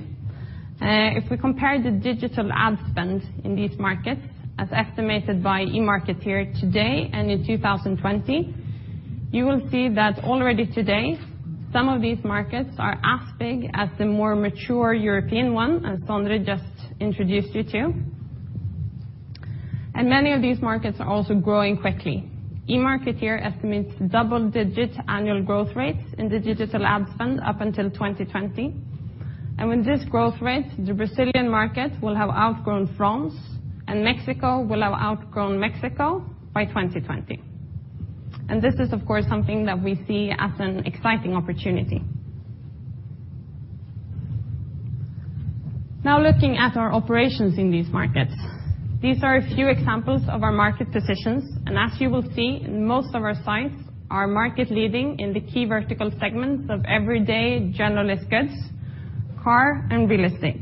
If we compare the digital ad spend in these markets, as estimated by eMarketer today and in 2020, you will see that already today, some of these markets are as big as the more mature European one as Sondre just introduced you to. Many of these markets are also growing quickly. eMarketer estimates double-digit annual growth rates in the digital ad spend up until 2020. With this growth rate, the Brazilian market will have outgrown France, and Mexico will have outgrown Mexico by 2020. This is, of course, something that we see as an exciting opportunity. Looking at our operations in these markets. These are a few examples of our market positions, and as you will see, most of our sites are market-leading in the key vertical segments of everyday generalist goods, car, and real estate.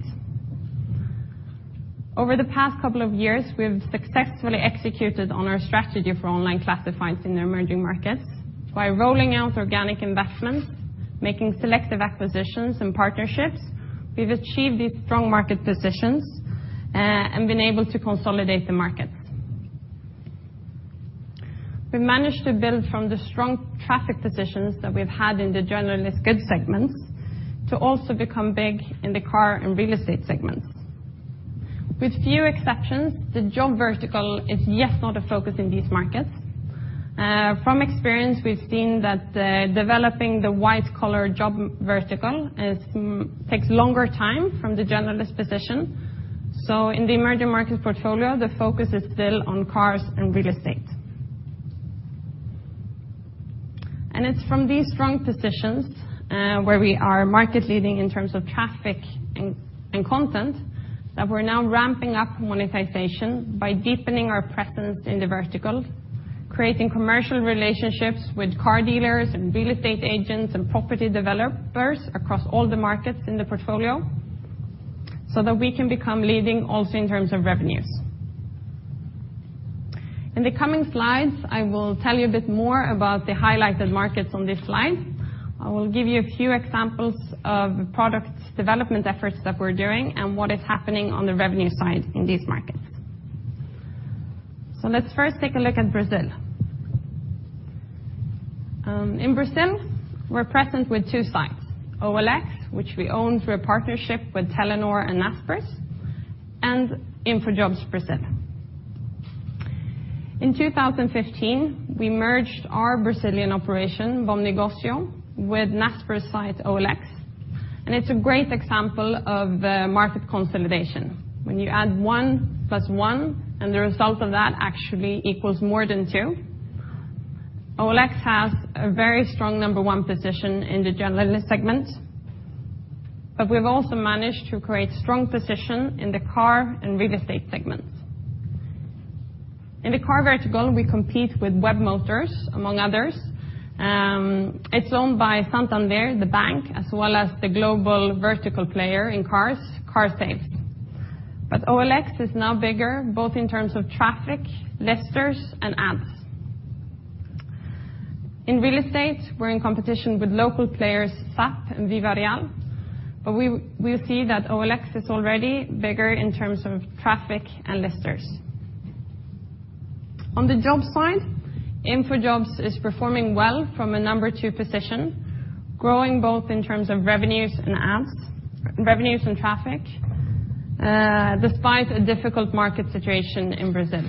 Over the past couple of years, we have successfully executed on our strategy for online classifieds in the emerging markets. By rolling out organic investments, making selective acquisitions and partnerships, we've achieved these strong market positions and been able to consolidate the markets. We've managed to build from the strong traffic positions that we've had in the generalist goods segments to also become big in the car and real estate segments. With few exceptions, the job vertical is yet not a focus in these markets. From experience, we've seen that developing the white collar job vertical takes longer time from the generalist position. In the emerging market portfolio, the focus is still on cars and real estate. It's from these strong positions, where we are market-leading in terms of traffic and content, that we're now ramping up monetization by deepening our presence in the vertical, creating commercial relationships with car dealers and real estate agents and property developers across all the markets in the portfolio so that we can become leading also in terms of revenues. In the coming slides, I will tell you a bit more about the highlighted markets on this slide. I will give you a few examples of products development efforts that we're doing and what is happening on the revenue side in these markets. Let's first take a look at Brazil. In Brazil, we're present with two sites, OLX, which we own through a partnership with Telenor and Naspers, and InfoJobs Brazil. In 2015, we merged our Brazilian operation, Bom Negócio, with Naspers site OLX. It's a great example of market consolidation. When you add 1 plus 1, the result of that actually equals more than 2. OLX has a very strong number 1 position in the generalist segment, but we've also managed to create strong position in the car and real estate segments. In the car vertical, we compete with Webmotors, among others. It's owned by Santander, the bank, as well as the global vertical player in cars, Carsales. OLX is now bigger, both in terms of traffic, listers, and ads. In real estate, we're in competition with local players ZAP and VivaReal, but we see that OLX is already bigger in terms of traffic and listers. On the jobs side, InfoJobs is performing well from a number two position, growing both in terms of revenues and ads, revenues and traffic, despite a difficult market situation in Brazil.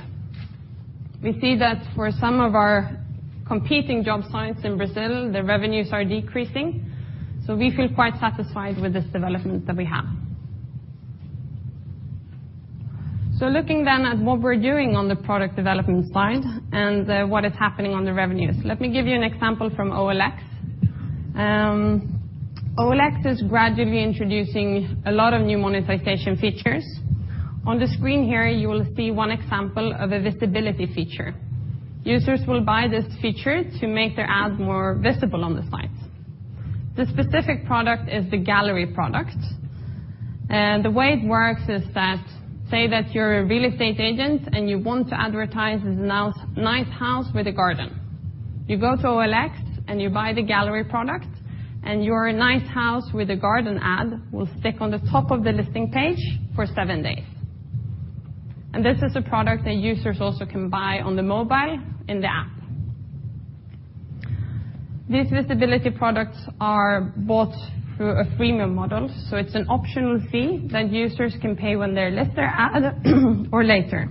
We see that for some of our competing job sites in Brazil, the revenues are decreasing. We feel quite satisfied with this development that we have. Looking then at what we're doing on the product development side and what is happening on the revenues. Let me give you an example from OLX. OLX is gradually introducing a lot of new monetization features. On the screen here, you will see one example of a visibility feature. Users will buy this feature to make their ad more visible on the site. The specific product is the gallery product. The way it works is that, say that you're a real estate agent and you want to advertise this nice house with a garden. You go to OLX, and you buy the gallery product, and your nice house with a garden ad will stick on the top of the listing page for seven days. This is a product that users also can buy on the mobile in the app. These visibility products are bought through a premium model, so it's an optional fee that users can pay when they list their ad or later.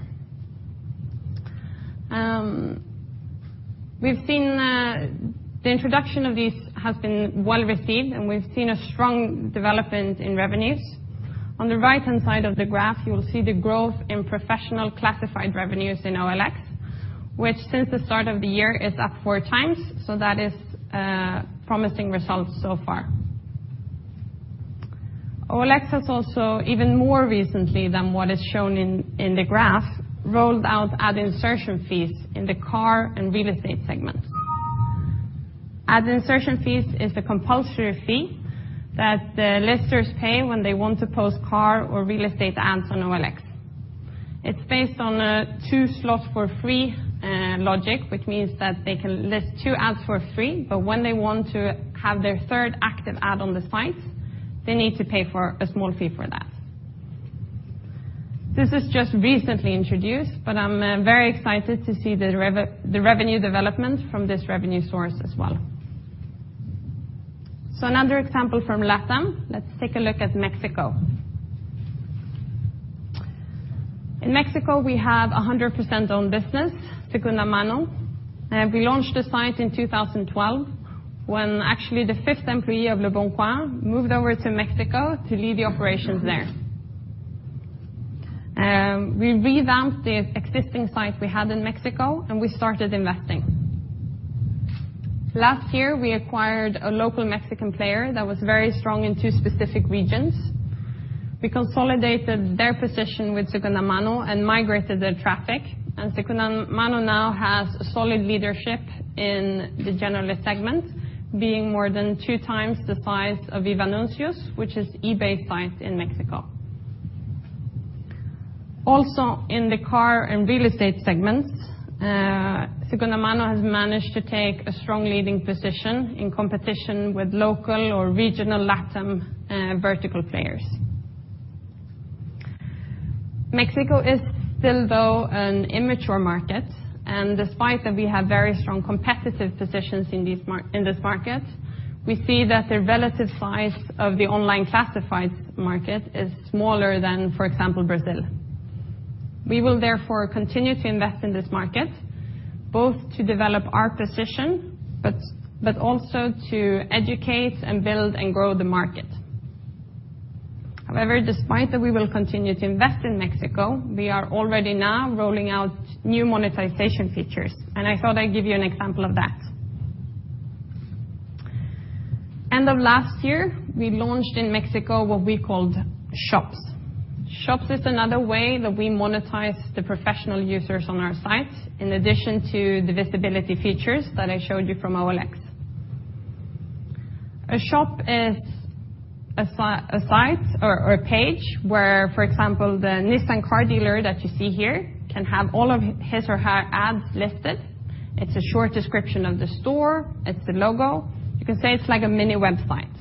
We've seen the introduction of these has been well-received, and we've seen a strong development in revenues. On the right-hand side of the graph, you will see the growth in professional classified revenues in OLX, which since the start of the year is up four times. That is promising results so far. OLX has also, even more recently than what is shown in the graph, rolled out ad insertion fees in the car and real estate segment. Ad insertion fees is a compulsory fee that the listers pay when they want to post car or real estate ads on OLX. It's based on a 2 slots for free logic, which means that they can list 2 ads for free, but when they want to have their third active ad on the site, they need to pay for a small fee for that. This is just recently introduced, but I'm very excited to see the revenue development from this revenue source as well. Another example from LatAm, let's take a look at Mexico. In Mexico, we have a 100% owned business, Segundamano, and we launched the site in 2012, when actually the fifth employee of leboncoin moved over to Mexico to lead the operations there. We revamped the existing site we had in Mexico, and we started investing. Last year, we acquired a local Mexican player that was very strong in two specific regions. We consolidated their position with Segundamano and migrated their traffic. Segundamano now has solid leadership in the generalist segment, being more than two times the size of Vivanuncios, which is eBay site in Mexico. In the car and real estate segments, Segundamano has managed to take a strong leading position in competition with local or regional LatAm vertical players. Mexico is still, though, an immature market. Despite that we have very strong competitive positions in this market, we see that the relative size of the online classified market is smaller than, for example, Brazil. We will therefore continue to invest in this market, both to develop our position, but also to educate and build and grow the market. Despite that we will continue to invest in Mexico, we are already now rolling out new monetization features. I thought I'd give you an example of that. End of last year, we launched in Mexico what we called Shops. Shops is another way that we monetize the professional users on our site, in addition to the visibility features that I showed you from OLX. A shop is a site or a page where, for example, the Nissan car dealer that you see here can have all of his or her ads listed. It's a short description of the store. It's the logo. You can say it's like a mini website.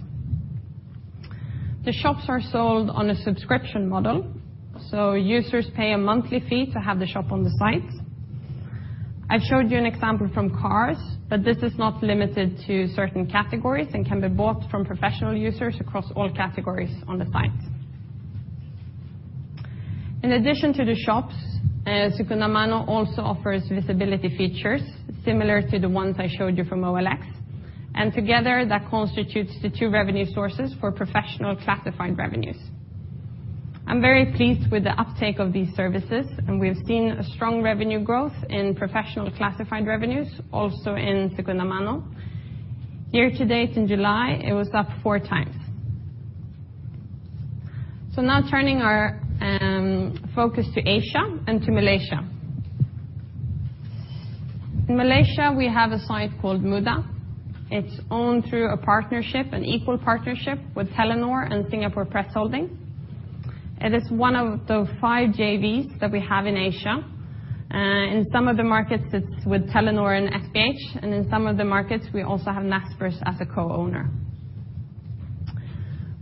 The shops are sold on a subscription model, so users pay a monthly fee to have the shop on the site. I've showed you an example from cars, but this is not limited to certain categories and can be bought from professional users across all categories on the site. In addition to the shops, Segundamano also offers visibility features similar to the ones I showed you from OLX. Together, that constitutes the 2 revenue sources for professional classified revenues. I'm very pleased with the uptake of these services, and we've seen a strong revenue growth in professional classified revenues also in Segundamano. Year to date in July, it was up 4 times. Now turning our focus to Asia and to Malaysia. In Malaysia, we have a site called Mudah. It's owned through a partnership, an equal partnership, with Telenor and Singapore Press Holdings. It is 1 of the 5 JVs that we have in Asia. In some of the markets, it's with Telenor and SPH, and in some of the markets, we also have Naspers as a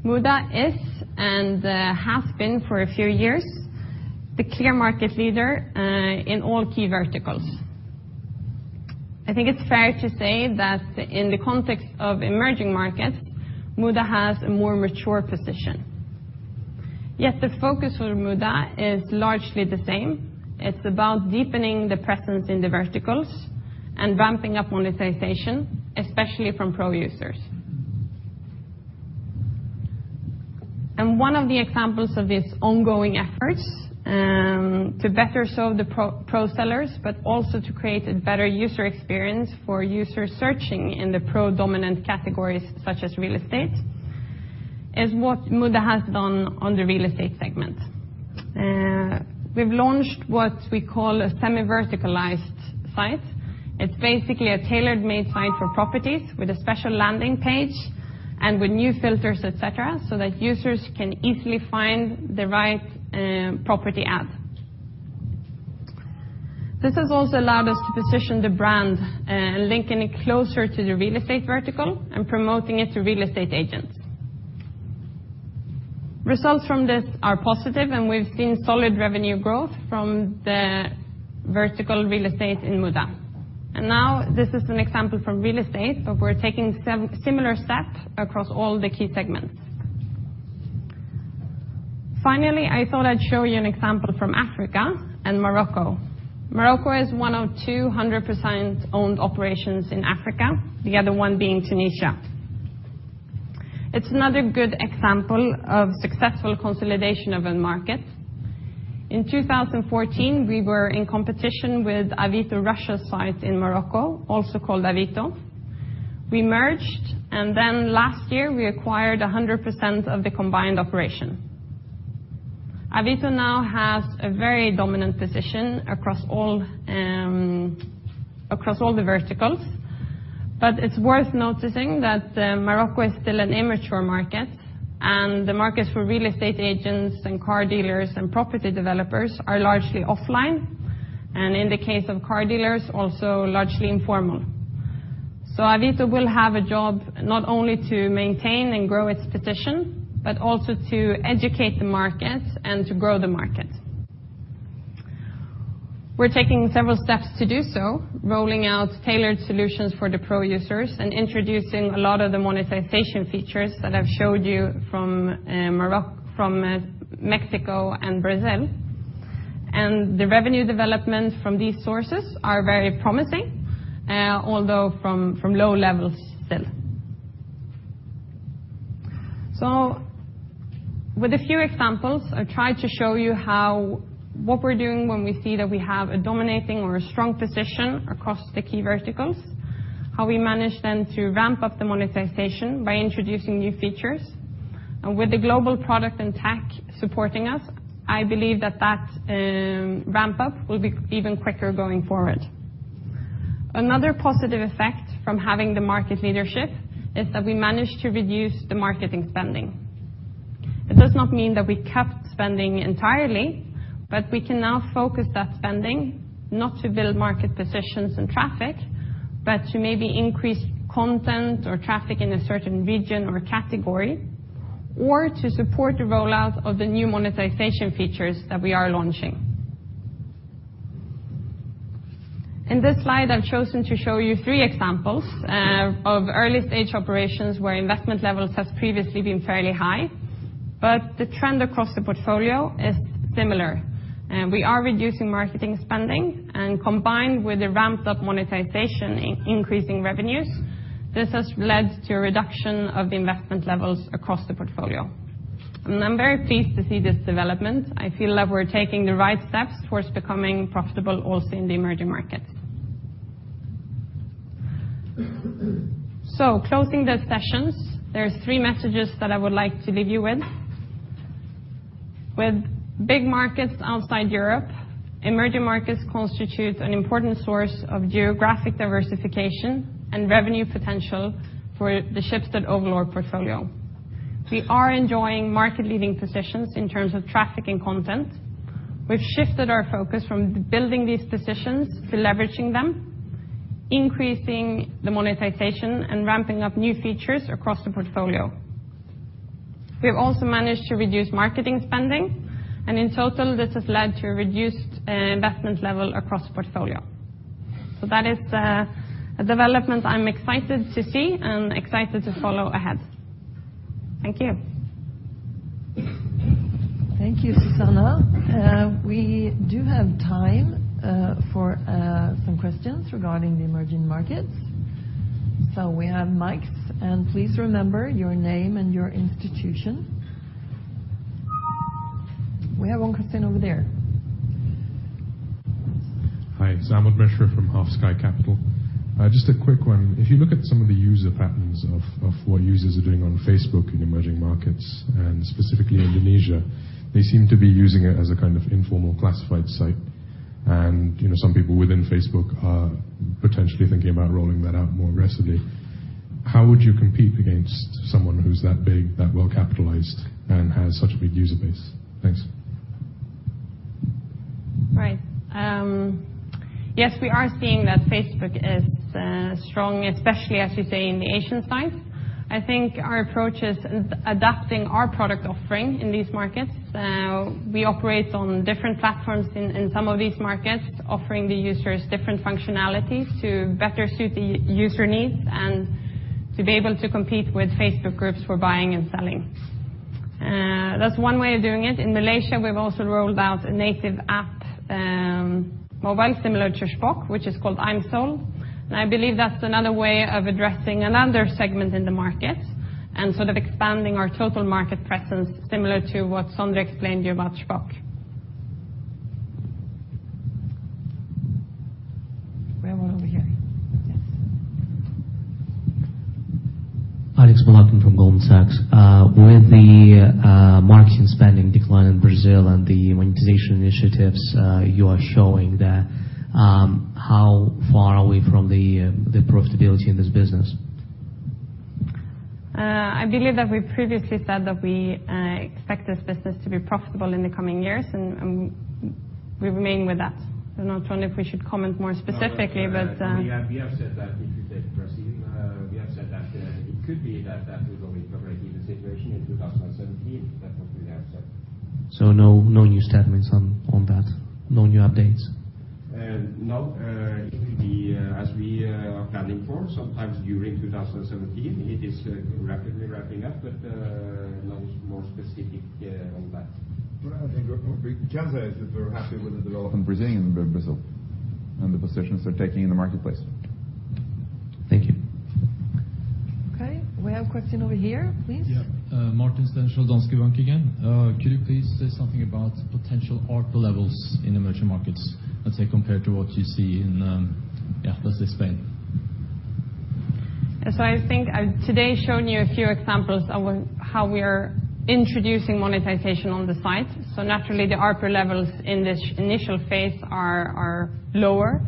co-owner. Mudah is, and has been for a few years, the clear market leader in all key verticals. I think it's fair to say that in the context of emerging markets, Mudah has a more mature position. Yet the focus for Mudah is largely the same. It's about deepening the presence in the verticals and ramping up monetization, especially from pro users. One of the examples of these ongoing efforts to better serve the pro sellers, but also to create a better user experience for users searching in the pro-dominant categories, such as real estate, is what Mudah has done on the real estate segment. We've launched what we call a semi-verticalized site. It's basically a tailored-made site for properties with a special landing page and with new filters, et cetera, so that users can easily find the right property ad. This has also allowed us to position the brand, linking it closer to the real estate vertical and promoting it to real estate agents. Results from this are positive, we've seen solid revenue growth from the vertical real estate in Mudah. This is an example from real estate, but we're taking similar steps across all the key segments. I thought I'd show you an example from Africa and Morocco. Morocco is one of 200% owned operations in Africa, the other one being Tunisia. It's another good example of successful consolidation of a market. In 2014, we were in competition with Avito site in Morocco, also called Avito. We merged, last year we acquired 100% of the combined operation. Avito now has a very dominant position across all, across all the verticals, but it's worth noticing that Morocco is still an immature market, and the markets for real estate agents and car dealers and property developers are largely offline, and in the case of car dealers, also largely informal. Avito will have a job not only to maintain and grow its position, but also to educate the market and to grow the market. We're taking several steps to do so, rolling out tailored solutions for the pro users and introducing a lot of the monetization features that I've showed you from Mexico and Brazil. The revenue development from these sources are very promising, although from low levels still. With a few examples, I tried to show you how, what we're doing when we see that we have a dominating or a strong position across the key verticals, how we manage then to ramp up the monetization by introducing new features. With the global product and tech supporting us, I believe that that ramp up will be even quicker going forward. Another positive effect from having the market leadership is that we managed to reduce the marketing spending. It does not mean that we kept spending entirely, but we can now focus that spending not to build market positions and traffic, but to maybe increase content or traffic in a certain region or category, or to support the rollout of the new monetization features that we are launching. In this slide, I've chosen to show you three examples of earliest stage operations where investment levels have previously been fairly high, the trend across the portfolio is similar. We are reducing marketing spending combined with the ramped up monetization increasing revenues, this has led to a reduction of the investment levels across the portfolio. I'm very pleased to see this development. I feel that we're taking the right steps towards becoming profitable also in the emerging markets. Closing the sessions, there's three messages that I would like to leave you with. With big markets outside Europe, emerging markets constitute an important source of geographic diversification and revenue potential for the Schibsted overall portfolio. We are enjoying market leading positions in terms of traffic and content. We've shifted our focus from building these positions to leveraging them, increasing the monetization, and ramping up new features across the portfolio. We've also managed to reduce marketing spending, and in total, this has led to a reduced investment level across the portfolio. That is the development I'm excited to see and excited to follow ahead. Thank you. Thank you, Susanna. We do have time for some questions regarding the emerging markets. We have mics, and please remember your name and your institution. We have one question over there. Hi, Salmaan from Hafslund Just a quick one. If you look at some of the user patterns of what users are doing on Facebook in emerging markets, and specifically Indonesia, they seem to be using it as a kind of informal classified site. You know, some people within Facebook are potentially thinking about rolling that out more aggressively. How would you compete against someone who's that big, that well-capitalized, and has such a big user base? Thanks. Right. Yes, we are seeing that Facebook is strong, especially as you say, in the Asian side. I think our approach is adapting our product offering in these markets. We operate on different platforms in some of these markets, offering the users different functionalities to better suit the user needs and to be able to compete with Facebook groups for buying and selling. That's one way of doing it. In Malaysia, we've also rolled out a native app, mobile similar to Shpock, which is called iSell, and I believe that's another way of addressing another segment in the market and sort of expanding our total market presence similar to what Sondre explained to you about Shpock. We have one over here. Yes. With the marketing spending decline in Brazil and the monetization initiatives you are showing there, how far are we from the profitability in this business? I believe that we previously said that we expect this business to be profitable in the coming years, and we remain with that. I'm not sure if we should comment more specifically, but. No, we have said that if you take Brazil, we have said. It could be that that will be break even situation in 2017. That's what we have said. No, no new statements on that? No new updates? No. It will be, as we are planning for, sometimes during 2017, it is rapidly ramping up, but no more specific on that. Well, I think, with Jazza is that we're happy with the development in Brazil, and the positions they're taking in the marketplace. Thank you. We have a question over here, please. Martin Stenshall, Danske Bank again. Could you please say something about potential ARPU levels in emerging markets, let's say, compared to what you see in, yeah, let's say Spain? I think I've today shown you a few examples of how we are introducing monetization on the site. Naturally, the ARPU levels in this initial phase are lower.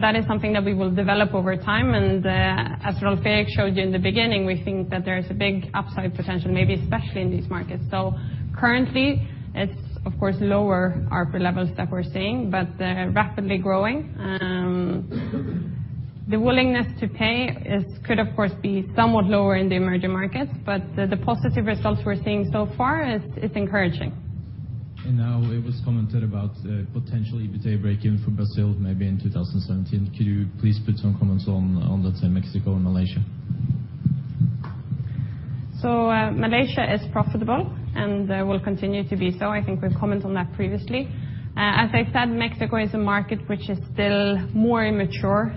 That is something that we will develop over time. As Rolf Erik showed you in the beginning, we think that there is a big upside potential, maybe especially in these markets. Currently, it's of course lower ARPU levels that we're seeing, but rapidly growing. The willingness to pay could of course be somewhat lower in the emerging markets, but the positive results we're seeing so far is encouraging. Now it was commented about potential EBITDA break-even for Brazil maybe in 2017. Could you please put some comments on let's say, Mexico and Malaysia? Malaysia is profitable, will continue to be so. I think we've commented on that previously. As I said, Mexico is a market which is still more immature,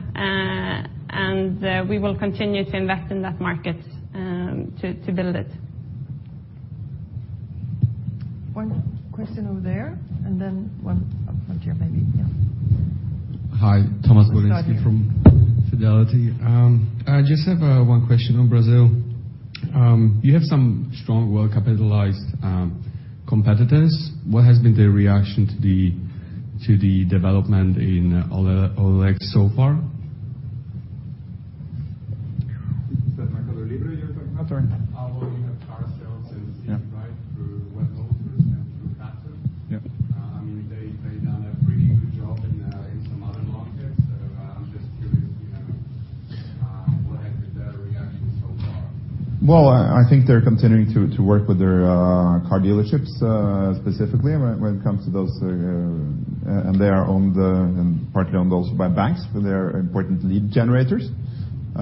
we will continue to invest in that market to build it. One question over there, and then one, up here maybe. Yeah. Hi. One spot here. Thomas Boleski from Fidelity. I just have one question on Brazil. You have some strong, well-capitalized competitors. What has been their reaction to the development in OLX so far? Is that Mercado Libre you're talking about? Sorry. You have carsales and seed right through Webmotors and through iCarros. Yeah. They've done a pretty good job in some other markets. I'm just curious, you know, what has been their reaction so far? Well, I think they're continuing to work with their car dealerships, specifically when it comes to those, and they are owned, and partly owned also by banks, for they're important lead generators. You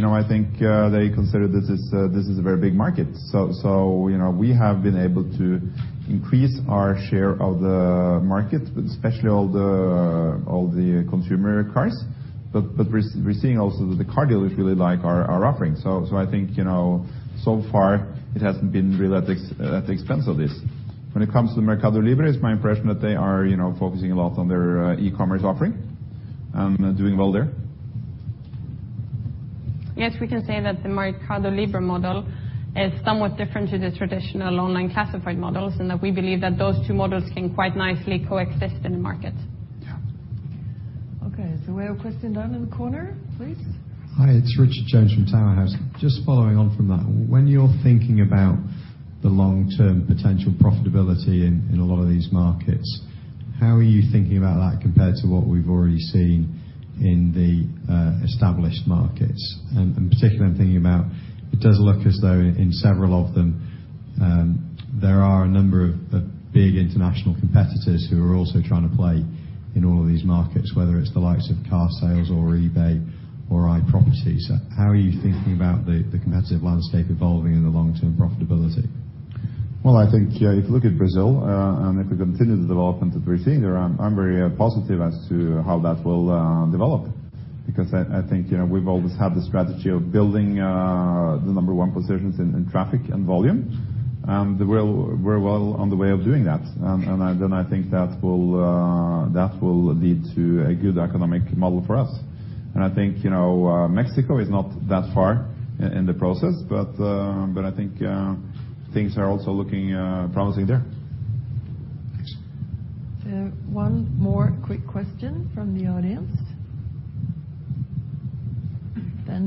know, I think they consider this is a very big market. You know, we have been able to increase our share of the market, especially all the consumer cars. We're seeing also that the car dealers really like our offering. I think, you know, so far it hasn't been really at the expense of this. When it comes to Mercado Libre, it's my impression that they are, you know, focusing a lot on their e-commerce offering, doing well there. Yes, we can say that the Mercado Libre model is somewhat different to the traditional online classified models, and that we believe that those two models can quite nicely coexist in the market. Yeah. Okay. We have a question down in the corner, please. Hi. It's Richard Jones from Tower House Partners. Just following on from that, when you're thinking about the long-term potential profitability in a lot of these markets, how are you thinking about that compared to what we've already seen in the established markets? Particularly I'm thinking about, it does look as though in several of them, there are a number of big international competitors who are also trying to play in all of these markets, whether it's the likes of carsales or eBay or iProperty. How are you thinking about the competitive landscape evolving in the long-term profitability? Well, I think, if you look at Brazil, if we continue the development that we're seeing there, I'm very positive as to how that will develop because I think, you know, we've always had the strategy of building, the number one positions in traffic and volume. We're well on the way of doing that. Then I think that will, that will lead to a good economic model for us. I think, you know, Mexico is not that far in the process, but I think, things are also looking, promising there. Thanks. One more quick question from the audience.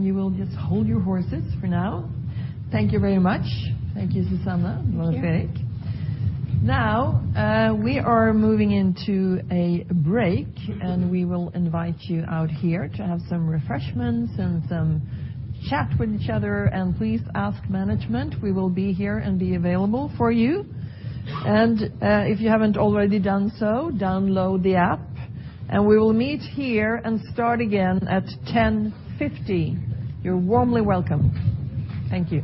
You will just hold your horses for now. Thank you very much. Thank you, Susanna. Thank you. Rolf Erik. Now, we are moving into a break, and we will invite you out here to have some refreshments and some chat with each other. Please ask management, we will be here and be available for you. If you haven't already done so, download the app, and we will meet here and start again at 10:50. You're warmly welcome. Thank you.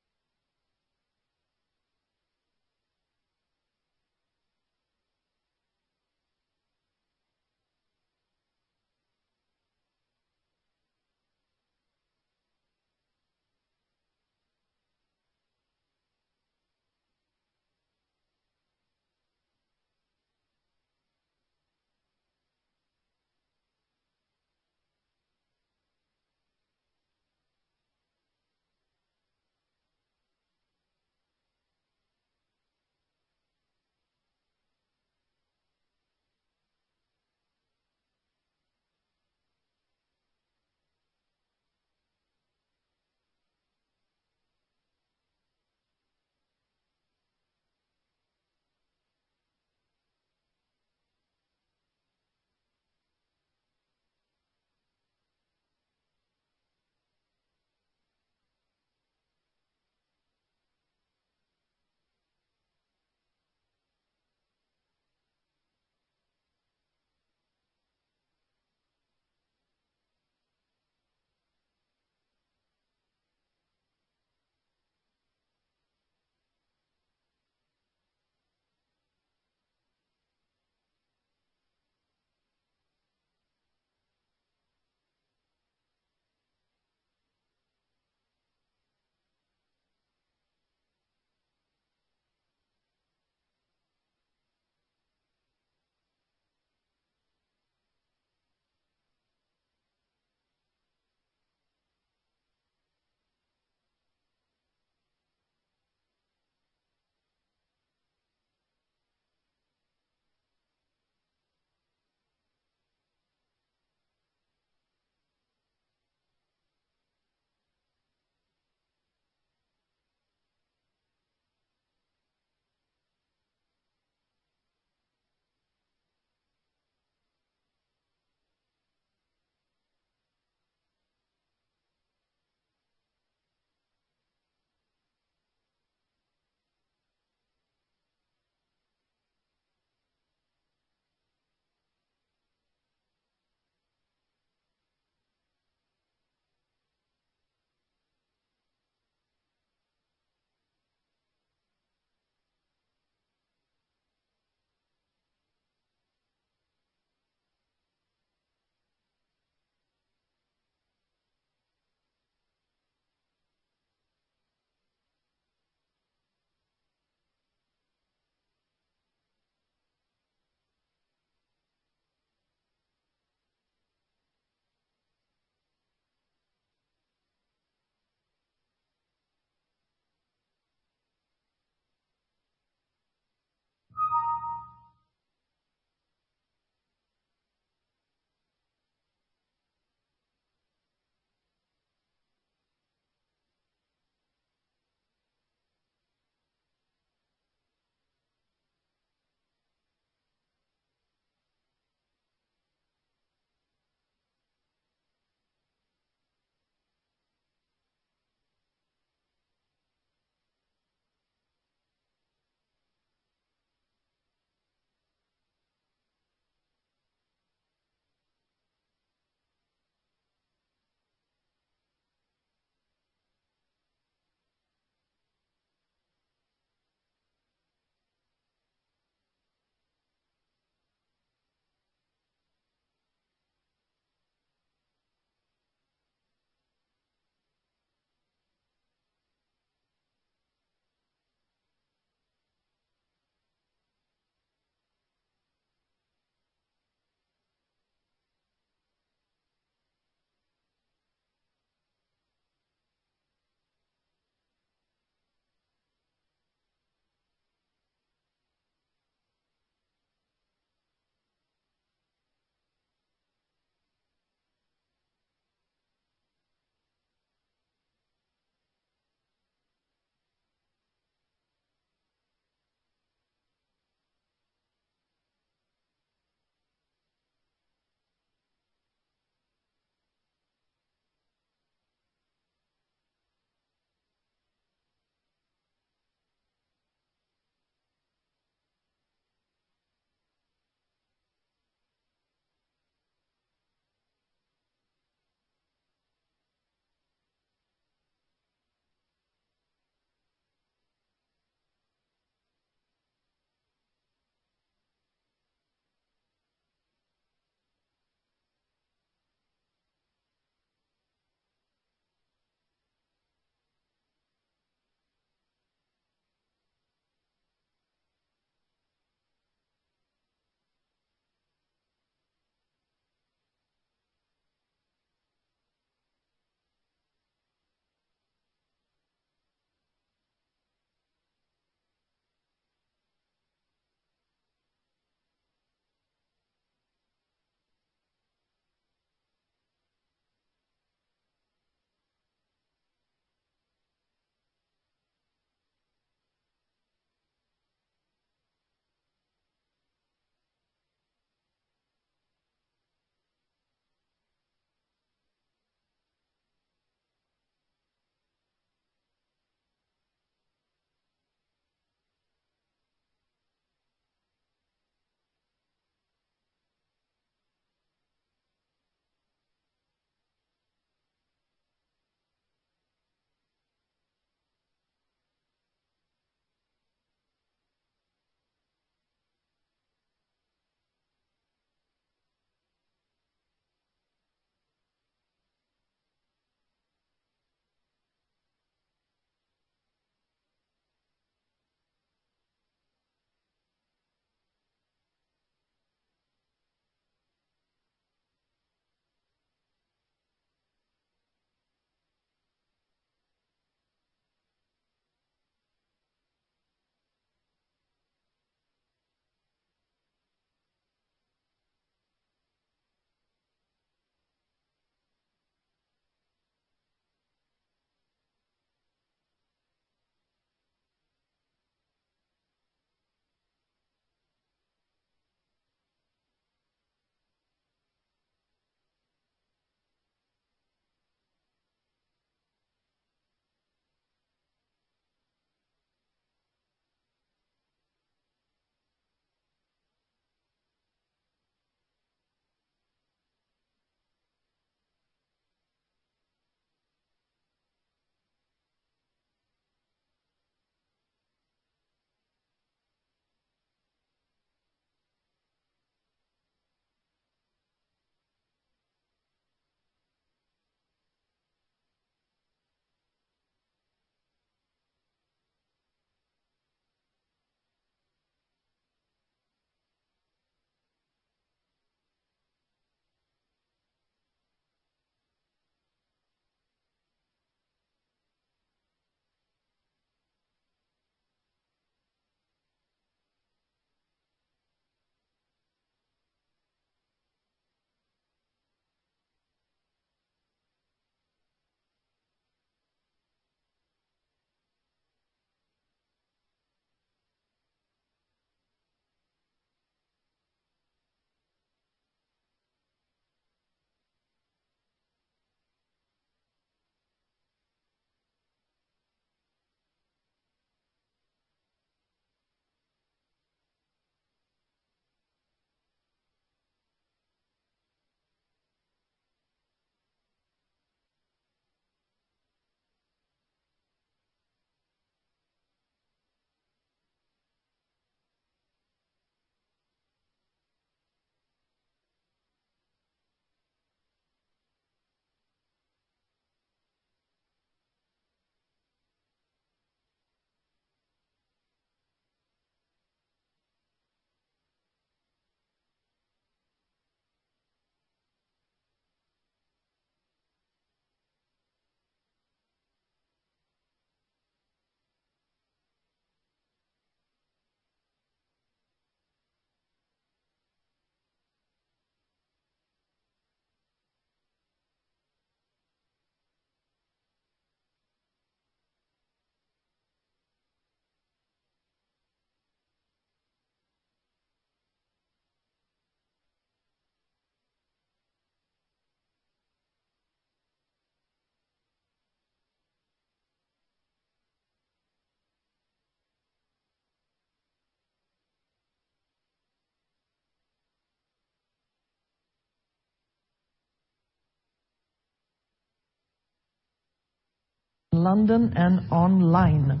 London and online.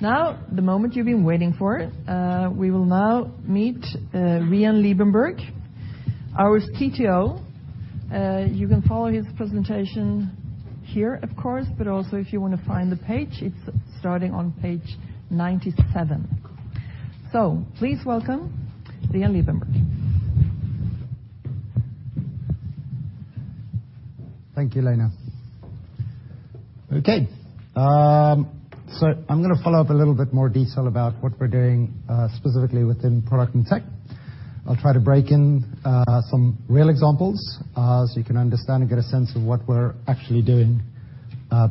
Now, the moment you've been waiting for, we will now meet Rian Liebenberg, our CTO. You can follow his presentation here, of course, but also if you wanna find the page, it's starting on page 97. Please welcome Rian Liebenberg. Thank you, Lena. Okay. I'm gonna follow up a little bit more detail about what we're doing specifically within product and tech. I'll try to break in some real examples so you can understand and get a sense of what we're actually doing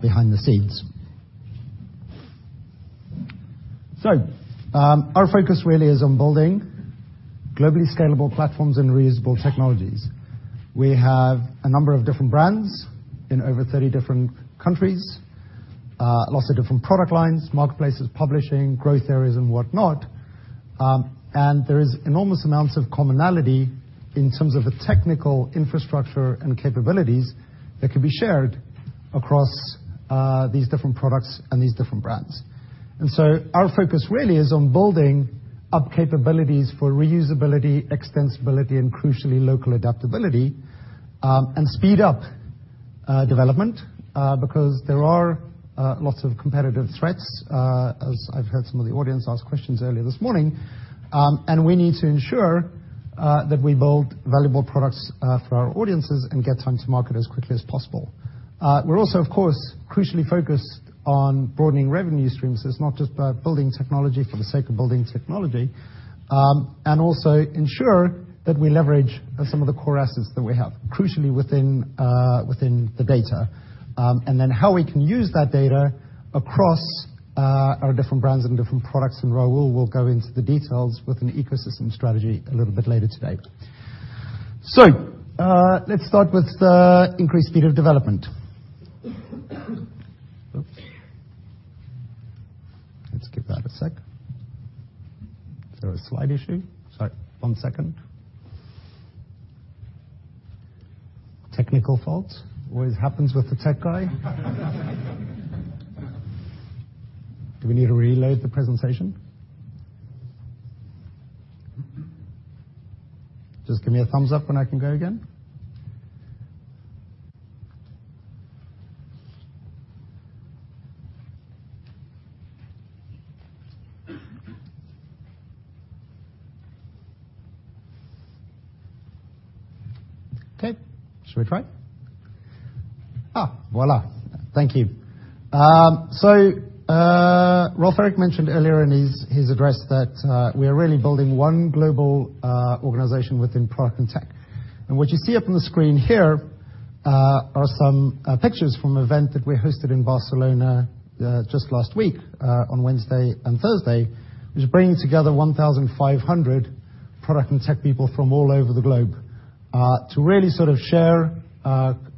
behind the scenes. Our focus really is on building globally scalable platforms and reusable technologies. We have a number of different brands in over 30 different countries, lots of different product lines, marketplaces, publishing, growth areas, and whatnot. There is enormous amounts of commonality in terms of the technical infrastructure and capabilities that can be shared across these different products and these different brands. Our focus really is on building up capabilities for reusability, extensibility, and crucially local adaptability, and speed up development because there are lots of competitive threats as I've heard some of the audience ask questions earlier this morning. We need to ensure that we build valuable products for our audiences and get time to market as quickly as possible. We're also, of course, crucially focused on broadening revenue streams. It's not just about building technology for the sake of building technology. Also ensure that we leverage some of the core assets that we have, crucially within within the data. Then how we can use that data across our different brands and different products. Raul will go into the details with an ecosystem strategy a little bit later today. Let's start with the increased speed of development. Oops. Let's give that a sec. Is there a slide issue? Sorry, one second. Technical fault. Always happens with the tech guy. Do we need to reload the presentation? Just give me a thumbs up when I can go again. Okay, shall we try? Voila. Thank you. Rolf Erik mentioned earlier in his address that we are really building one global organization within product and tech. What you see up on the screen here are some pictures from event that we hosted in Barcelona just last week on Wednesday and Thursday. Which bring together 1,500 product and tech people from all over the globe, to really sort of share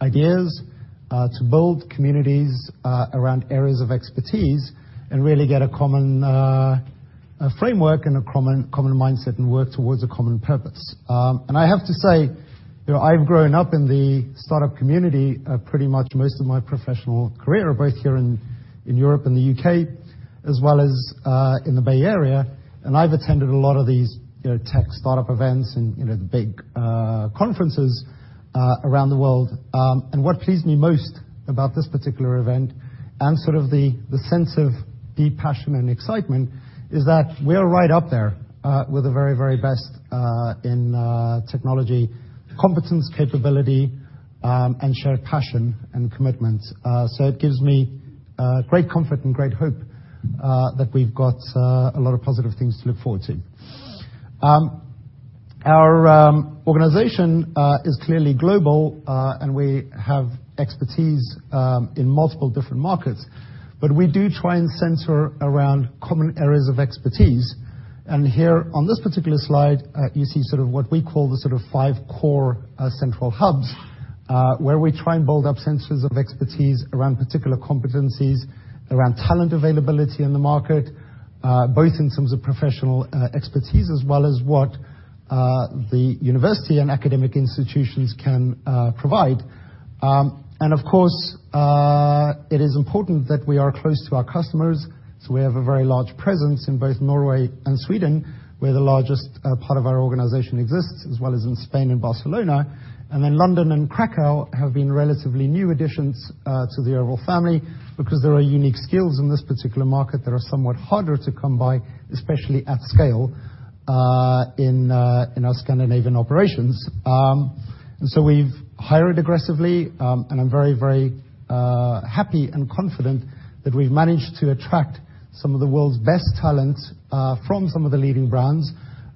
ideas, to build communities around areas of expertise, and really get a common framework and a common mindset and work towards a common purpose. I have to say, you know, I've grown up in the startup community, pretty much most of my professional career, both here in Europe and the UK, as well as in the Bay Area. I've attended a lot of these, you know, tech startup events and, you know, the big conferences around the world. What pleased me most about this particular event, and sort of the sense of deep passion and excitement is that we are right up there with the very, very best in technology, competence, capability, and shared passion and commitment. It gives me great comfort and great hope that we've got a lot of positive things to look forward to. Our organization is clearly global, and we have expertise in multiple different markets, but we do try and center around common areas of expertise. Here on this particular slide, you see sort of what we call the sort of five core central hubs, where we try and build up centers of expertise around particular competencies, around talent availability in the market, both in terms of professional expertise as well as what the university and academic institutions can provide. Of course, it is important that we are close to our customers, so we have a very large presence in both Norway and Sweden, where the largest part of our organization exists, as well as in Spain and Barcelona. Then London and Kraków have been relatively new additions to the Schibsted family because there are unique skills in this particular market that are somewhat harder to come by, especiall y at scale in our Scandinavian operations. we've hired aggressively, and I'm very, very happy and confident that we've managed to attract some of the world's best talent from some of the leading brands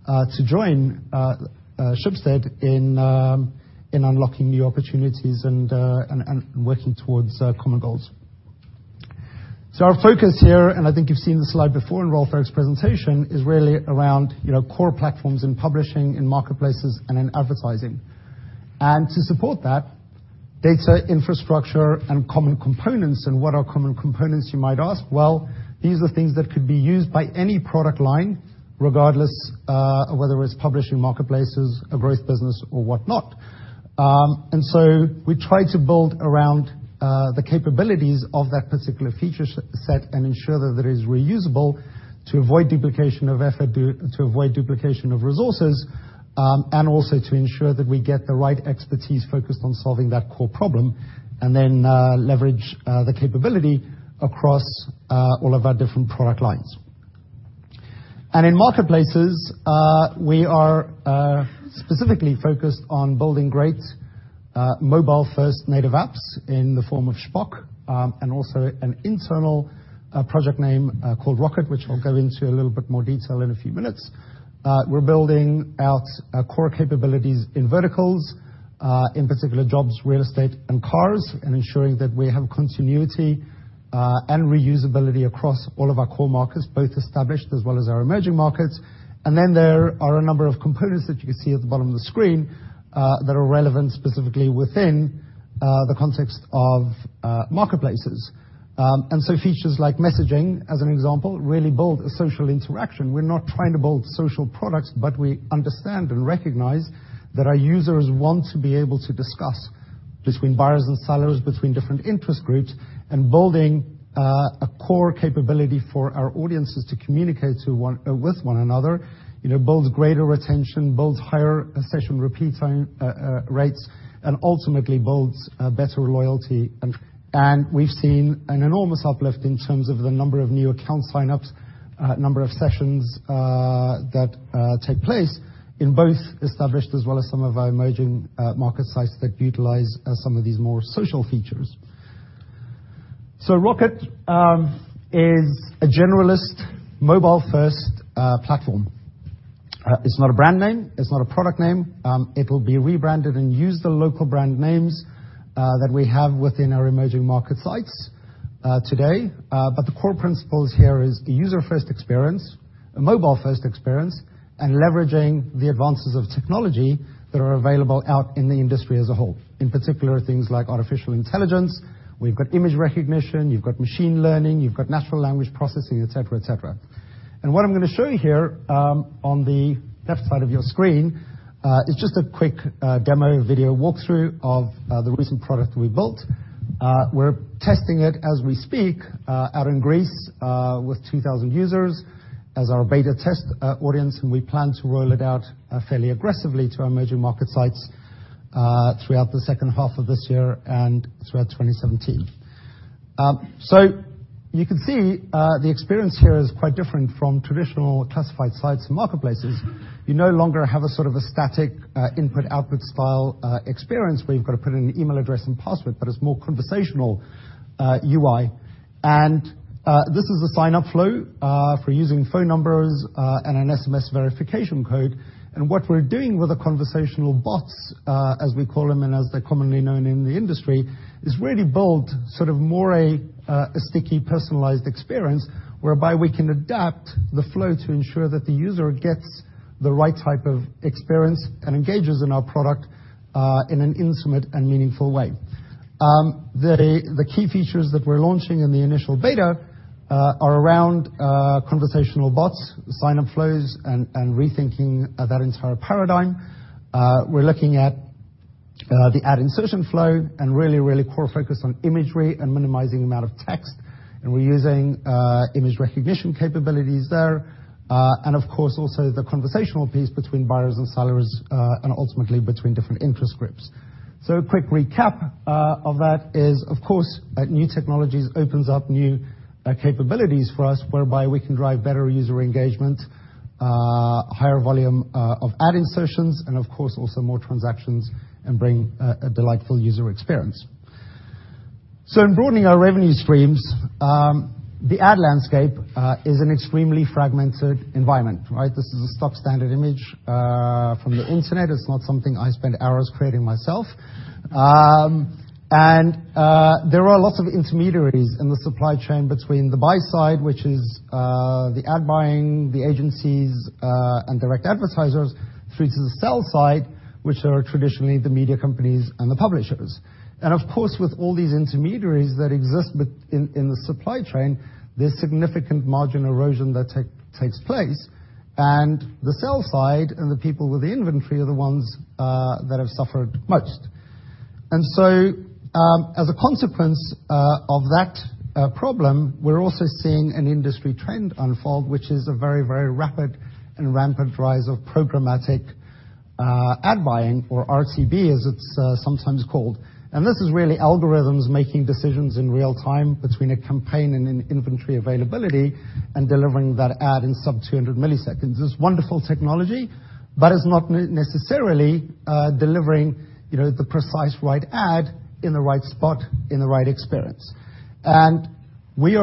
to join Schibsted in unlocking new opportunities and working towards common goals. Our focus here, and I think you've seen the slide before in Rolf Erik's presentation, is really around, you know, core platforms in publishing, in marketplaces and in advertising. To support that, data, infrastructure and common components. What are common components you might ask? Well, these are things that could be used by any product line regardless, whether it's publishing marketplaces, a growth business or whatnot. We try to build around the capabilities of that particular feature set and ensure that it is reusable to avoid duplication of effort, to avoid duplication of resources, and also to ensure that we get the right expertise focused on solving that core problem, and then leverage the capability across all of our different product lines. In marketplaces, we are specifically focused on building great mobile first native apps in the form of Shpock, and also an internal project name called Rocket, which I'll go into a little bit more detail in a few minutes. We're building out core capabilities in verticals, in particular jobs, real estate and cars, and ensuring that we have continuity and reusability across all of our core markets, both established as well as our emerging markets. There are a number of components that you can see at the bottom of the screen that are relevant specifically within the context of marketplaces. Features like messaging, as an example, really build a social interaction. We're not trying to build social products, but we understand and recognize that our users want to be able to discuss between buyers and sellers, between different interest groups, and building a core capability for our audiences to communicate with one another, you know, builds greater retention, builds higher session, repeat time rates, and ultimately builds better loyalty. We've seen an enormous uplift in terms of the number of new account sign-ups, number of sessions that take place in both established as well as some of our emerging market sites that utilize some of these more social features. Rocket is a generalist mobile first platform. It's not a brand name, it's not a product name. It'll be rebranded and use the local brand names that we have within our emerging market sites today. The core principles here is a user-first experience, a mobile-first experience, and leveraging the advances of technology that are available out in the industry as a whole, in particular things like artificial intelligence. We've got image recognition, you've got machine learning, you've got natural language processing, et cetera, et cetera. What I'm gonna show you here, on the left side of your screen, is just a quick demo video walkthrough of the recent product we built. We're testing it as we speak, out in Greece, with 2,000 users as our beta test audience, and we plan to roll it out fairly aggressively to our emerging market sites throughout the second half of this year and throughout 2017. You can see, the experience here is quite different from traditional classified sites and marketplaces. You no longer have a sort of a static input output style experience where you've got to put in an email address and password, but it's more conversational UI. This is a sign up flow for using phone numbers and an SMS verification code. What we're doing with the conversational bots, as we call them, and as they're commonly known in the industry, is really build sort of more a sticky personalized experience whereby we can adapt the flow to ensure that the user gets the right type of experience and engages in our product in an intimate and meaningful way. The key features that we're launching in the initial beta are around conversational bots, sign-up flows and rethinking that entire paradigm. We're looking at the ad insertion flow and really core focus on imagery and minimizing the amount of text. We're using image recognition capabilities there. Of course, also the conversational piece between buyers and sellers, and ultimately between different interest groups. A quick recap of that is, of course, new technologies opens up new capabilities for us whereby we can drive better user engagement, higher volume of ad insertions, and of course, also more transactions and bring a delightful user experience. In broadening our revenue streams, the ad landscape is an extremely fragmented environment, right? This is a stock standard image from the internet. It's not something I spent hours creating myself. There are a lot of intermediaries in the supply chain between the buy side, which is the ad buying, the agencies, and direct advertisers through to the sell side, which are traditionally the media companies and the publishers. Of course, with all these intermediaries that exist in the supply chain, there's significant margin erosion that takes place. The sell side and the people with the inventory are the ones that have suffered most. As a consequence of that problem, we're also seeing an industry trend unfold, which is a very, very rapid and rampant rise of programmatic ad buying or RTB as it's sometimes called. This is really algorithms making decisions in real time between a campaign and an inventory availability and delivering that ad in sub 200 milliseconds. It's wonderful technology, but it's not necessarily delivering, you know, the precise right ad in the right spot in the right experience. We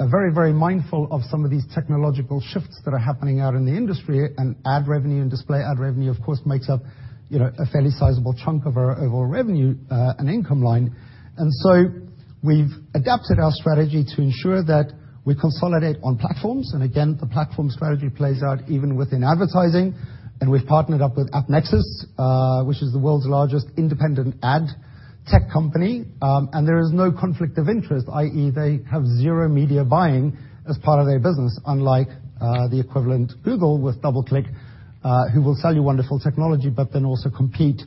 are very, very mindful of some of these technological shifts that are happening out in the industry, and ad revenue and display ad revenue, of course, makes up, you know, a fairly sizable chunk of our overall revenue and income line. We've adapted our strategy to ensure that we consolidate on platforms. Again, the platform strategy plays out even within advertising. We've partnered up with AppNexus, which is the world's largest independent ad tech company. There is no conflict of interest, i.e., they have 0 media buying as part of their business, unlike the equivalent Google with DoubleClick, who will sell you wonderful technology, but then also compete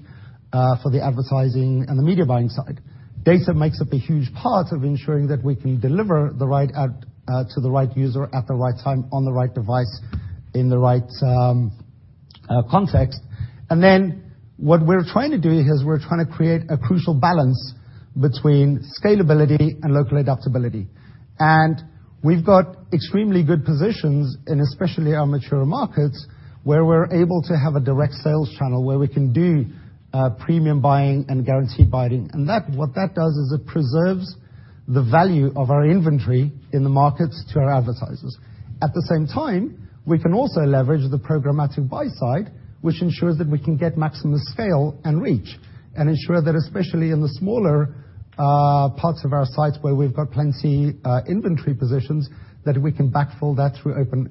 for the advertising and the media buying side. Data makes up a huge part of ensuring that we can deliver the right ad to the right user at the right time on the right device in the right context. What we're trying to do here is we're trying to create a crucial balance between scalability and local adaptability. We've got extremely good positions in especially our mature markets, where we're able to have a direct sales channel where we can do premium buying and guaranteed buying. What that does is it preserves the value of our inventory in the markets to our advertisers. At the same time, we can also leverage the programmatic buy side, which ensures that we can get maximum scale and reach, and ensure that especially in the smaller parts of our sites where we've got plenty inventory positions, that we can backfill that through open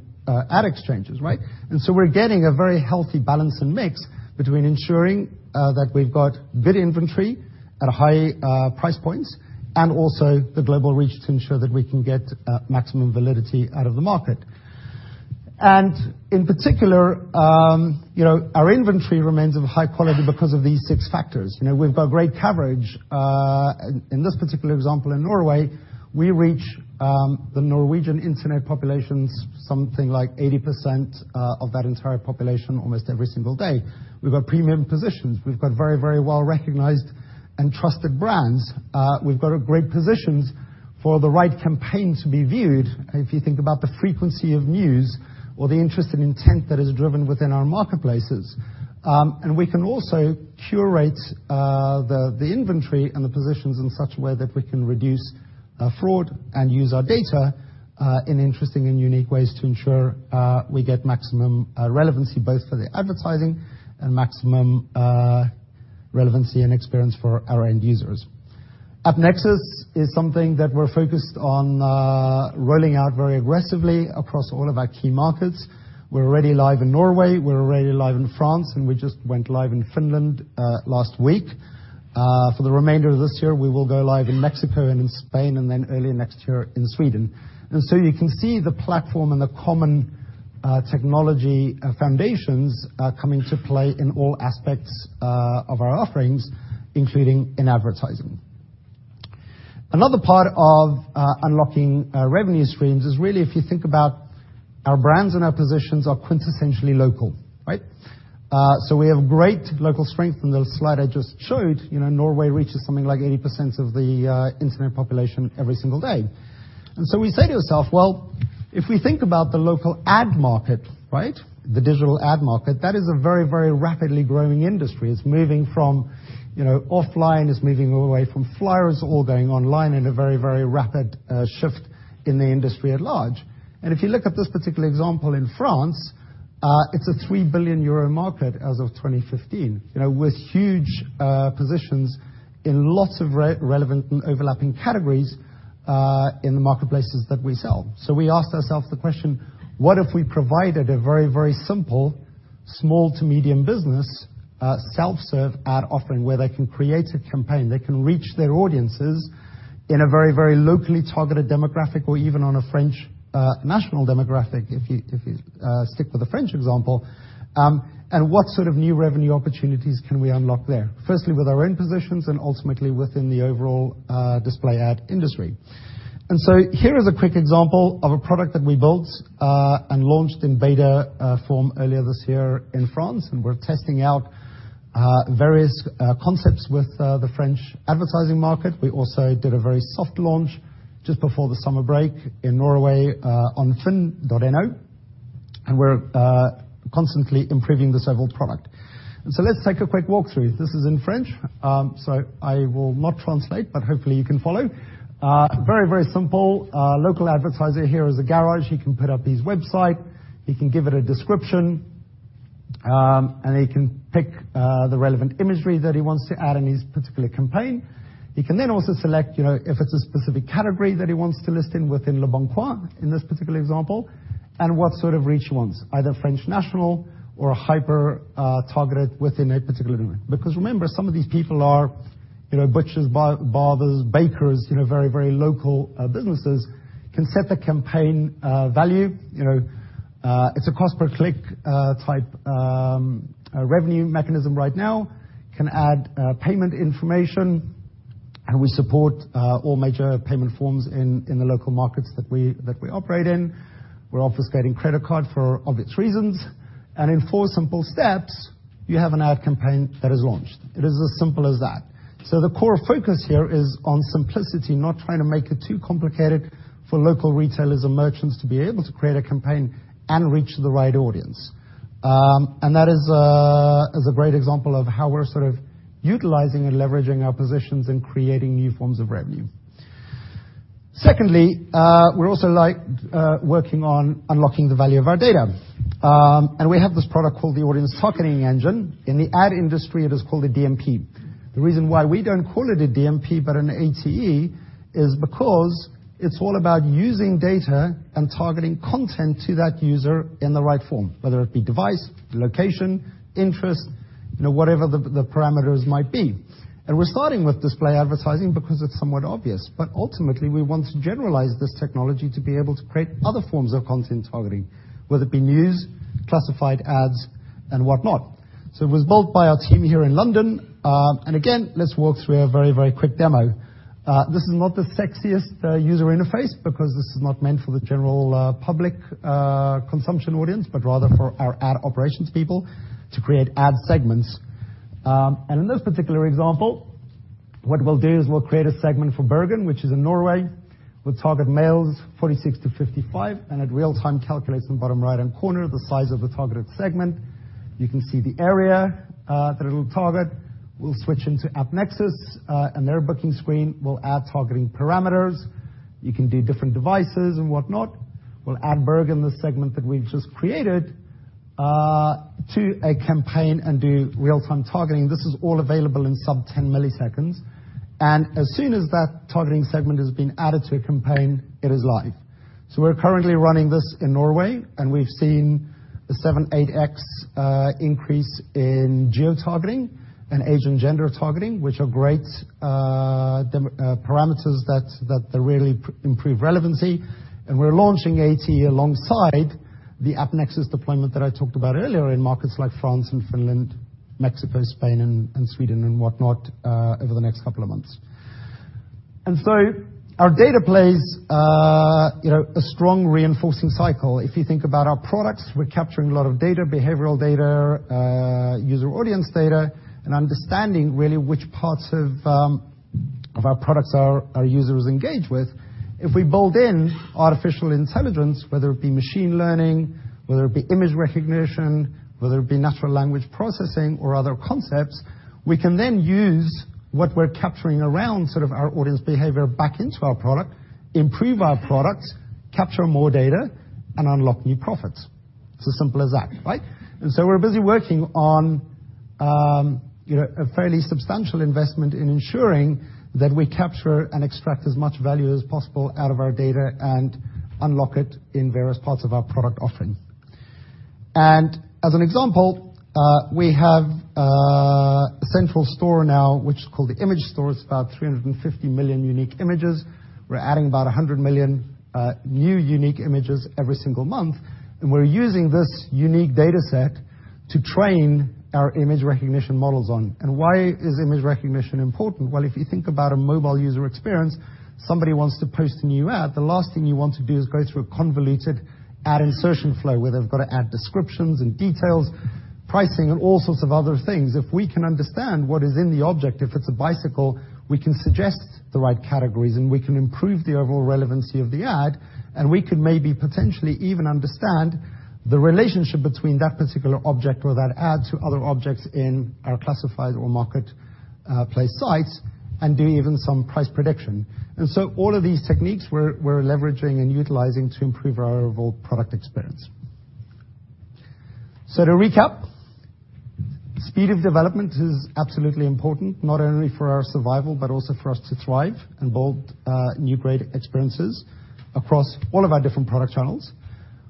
ad exchanges. We're getting a very healthy balance and mix between ensuring that we've got bid inventory at high price points and also the global reach to ensure that we can get maximum validity out of the market. In particular, you know, our inventory remains of high quality because of these six factors. You know, we've got great coverage. In this particular example in Norway, we reach the Norwegian Internet populations, something like 80% of that entire population almost every single day. We've got premium positions. We've got very, very well-recognized and trusted brands. We've got great positions for the right campaign to be viewed, if you think about the frequency of news or the interest and intent that is driven within our marketplaces. We can also curate the inventory and the positions in such a way that we can reduce fraud and use our data in interesting and unique ways to ensure we get maximum relevancy both for the advertising and maximum relevancy and experience for our end users. AppNexus is something that we're focused on, rolling out very aggressively across all of our key markets. We're already live in Norway, we're already live in France, and we just went live in Finland last week. For the remainder of this year, we will go live in Mexico and in Spain, and then early next year in Sweden. You can see the platform and the common technology foundations come into play in all aspects of our offerings, including in advertising. Another part of unlocking revenue streams is really if you think about our brands and our positions are quintessentially local, right? We have great local strength in the slide I just showed. You know, Norway reaches something like 80% of the internet population every single day. We say to yourself, well, if we think about the local ad market, right, the digital ad market, that is a very, very rapidly growing industry. It's moving from, you know, offline, it's moving away from flyers, all going online in a very, very rapid shift in the industry at large. If you look at this particular example in France, it's a 3 billion euro market as of 2015. You know, with huge positions in lots of re-relevant and overlapping categories in the marketplaces that we sell. We asked ourselves the question, what if we provided a very, very simple SME self-serve ad offering where they can create a campaign, they can reach their audiences in a very, very locally targeted demographic or even on a French national demographic, if you stick with the French example. What sort of new revenue opportunities can we unlock there, firstly with our own positions and ultimately within the overall display ad industry. Here is a quick example of a product that we built and launched in beta form earlier this year in France, and we're testing out various concepts with the French advertising market. We also did a very soft launch just before the summer break in Norway on FINN.no, and we're constantly improving the several product. Let's take a quick walk through. This is in French, I will not translate, but hopefully you can follow. Very, very simple. Local advertiser here is a garage. He can put up his website, he can give it a description, and he can pick the relevant imagery that he wants to add in his particular campaign. He can then also select, you know, if it's a specific category that he wants to list in within leboncoin in this particular example, and what sort of reach he wants, either French national or hyper targeted within a particular domain. Remember, some of these people are, you know, butchers, barbers, bakers, you know, very, very local businesses. Can set the campaign value. You know, it's a cost per click type revenue mechanism right now. Can add payment information, and we support all major payment forms in the local markets that we operate in. We're obfuscating credit card for obvious reasons. In 4 simple steps, you have an ad campaign that is launched. It is as simple as that. The core focus here is on simplicity, not trying to make it too complicated for local retailers and merchants to be able to create a campaign and reach the right audience. That is a great example of how we're sort of utilizing and leveraging our positions and creating new forms of revenue. Secondly, we're also like working on unlocking the value of our data. We have this product called the Audience Targeting Engine. In the ad industry, it is called a DMP. The reason why we don't call it a DMP but an ATE is because it's all about using data and targeting content to that user in the right form, whether it be device, location, interest, you know, whatever the parameters might be. We're starting with display advertising because it's somewhat obvious. Ultimately, we want to generalize this technology to be able to create other forms of content targeting, whether it be news, classified ads and whatnot. It was built by our team here in London. Again, let's walk through a very, very quick demo. This is not the sexiest user interface because this is not meant for the general public consumption audience, but rather for our ad operations people to create ad segments. In this particular example, what we'll do is we'll create a segment for Bergen, which is in Norway. We'll target males 46-55, and it real-time calculates in the bottom right-hand corner the size of the targeted segment. You can see the area that it'll target. We'll switch into AppNexus and their booking screen. We'll add targeting parameters. You can do different devices and whatnot. We'll add Bergen, the segment that we've just created, to a campaign and do real-time targeting. This is all available in sub-10 milliseconds. As soon as that targeting segment has been added to a campaign, it is live. We're currently running this in Norway, and we've seen a 7, 8x increase in geotargeting and age and gender targeting, which are great parameters that really improve relevancy. We're launching ATE alongside the AppNexus deployment that I talked about earlier in markets like France and Finland, Mexico, Spain and Sweden and whatnot, over the next couple of months. Our data plays, you know, a strong reinforcing cycle. If you think about our products, we're capturing a lot of data, behavioral data, user audience data, and understanding really which parts of our products our users engage with. If we build in artificial intelligence, whether it be machine learning, whether it be image recognition, whether it be natural language processing or other concepts, we can then use what we're capturing around sort of our audience behavior back into our product, improve our products, capture more data, and unlock new profits. It's as simple as that, right? We're busy working on, you know, a fairly substantial investment in ensuring that we capture and extract as much value as possible out of our data and unlock it in various parts of our product offering. As an example, we have a central store now, which is called the Image Store. It's about 350 million unique images. We're adding about 100 million new unique images every single month. We're using this unique dataset to train our image recognition models on. Why is image recognition important? Well, if you think about a mobile user experience, somebody wants to post a new ad, the last thing you want to do is go through a convoluted ad insertion flow, where they've got to add descriptions and details, pricing, and all sorts of other things. If we can understand what is in the object, if it's a bicycle, we can suggest the right categories, and we can improve the overall relevancy of the ad, and we could maybe potentially even understand the relationship between that particular object or that ad to other objects in our classified or marketplace sites and do even some price prediction. All of these techniques we're leveraging and utilizing to improve our overall product experience. To recap, speed of development is absolutely important, not only for our survival, but also for us to thrive and build new great experiences across all of our different product channels.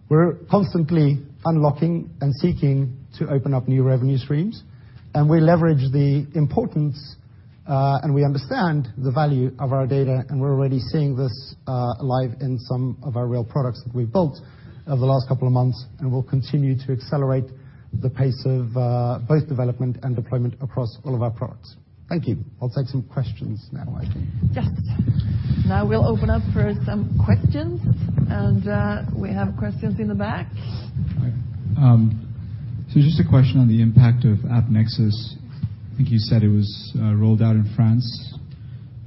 We're constantly unlocking and seeking to open up new revenue streams, and we leverage the importance, and we understand the value of our data, and we're already seeing this, live in some of our real products that we've built over the last couple of months. We'll continue to accelerate the pace of, both development and deployment across all of our products. Thank you. I'll take some questions now, I think. Yes. Now we'll open up for some questions. We have questions in the back. Just a question on the impact of AppNexus. I think you said it was rolled out in France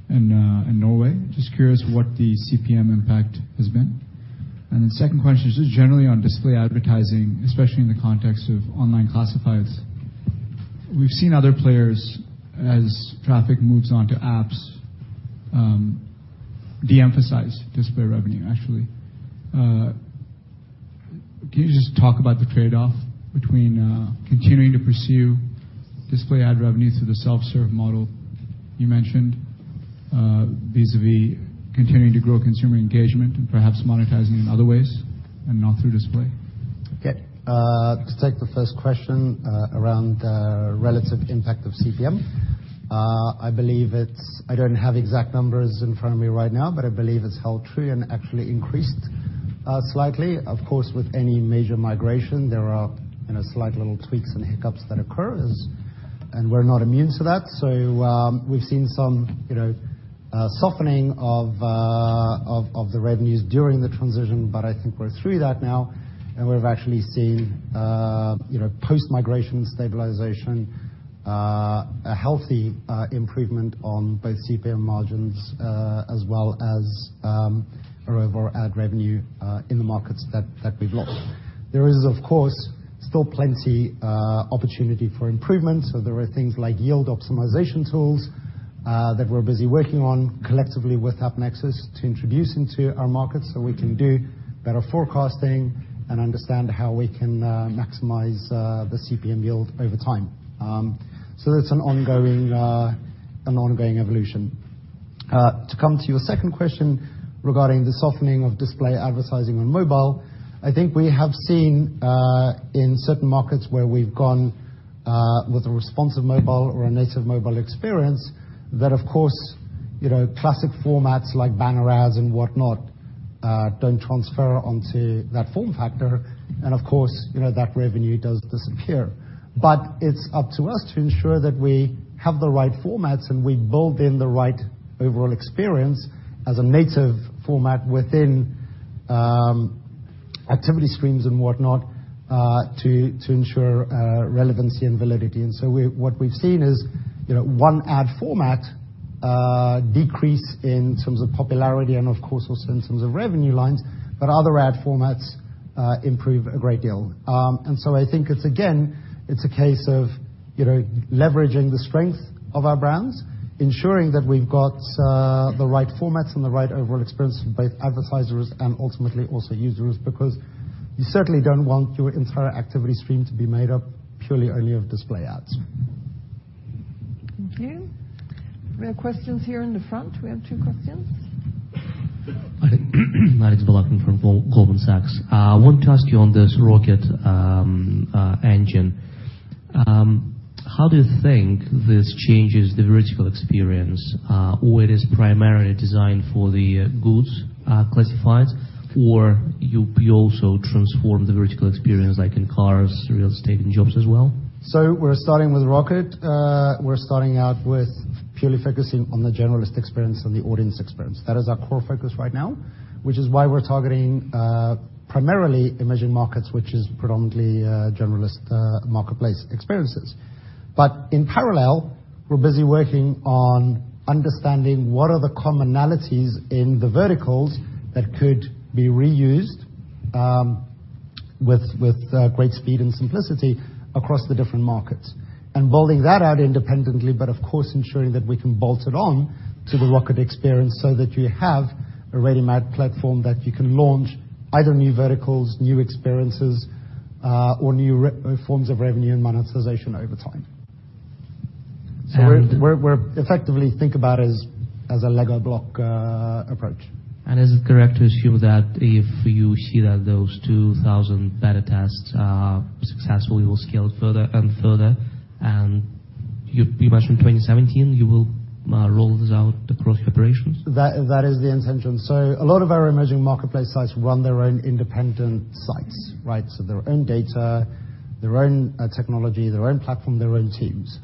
and Norway. Just curious what the CPM impact has been. Second question is just generally on display advertising, especially in the context of online classifieds. We've seen other players, as traffic moves on to apps, de-emphasize display revenue, actually. Can you just talk about the trade-off between continuing to pursue display ad revenue through the self-serve model you mentioned, vis-à-vis continuing to grow consumer engagement and perhaps monetizing in other ways and not through display? To take the first question, around the relative impact of CPM, I believe it's. I don't have exact numbers in front of me right now, but I believe it's held true and actually increased slightly. Of course, with any major migration, there are, you know, slight little tweaks and hiccups that occur as. We're not immune to that. We've seen some, you know, softening of the revenues during the transition, I think we're through that now. We've actually seen, you know, post-migration stabilization, a healthy improvement on both CPM margins, as well as of our ad revenue in the markets that we've launched. There is, of course, still plenty opportunity for improvement. There are things like yield optimization tools that we're busy working on collectively with AppNexus to introduce into our markets, so we can do better forecasting and understand how we can maximize the CPM yield over time. That's an ongoing an ongoing evolution. To come to your second question regarding the softening of display advertising on mobile. I think we have seen in certain markets where we've gone with a responsive mobile or a native mobile experience that, of course, you know, classic formats like banner ads and whatnot, don't transfer onto that form factor. Of course, you know, that revenue does disappear. It's up to us to ensure that we have the right formats, and we build in the right overall experience as a native format within activity streams and whatnot, to ensure relevancy and validity. What we've seen is, you know, one ad format decrease in terms of popularity and of course also in terms of revenue lines, but other ad formats improve a great deal. I think it's again, it's a case of, you know, leveraging the strength of our brands, ensuring that we've got the right formats and the right overall experience for both advertisers and ultimately also users. You certainly don't want your entire activity stream to be made up purely only of display ads. Thank you. We have questions here in the front. We have two questions. Hi. Nadim Belakhdim from Goldman Sachs. I want to ask you on this Rocket engine. How do you think this changes the vertical experience? Or it is primarily designed for the goods classifieds? Or you'll be also transform the vertical experience like in cars, real estate, and jobs as well? We're starting with Rocket. We're starting out with purely focusing on the generalist experience and the audience experience. That is our core focus right now, which is why we're targeting primarily emerging markets, which is predominantly generalist marketplace experiences. In parallel, we're busy working on understanding what are the commonalities in the verticals that could be reused with great speed and simplicity across the different markets. Building that out independently, but of course, ensuring that we can bolt it on to the Rocket experience so that you have a ready-made platform that you can launch either new verticals, new experiences or new forms of revenue and monetization over time. And- We're effectively think about it as a Lego block approach. Is it correct to assume that if you see that those 2,000 beta tests are successful, you will scale further and further, and you mentioned 2017, you will roll this out across your operations? That is the intention. A lot of our emerging marketplace sites run their own independent sites, right? Their own data, their own technology, their own platform, their own teams.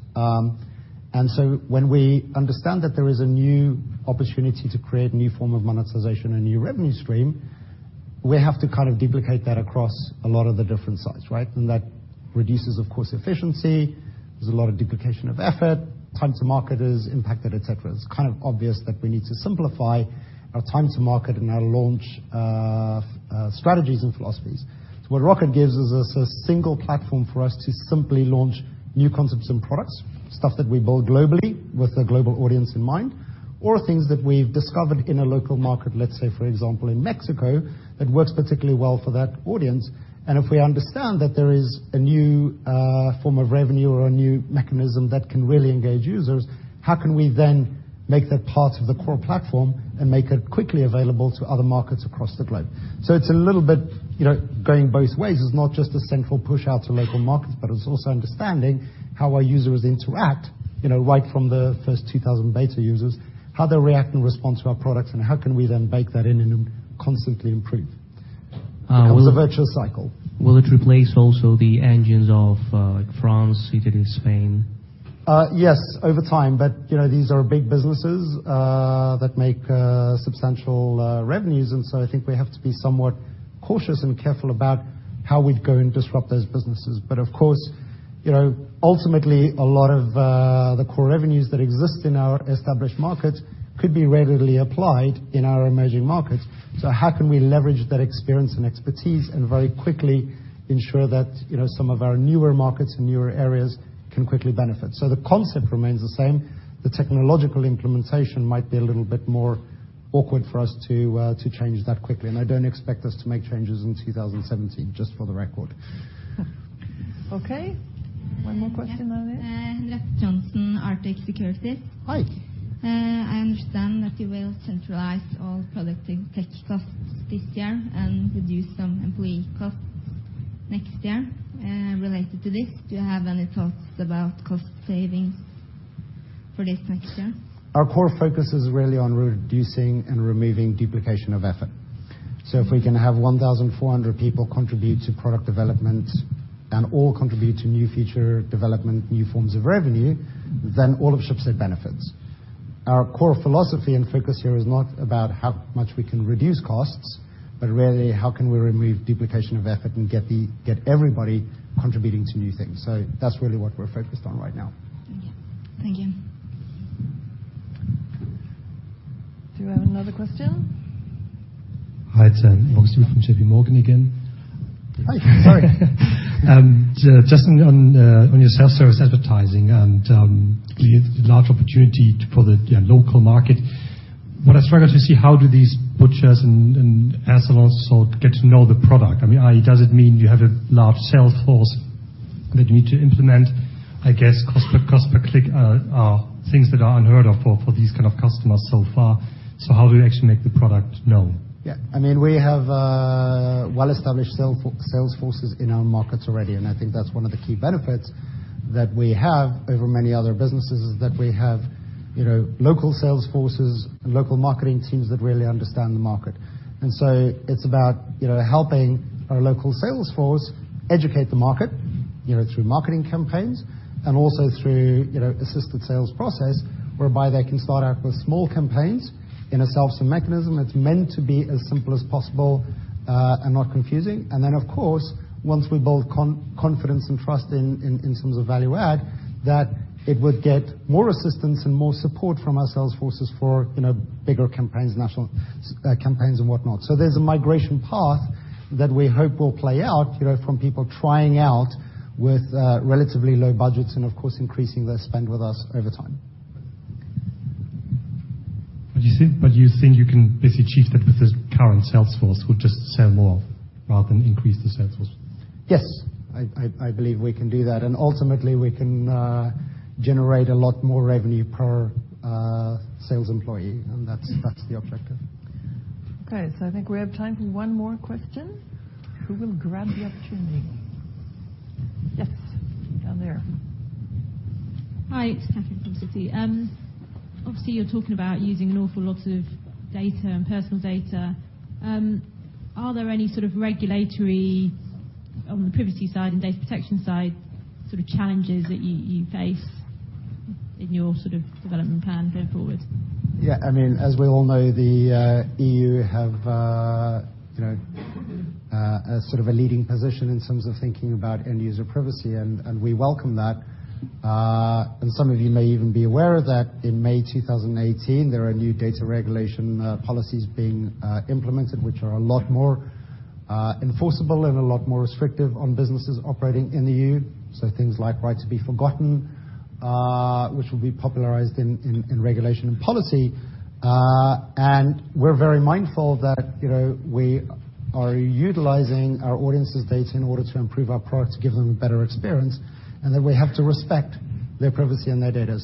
When we understand that there is a new opportunity to create a new form of monetization and new revenue stream, we have to kind of duplicate that across a lot of the different sites, right? That reduces, of course, efficiency. There's a lot of duplication of effort, time to market is impacted, et cetera. It's kind of obvious that we need to simplify our time to market and our launch strategies and philosophies. What Rocket gives us is a single platform for us to simply launch new concepts and products, stuff that we build globally with a global audience in mind, or things that we've discovered in a local market, let's say for example, in Mexico, that works particularly well for that audience. If we understand that there is a new form of revenue or a new mechanism that can really engage users, how can we then make that part of the core platform and make it quickly available to other markets across the globe? It's a little bit, you know, going both ways. It's not just a central push out to local markets, it's also understanding how our users interact, you know, right from the first 2,000 beta users, how they react and respond to our products, and how can we then bake that in and constantly improve. Uh, will- It becomes a virtual cycle. Will it replace also the engines of, like France, Italy, Spain? Yes, over time, but, you know, these are big businesses that make substantial revenues. I think we have to be somewhat cautious and careful about how we'd go and disrupt those businesses. Of course, you know, ultimately, a lot of the core revenues that exist in our established markets could be readily applied in our emerging markets. How can we leverage that experience and expertise and very quickly ensure that, you know, some of our newer markets and newer areas can quickly benefit? The concept remains the same. The technological implementation might be a little bit more awkward for us to to change that quickly. I don't expect us to make changes in 2017, just for the record. Okay. One more question over here. Yes. Henriette Trond, Arctic Securities. Hi. I understand that you will centralize all product and tech costs this year and reduce some employee costs next year. Related to this, do you have any thoughts about cost savings for this next year? Our core focus is really on reducing and removing duplication of effort. If we can have 1,400 people contribute to product development and all contribute to new feature development, new forms of revenue, all of Schibsted benefits. Our core philosophy and focus here is not about how much we can reduce costs, really how can we remove duplication of effort and get everybody contributing to new things. That's really what we're focused on right now. Thank you. Do we have another question? Hi, it's Markus Diebel Hi. Sorry. Just on your self-service advertising and, you know, the large opportunity for the local market. I struggle to see how do these get to know the product. I mean, does it mean you have a large sales force that you need to implement? I guess cost per click are things that are unheard of for these kind of customers so far. How do you actually make the product known? I mean, we have well-established sales forces in our markets already. I think that's one of the key benefits that we have over many other businesses is that we have, you know, local sales forces and local marketing teams that really understand the market. It's about, you know, helping our local sales force educate the market, you know, through marketing campaigns and also through, you know, assisted sales process whereby they can start out with small campaigns in a self-serve mechanism that's meant to be as simple as possible and not confusing. Then, of course, once we build confidence and trust in terms of value add, that it would get more assistance and more support from our sales forces for, you know, bigger campaigns, national campaigns and whatnot. There's a migration path that we hope will play out, you know, from people trying out with, relatively low budgets and of course increasing their spend with us over time. You think you can basically achieve that with the current sales force will just sell more rather than increase the sales force? Yes. I believe we can do that, and ultimately we can generate a lot more revenue per sales employee, and that's the objective. Okay. I think we have time for one more question. Who will grab the opportunity? Yes, down there. Hi, it's Catherine from Citi. Obviously you're talking about using an awful lot of data and personal data. Are there any sort of regulatory on the privacy side and data protection side sort of challenges that you face in your sort of development plan going forward? Yeah, I mean, as we all know, the EU have, you know, a sort of a leading position in terms of thinking about end user privacy, and we welcome that. Some of you may even be aware of that in May 2018, there are new data regulation policies being implemented, which are a lot more enforceable and a lot more restrictive on businesses operating in the EU. Things like right to be forgotten, which will be popularized in regulation and policy. We're very mindful that, you know, we are utilizing our audience's data in order to improve our product, to give them a better experience, and that we have to respect their privacy and their data.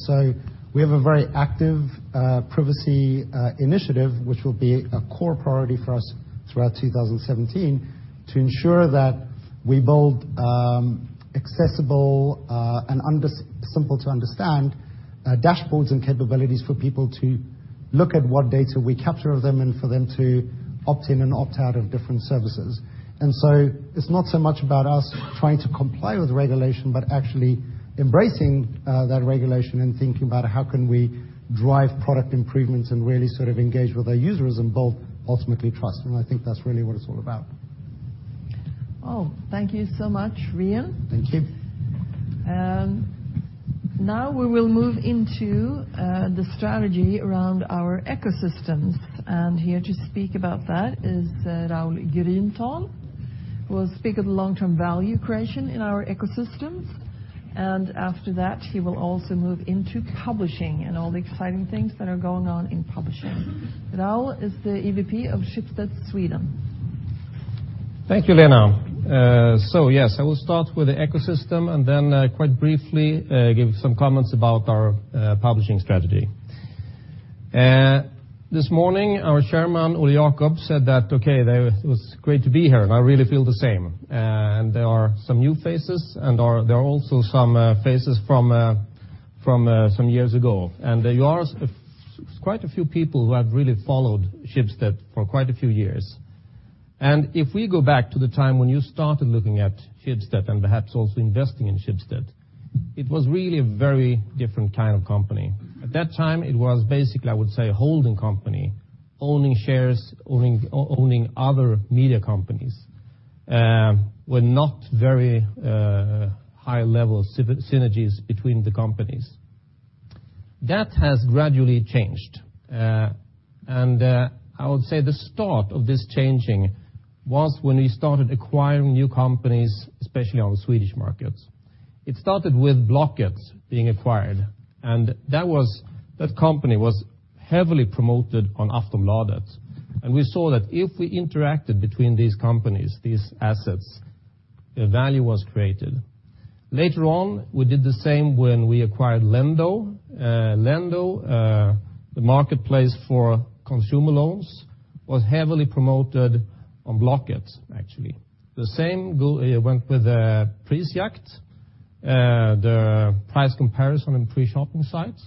We have a very active privacy initiative, which will be a core priority for us throughout 2017 to ensure that we build accessible and simple to understand dashboards and capabilities for people to look at what data we capture of them and for them to opt in and opt out of different services. It's not so much about us trying to comply with regulation, but actually embracing that regulation and thinking about how can we drive product improvements and really sort of engage with our users and build ultimately trust. I think that's really what it's all about. Oh, thank you so much, Rian. Thank you. Now we will move into the strategy around our ecosystems. Here to speak about that is Raul Grünthal, who will speak of the long-term value creation in our ecosystems. After that, he will also move into publishing and all the exciting things that are going on in publishing. Raul is the EVP of Schibsted Sweden. Thank you, Lena. Yes, I will start with the ecosystem and then quite briefly give some comments about our publishing strategy. This morning our Chairman, Ole Jacob, said it was great to be here, and I really feel the same. There are some new faces and there are also some faces from some years ago. There are quite a few people who have really followed Schibsted for quite a few years. If we go back to the time when you started looking at Schibsted and perhaps also investing in Schibsted, it was really a very different kind of company. At that time, it was basically, I would say, a holding company, owning shares, owning other media companies, with not very high level synergies between the companies. That has gradually changed. I would say the start of this changing was when we started acquiring new companies, especially on the Swedish markets. It started with Blocket being acquired, that company was heavily promoted on Aftonbladet. We saw that if we interacted between these companies, these assets, a value was created. Later on, we did the same when we acquired Lendo. Lendo, the marketplace for consumer loans, was heavily promoted on Blocket, actually. The same went with Prisjakt, the price comparison and pre-shopping sites.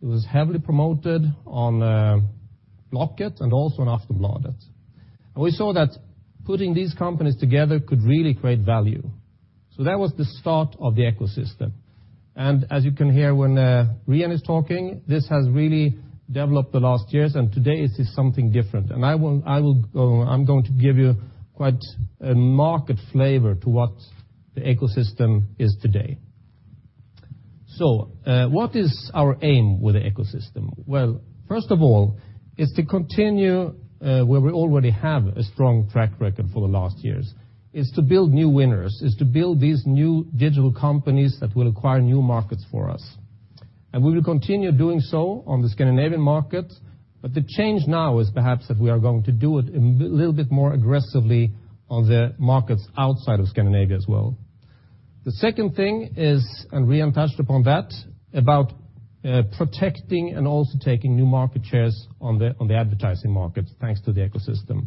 It was heavily promoted on Blocket and also on Aftonbladet. We saw that putting these companies together could really create value. That was the start of the ecosystem. As you can hear when Rian is talking, this has really developed the last years, and today it is something different. I'm going to give you quite a market flavor to what the ecosystem is today. What is our aim with the ecosystem? First of all, it's to continue where we already have a strong track record for the last years. It's to build new winners. It's to build these new digital companies that will acquire new markets for us. We will continue doing so on the Scandinavian market, but the change now is perhaps that we are going to do it a little bit more aggressively on the markets outside of Scandinavia as well. The second thing is, we haven't touched upon that, about protecting and also taking new market shares on the advertising markets, thanks to the ecosystem.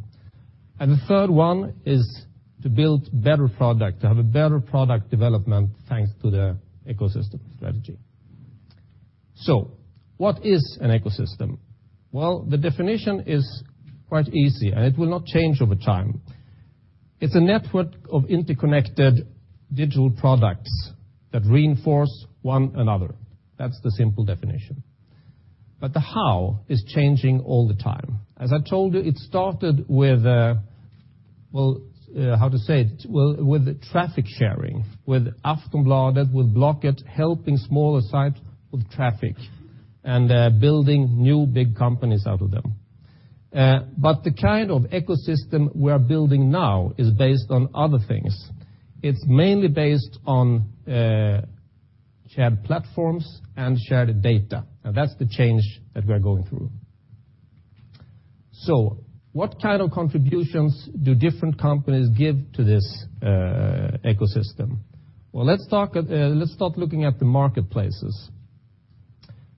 The third one is to build better product, to have a better product development, thanks to the ecosystem strategy. What is an ecosystem? Well, the definition is quite easy, and it will not change over time. It's a network of interconnected digital products that reinforce one another. That's the simple definition. The how is changing all the time. As I told you, it started with, well, how to say it? Well, with the traffic sharing, with Aftonbladet, with Blocket, helping smaller sites with traffic, and building new big companies out of them. The kind of ecosystem we are building now is based on other things. It's mainly based on shared platforms and shared data. That's the change that we are going through. What kind of contributions do different companies give to this ecosystem? Let's start looking at the marketplaces.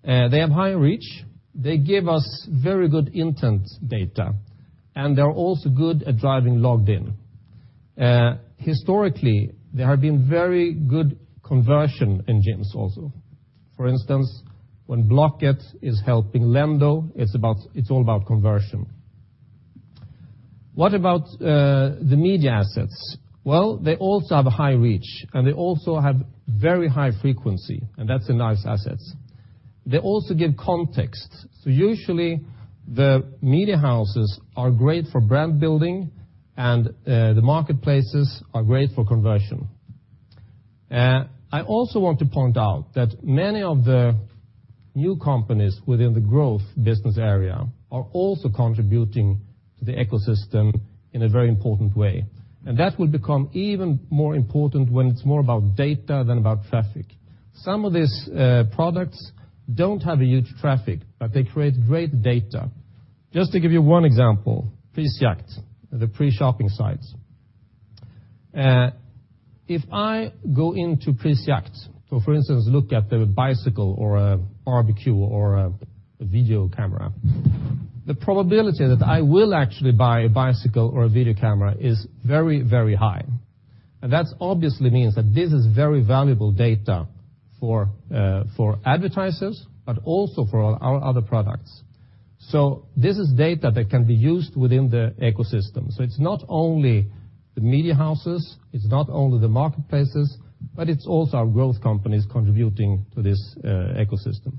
They have high reach. They give us very good intent data, and they're also good at driving logged in. Historically, they have been very good conversion engines also. For instance, when Blocket is helping Lendo, it's all about conversion. What about the media assets? They also have a high reach, and they also have very high frequency, and that's a nice asset. They also give context. Usually, the media houses are great for brand building and the marketplaces are great for conversion. I also want to point out that many of the new companies within the growth business area are also contributing to the ecosystem in a very important way. That will become even more important when it's more about data than about traffic. Some of these products don't have a huge traffic, but they create great data. Just to give you one example, Prisjakt, the pre-shopping sites. If I go into Prisjakt, so for instance, look at the bicycle or a BBQ or a video camera, the probability that I will actually buy a bicycle or a video camera is very, very high. That obviously means that this is very valuable data for advertisers, but also for our other products. This is data that can be used within the ecosystem. It's not only the media houses, it's not only the marketplaces, but it's also our growth companies contributing to this ecosystem.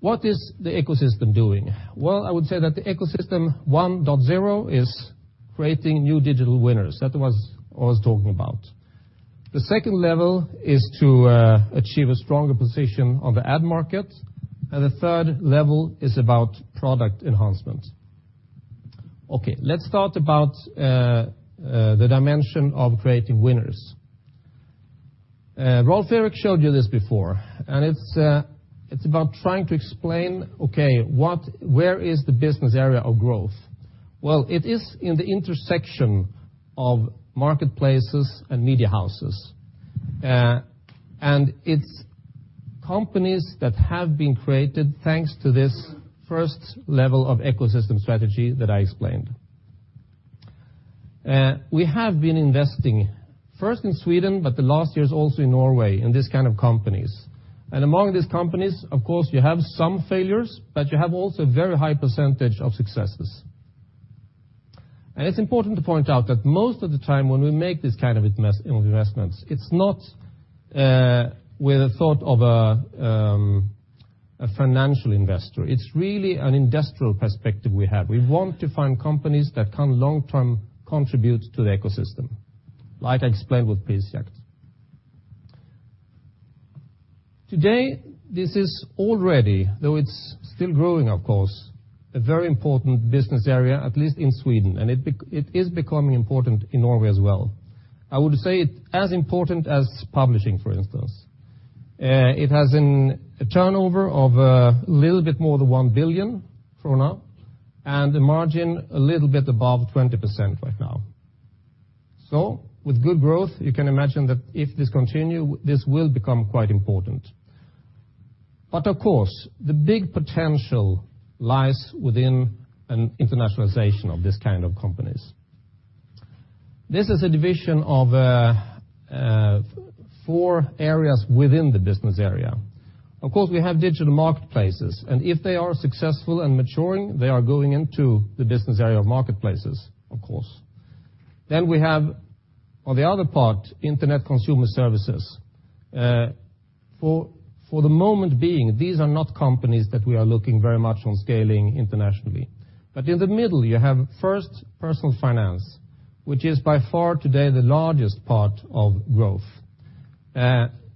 What is the ecosystem doing? Well, I would say that the ecosystem 1.0 is creating new digital winners. That was what I was talking about. The second level is to achieve a stronger position on the ad market. The third level is about product enhancement. Okay, let's talk about the dimension of creating winners. Rolv Erik showed you this before, and it's about trying to explain, okay, where is the business area of growth? Well, it is in the intersection of marketplaces and media houses. It's companies that have been created thanks to this first level of ecosystem strategy that I explained. We have been investing, first in Sweden, but the last years also in Norway, in these kind of companies. Among these companies, of course, you have some failures, but you have also a very high % of successes. It's important to point out that most of the time when we make these kind of investments, it's not with a thought of a financial investor. It's really an industrial perspective we have. We want to find companies that can long-term contribute to the ecosystem, like I explained with Prisjakt. Today, this is already, though it's still growing, of course, a very important business area, at least in Sweden. It is becoming important in Norway as well. I would say it as important as publishing, for instance. It has a turnover of a little bit more than 1 billion NOK, and a margin a little bit above 20% right now. With good growth, you can imagine that if this continue, this will become quite important. Of course, the big potential lies within an internationalization of this kind of companies. This is a division of four areas within the business area. Of course, we have digital marketplaces, and if they are successful and maturing, they are going into the business area of marketplaces, of course. We have, on the other part, internet consumer services. For the moment being, these are not companies that we are looking very much on scaling internationally. In the middle, you have first personal finance, which is by far today the largest part of growth.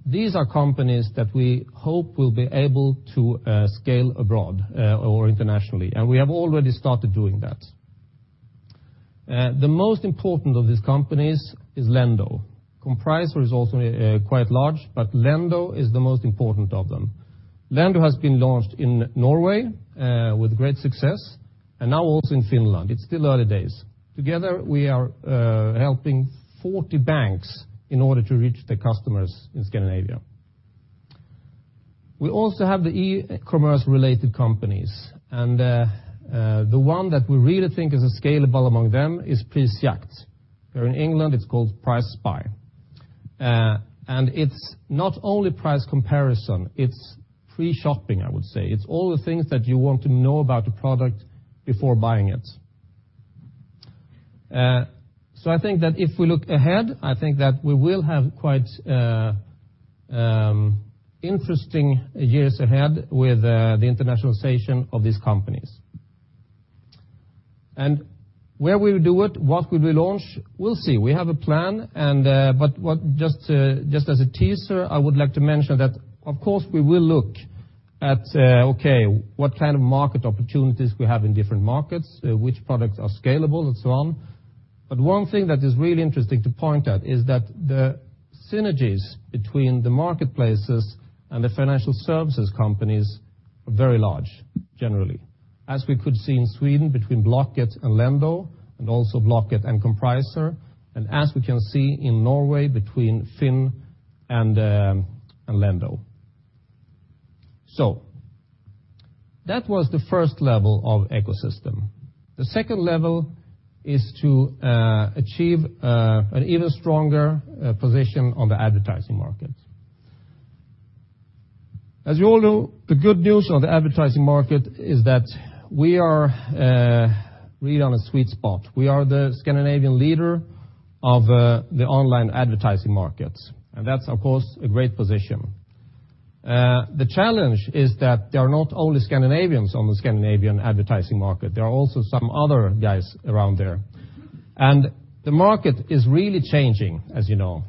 These are companies that we hope will be able to scale abroad or internationally, and we have already started doing that. The most important of these companies is Lendo. Compricer is also quite large, but Lendo is the most important of them. Lendo has been launched in Norway with great success, and now also in Finland. It's still early days. Together, we are helping 40 banks in order to reach the customers in Scandinavia. We also have the e-commerce related companies, and the one that we really think is a scalable among them is Prisjakt, or in England it's called PriceSpy. It's not only price comparison, it's free shopping, I would say. It's all the things that you want to know about a product before buying it. I think that if we look ahead, I think that we will have quite interesting years ahead with the internationalization of these companies. Where we will do it, what will we launch? We'll see. We have a plan, what just as a teaser, I would like to mention that of course, we will look at, okay, what kind of market opportunities we have in different markets, which products are scalable and so on. One thing that is really interesting to point out is that the synergies between the marketplaces and the financial services companies are very large, generally. As we could see in Sweden between Blocket and Lendo, also Blocket and Compricer, and as we can see in Norway between FINN.no and Lendo. That was the first level of ecosystem. The second level is to achieve an even stronger position on the advertising market. As you all know, the good news on the advertising market is that we are really on a sweet spot. We are the Scandinavian leader of the online advertising markets, and that's of course, a great position. The challenge is that there are not only Scandinavians on the Scandinavian advertising market, there are also some other guys around there. The market is really changing, as you know.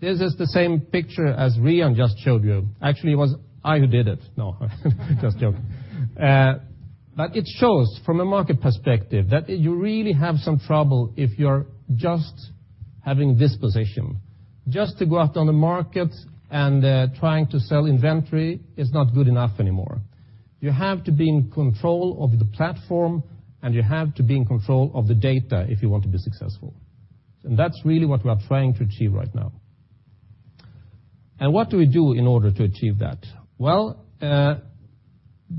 This is the same picture as Rian just showed you. Actually, it was I who did it. No, just joking. It shows from a market perspective that you really have some trouble if you're just having this position. Just to go out on the market and trying to sell inventory is not good enough anymore. You have to be in control of the platform, you have to be in control of the data if you want to be successful. That's really what we are trying to achieve right now. What do we do in order to achieve that? Well,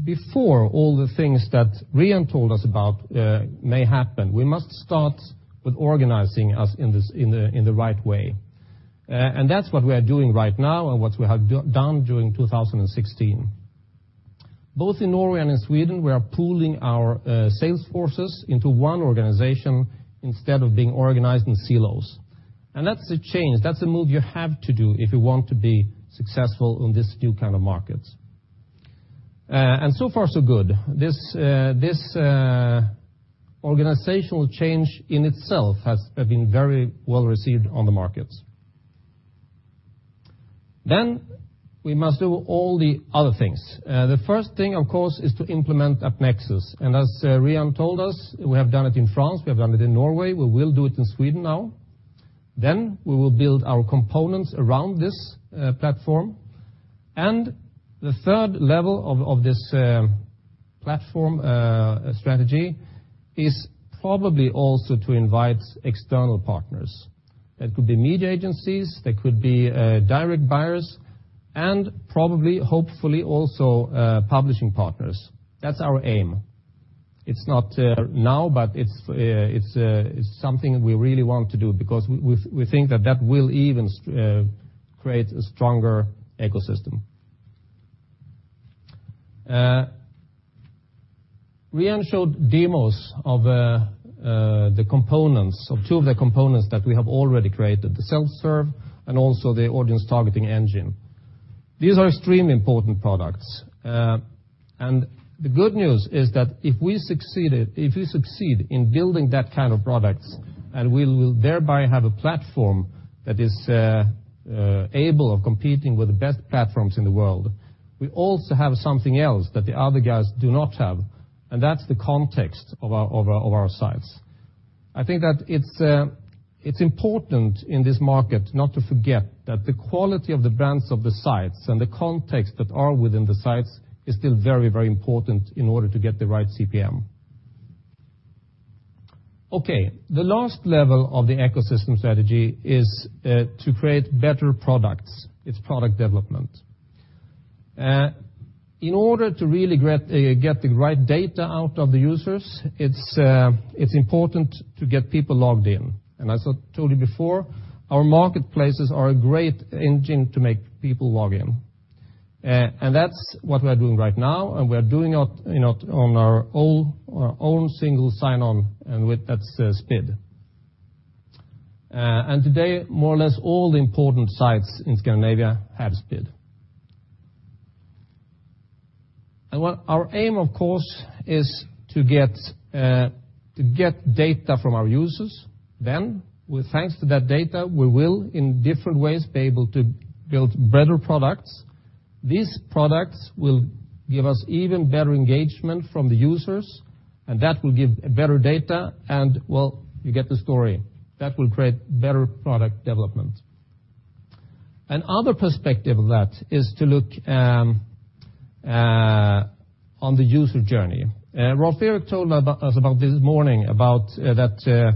before all the things that Rian told us about, may happen, we must start with organizing us in the right way. That's what we are doing right now and what we have done during 2016. Both in Norway and in Sweden, we are pooling our sales forces into one organization instead of being organized in silos. That's a change. That's a move you have to do if you want to be successful in this new kind of markets. So far, so good. This organizational change in itself has been very well received on the markets. We must do all the other things. The first thing, of course, is to implement AppNexus. As Rian told us, we have done it in France, we have done it in Norway, we will do it in Sweden now. We will build our components around this platform. The third level of this platform strategy is probably also to invite external partners. That could be media agencies, that could be direct buyers, and probably, hopefully, also publishing partners. That's our aim. It's not now, but it's, it's something we really want to do because we think that will even create a stronger ecosystem. Rian showed demos of the components, of two of the components that we have already created, the self-serve and also the Audience Targeting Engine. These are extremely important products. The good news is that if we succeed in building that kind of products, we will thereby have a platform that is able of competing with the best platforms in the world, we also have something else that the other guys do not have, and that's the context of our sites. I think that it's important in this market not to forget that the quality of the brands of the sites and the context that are within the sites is still very, very important in order to get the right CPM. Okay. The last level of the ecosystem strategy is to create better products. It's product development. In order to really get the right data out of the users, it's important to get people logged in. As I told you before, our marketplaces are a great engine to make people log in. That's what we are doing right now, and we are doing it, you know, on our own, our own single sign-on, and with that's SPID. Today, more or less all the important sites in Scandinavia have SPID. What our aim, of course, is to get data from our users. With thanks to that data, we will, in different ways, be able to build better products. These products will give us even better engagement from the users, and that will give better data and, well, you get the story. That will create better product development. Another perspective of that is to look on the user journey. Rolf-Erik told us about this morning about that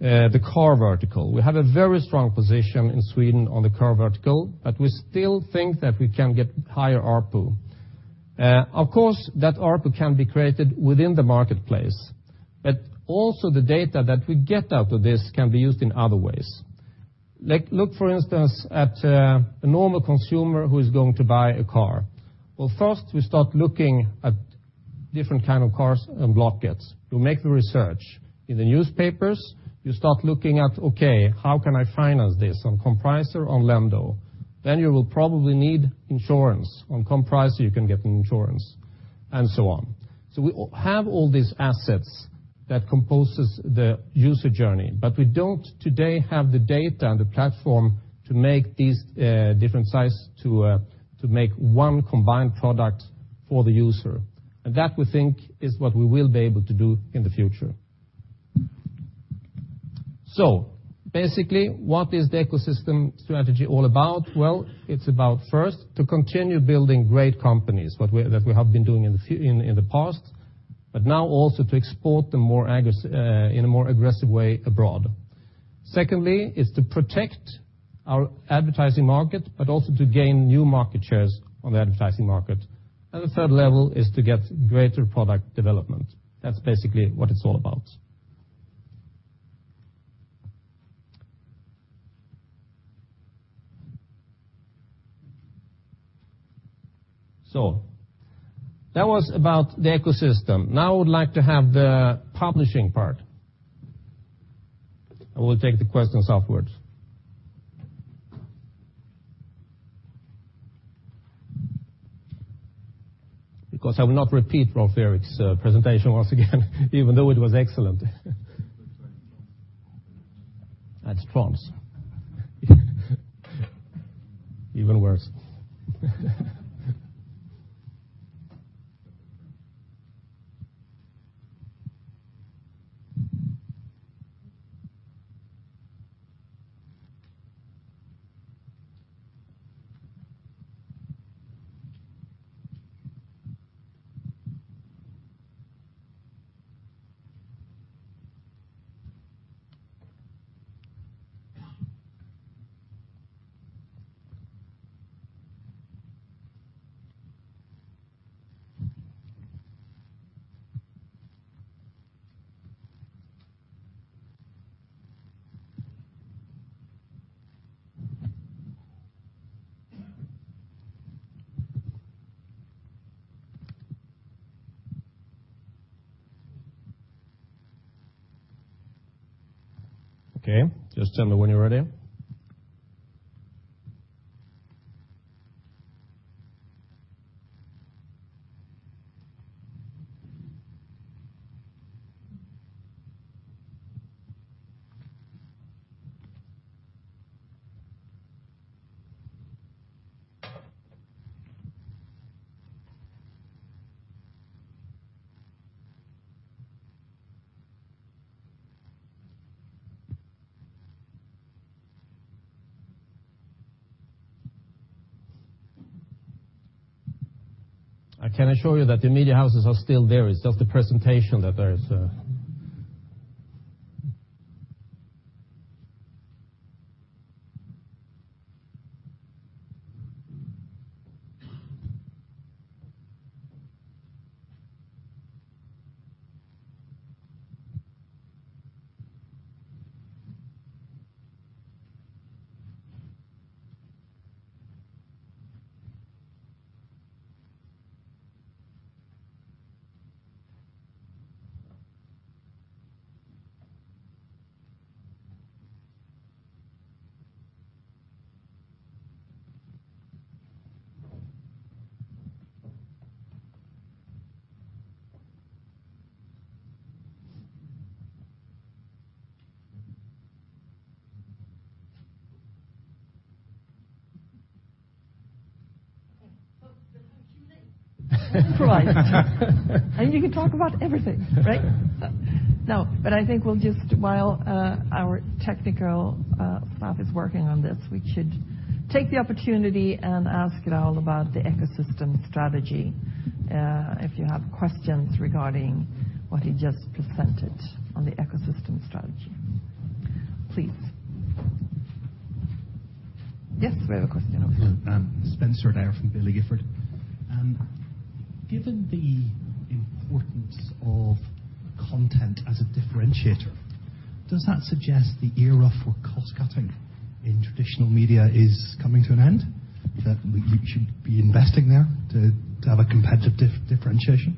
the car vertical. We have a very strong position in Sweden on the car vertical, but we still think that we can get higher ARPU. Of course, that ARPU can be created within the marketplace, but also the data that we get out of this can be used in other ways. Look, for instance, at a normal consumer who is going to buy a car. First we start looking at different kind of cars on Blocket. You make the research. In the newspapers, you start looking at, okay, how can I finance this? On Compricer, on Lendo. You will probably need insurance. On Compricer, you can get an insurance, and so on. We all have all these assets that composes the user journey, but we don't today have the data and the platform to make these different sites to make one combined product for the user. That we think is what we will be able to do in the future. Basically, what is the ecosystem strategy all about? Well, it's about first, to continue building great companies, that we have been doing in the past, but now also to export them in a more aggressive way abroad. Secondly, is to protect our advertising market, but also to gain new market shares on the advertising market. The third level is to get greater product development. That's basically what it's all about. That was about the ecosystem. Now I would like to have the publishing part. I will take the questions afterwards. I will not repeat Rolf-Erik's presentation once again, even though it was excellent. That's Trump's. Even worse. Just tell me when you're ready. I can assure you that the media houses are still there. It's just the presentation that there is... Oh, we're too late. Right. You can talk about everything, right? No, I think we'll just-- while our technical staff is working on this, we should take the opportunity and ask Raul about the ecosystem strategy. If you have questions regarding what he just presented on the ecosystem strategy. Please. Yes, we have a question over here. Spencer Adair from Baillie Gifford. Given the importance of content as a differentiator, does that suggest the era for cost-cutting in traditional media is coming to an end, that we should be investing there to have a competitive differentiation?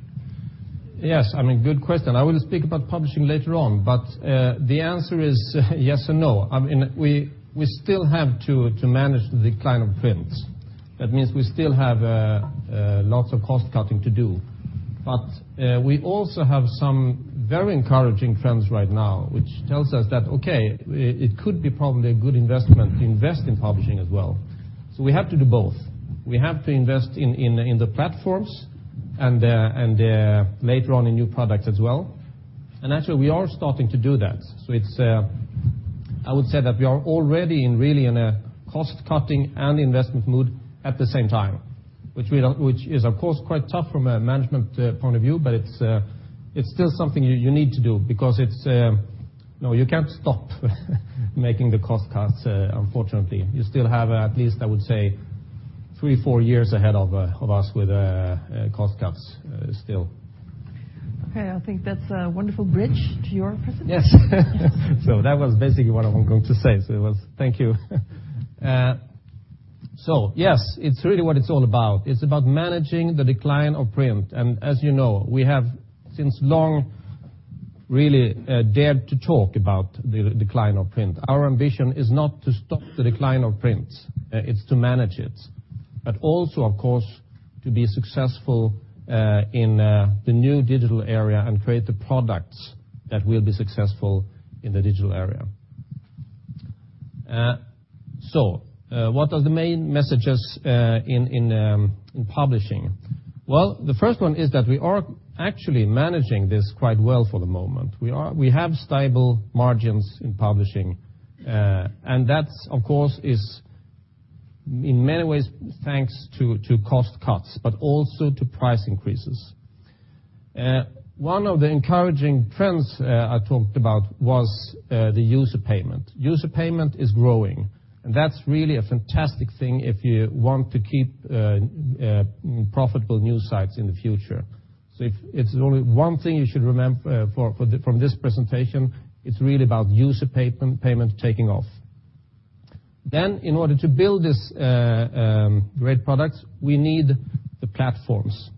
Yes, I mean, good question. I will speak about publishing later on, but, the answer is yes and no. I mean, we still have to manage the decline of prints. That means we still have lots of cost-cutting to do. We also have some very encouraging trends right now, which tells us that, okay, it could be probably a good investment, invest in publishing as well. We have to do both. We have to invest in the platforms and, later on in new products as well. Actually we are starting to do that. It's, I would say that we are already in really in a cost-cutting and investment mood at the same time, which is of course quite tough from a management point of view. It's still something you need to do because, no, you can't stop making the cost cuts, unfortunately. You still have at least, I would say three, four years ahead of us with cost cuts still. Okay, I think that's a wonderful bridge to your presentation. Yes. That was basically what I was going to say. It was, thank you. Yes, it's really what it's all about. It's about managing the decline of print. As you know, we have since long really dared to talk about the decline of print. Our ambition is not to stop the decline of print, it's to manage it. Also, of course, to be successful in the new digital area and create the products that will be successful in the digital area. What are the main messages in publishing? Well, the first one is that we are actually managing this quite well for the moment. We have stable margins in publishing. That's of course is in many ways, thanks to cost cuts, but also to price increases. One of the encouraging trends I talked about was the user payment. User payment is growing, and that's really a fantastic thing if you want to keep profitable news sites in the future. If it's only one thing you should remember from this presentation, it's really about user payment taking off. In order to build this great products, we need the platforms.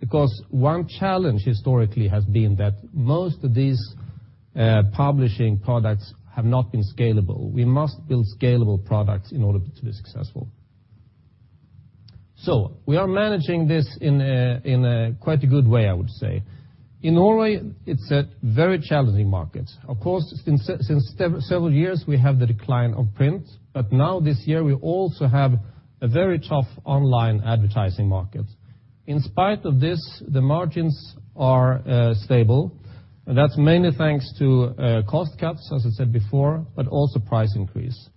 Because one challenge historically has been that most of these publishing products have not been scalable. We must build scalable products in order to be successful. We are managing this in a, in a quite a good way, I would say. In Norway, it's a very challenging market. Of course, since several years, we have the decline of print. Now this year, we also have a very tough online advertising market. In spite of this, the margins are stable. That's mainly thanks to cost cuts, as I said before, but also price increase.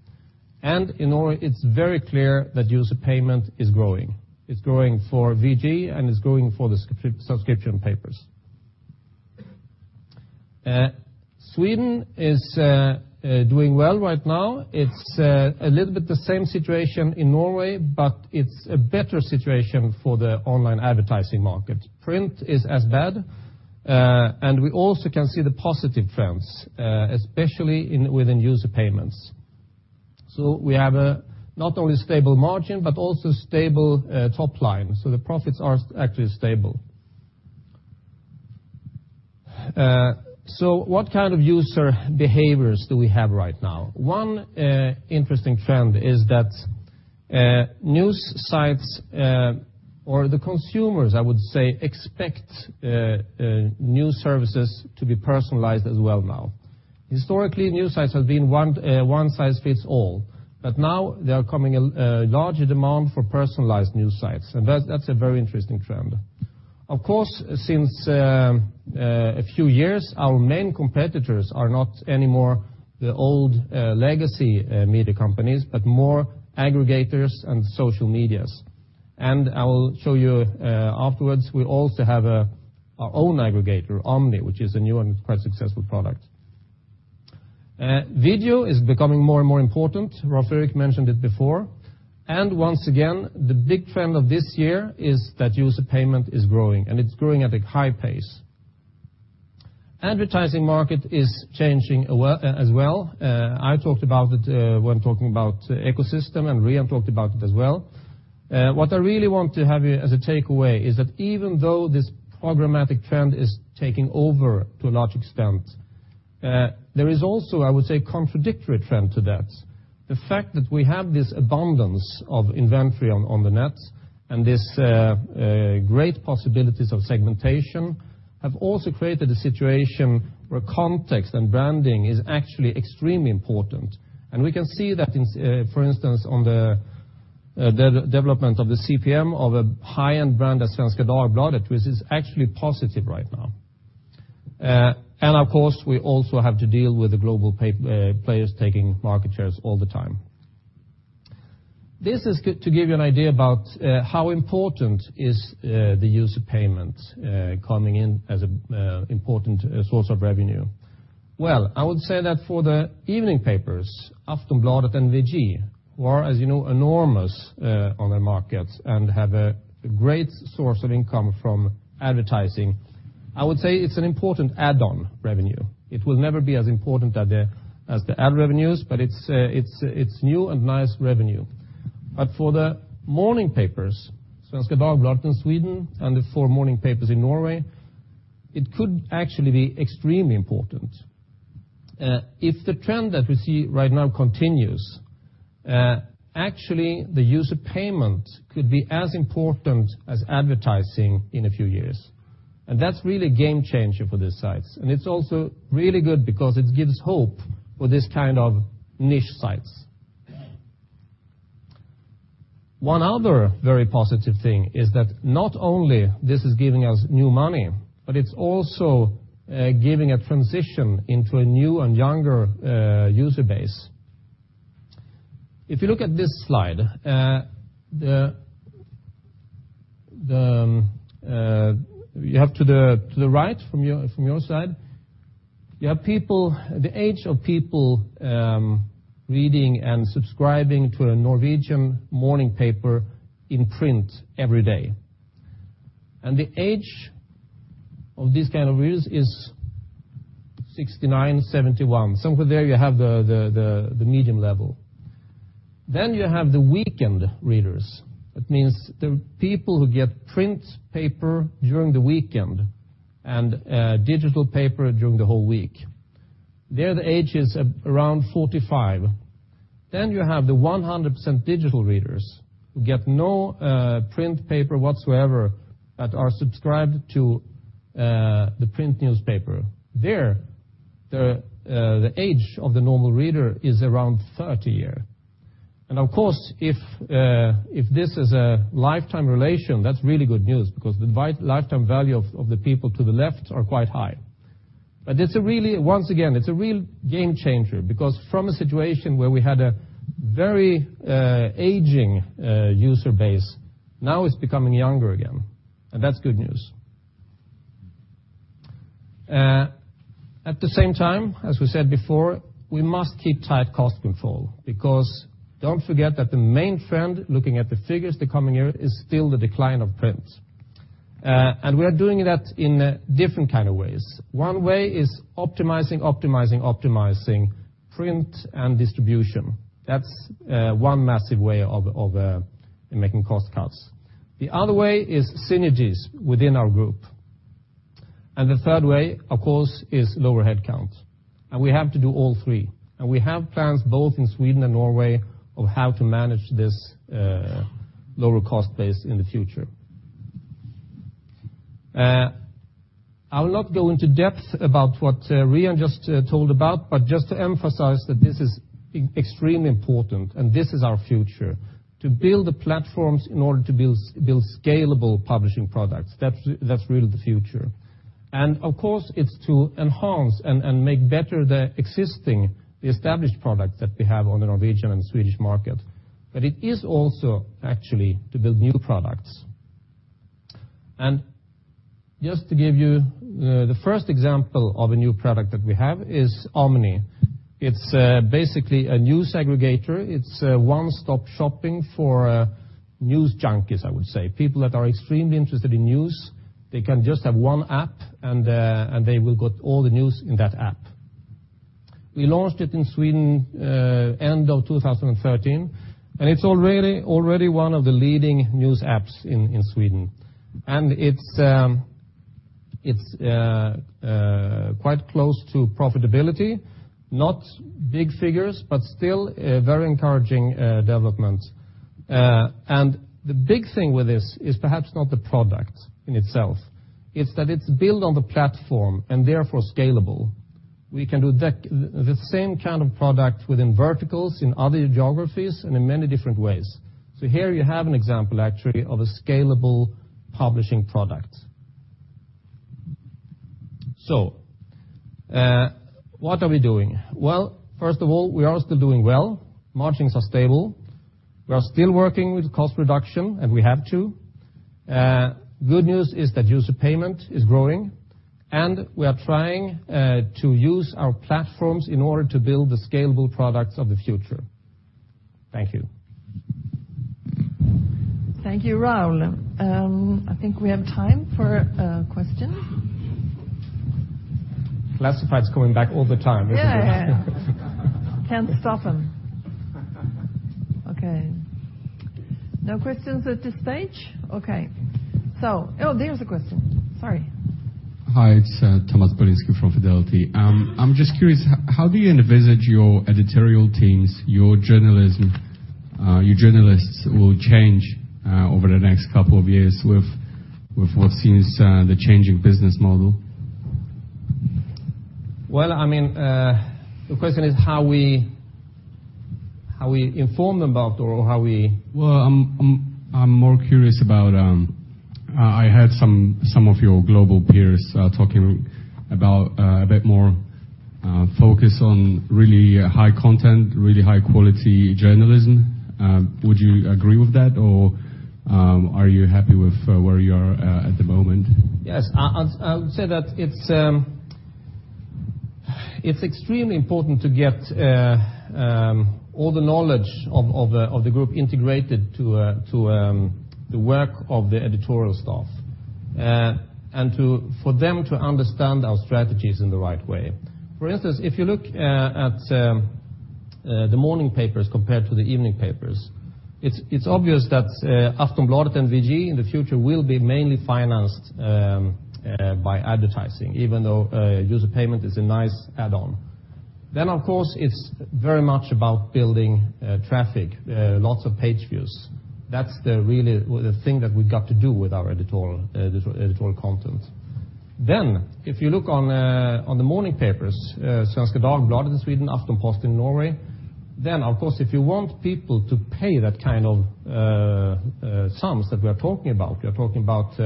In Norway, it's very clear that user payment is growing. It's growing for VG, and it's growing for the subscription papers. Sweden is doing well right now. It's a little bit the same situation in Norway, but it's a better situation for the online advertising market. Print is as bad, and we also can see the positive trends, especially within user payments. We have a not only stable margin, but also stable top line. The profits are actually stable. So what kind of user behaviors do we have right now? One interesting trend is that news sites, or the consumers, I would say, expect new services to be personalized as well now. Historically, news sites have been one size fits all, but now there are coming a larger demand for personalized news sites, that's a very interesting trend. Of course, since a few years, our main competitors are not anymore the old, legacy, media companies, but more aggregators and social medias. I will show you afterwards, we also have our own aggregator, Omni, which is a new and quite successful product. Video is becoming more and more important. Rolf Erik mentioned it before. Once again, the big trend of this year is that user payment is growing, and it's growing at a high pace. Advertising market is changing as well. I talked about it when talking about ecosystem, and Rian talked about it as well. What I really want to have you as a takeaway is that even though this programmatic trend is taking over to a large extent, there is also, I would say, contradictory trend to that. The fact that we have this abundance of inventory on the net and this great possibilities of segmentation have also created a situation where context and branding is actually extremely important. We can see that for instance, on the development of the CPM of a high-end brand as Svenska Dagbladet, which is actually positive right now. Of course, we also have to deal with the global players taking market shares all the time. This is to give you an idea about how important is the user payment coming in as important source of revenue. Well, I would say that for the evening papers, Aftonbladet and VG, who are, as you know, enormous on their markets and have a great source of income from advertisingI would say it's an important add-on revenue. It will never be as important as the, as the ad revenues, but it's, it's new and nice revenue. For the morning papers, Svenska Dagbladet in Sweden and the four morning papers in Norway, it could actually be extremely important. If the trend that we see right now continues, actually, the user payment could be as important as advertising in a few years. That's really game-changer for these sites. It's also really good because it gives hope for this kind of niche sites. One other very positive thing is that not only this is giving us new money, but it's also giving a transition into a new and younger user base. If you look at this slide, you have to the right from your side, you have people, the age of people, reading and subscribing to a Norwegian morning paper in print every day. The age of this kind of readers is 69, 71. Somewhere there you have the medium level. You have the weekend readers. That means the people who get print paper during the weekend and digital paper during the whole week. There, the age is around 45. You have the 100% digital readers who get no print paper whatsoever but are subscribed to the print newspaper. There, the age of the normal reader is around 30 year. Of course, if this is a lifetime relation, that's really good news because the lifetime value of the people to the left are quite high. It's a really, once again, it's a real game-changer because from a situation where we had a very aging user base, now it's becoming younger again, and that's good news. At the same time, as we said before, we must keep tight cost control because don't forget that the main trend, looking at the figures the coming year, is still the decline of print. We are doing that in different kind of ways. One way is optimizing, optimizing print and distribution. That's one massive way of making cost cuts. The other way is synergies within our group. The third way, of course, is lower headcounts. We have to do all three. We have plans both in Sweden and Norway of how to manage this lower cost base in the future. I will not go into depth about what Rian just told about, but just to emphasize that this is extremely important, and this is our future, to build the platforms in order to build scalable publishing products. That's really the future. Of course, it's to enhance and make better the existing, the established products that we have on the Norwegian and Swedish market. It is also actually to build new products. Just to give you the first example of a new product that we have is Omni. It's basically a news aggregator. It's a one-stop shopping for news junkies, I would say. People that are extremely interested in news, they can just have one app, and they will get all the news in that app. We launched it in Sweden end of 2013, and it's already one of the leading news apps in Sweden. It's, it's quite close to profitability. Not big figures, but still a very encouraging development. The big thing with this is perhaps not the product in itself, it's that it's built on the platform and therefore scalable. We can do the same kind of product within verticals in other geographies and in many different ways. Here you have an example actually of a scalable publishing product. What are we doing? Well, first of all, we are still doing well. Margins are stable. We are still working with cost reduction, and we have to. Good news is that user payment is growing, and we are trying to use our platforms in order to build the scalable products of the future. Thank you. Thank you, Raul. I think we have time for questions. Classified's coming back all the time, isn't it? Yeah. Can't stop them. Okay. No questions at this stage? Okay. Oh, there's a question. Sorry. Hi, it's Thomas Bolinski from Fidelity. I'm just curious, how do you envisage your editorial teams, your journalism, your journalists will change over the next couple of years with what seems, the changing business model? Well, I mean, the question is how we, how we inform about or how we. I'm more curious about I heard some of your global peers talking about a bit more focus on really high content, really high-quality journalism. Would you agree with that, or are you happy with where you are at the moment? Yes. I would say that it's extremely important to get all the knowledge of the group integrated to, the work of the editorial staff. For them to understand our strategies in the right way. For instance, if you look at the morning papers compared to the evening papers, it's obvious that Aftonbladet and VG in the future will be mainly financed by advertising, even though user payment is a nice add-on. Of course, it's very much about building traffic, lots of page views. That's really the thing that we've got to do with our editorial content. If you look on the morning papers, Svenska Dagbladet in Sweden, Aftenposten in Norway, then of course, if you want people to pay that kind of sums that we are talking about, we are talking about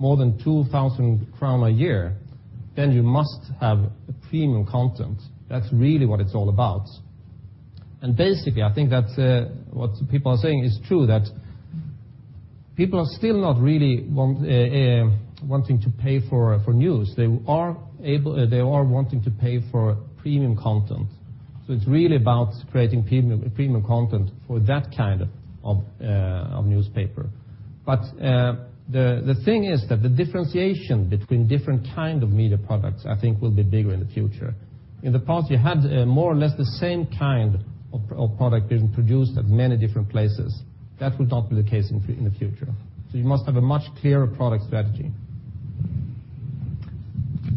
more than 2,000 crown a year, then you must have premium content. That's really what it's all about. Basically, I think that's what people are saying is true, that people are still not really wanting to pay for news. They are wanting to pay for premium content. It's really about creating premium content for that kind of newspaper. The thing is that the differentiation between different kind of media products, I think will be bigger in the future. In the past, you had, more or less the same kind of product being produced at many different places. That will not be the case in the future. You must have a much clearer product strategy.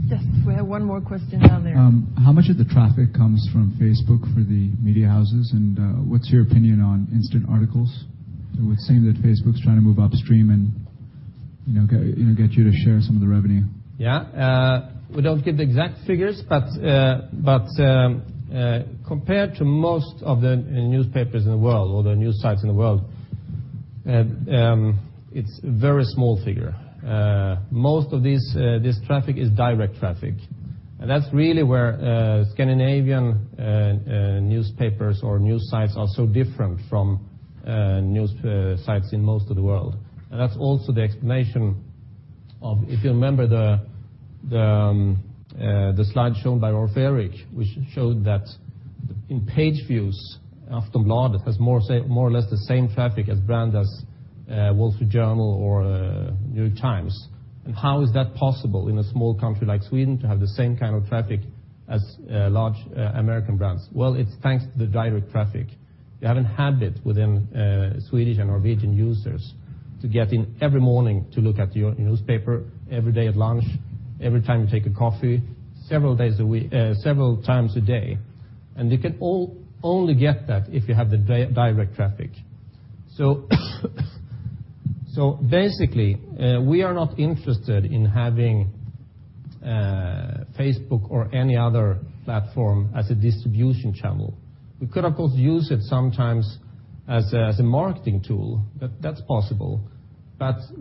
Yes, we have one more question down there. How much of the traffic comes from Facebook for the media houses? What's your opinion on instant articles? It would seem that Facebook is trying to move upstream and, you know, get you to share some of the revenue. Yeah. We don't get the exact figures. Compared to most of the newspapers in the world or the news sites in the world, it's a very small figure. Most of these this traffic is direct traffic. That's really where Scandinavian newspapers or news sites are so different from news sites in most of the world. That's also the explanation of, if you remember the slide shown by Rolf Erik, which showed that in page views, Aftonbladet has more or less the same traffic as brands as Wall Street Journal or New York Times. How is that possible in a small country like Sweden to have the same kind of traffic as large American brands? Well, it's thanks to the direct traffic. You have a habit within Swedish and Norwegian users to get in every morning to look at your newspaper, every day at lunch, every time you take a coffee, several days a week, several times a day. You can only get that if you have the direct traffic. Basically, we are not interested in having Facebook or any other platform as a distribution channel. We could of course use it sometimes as a marketing tool. That's possible.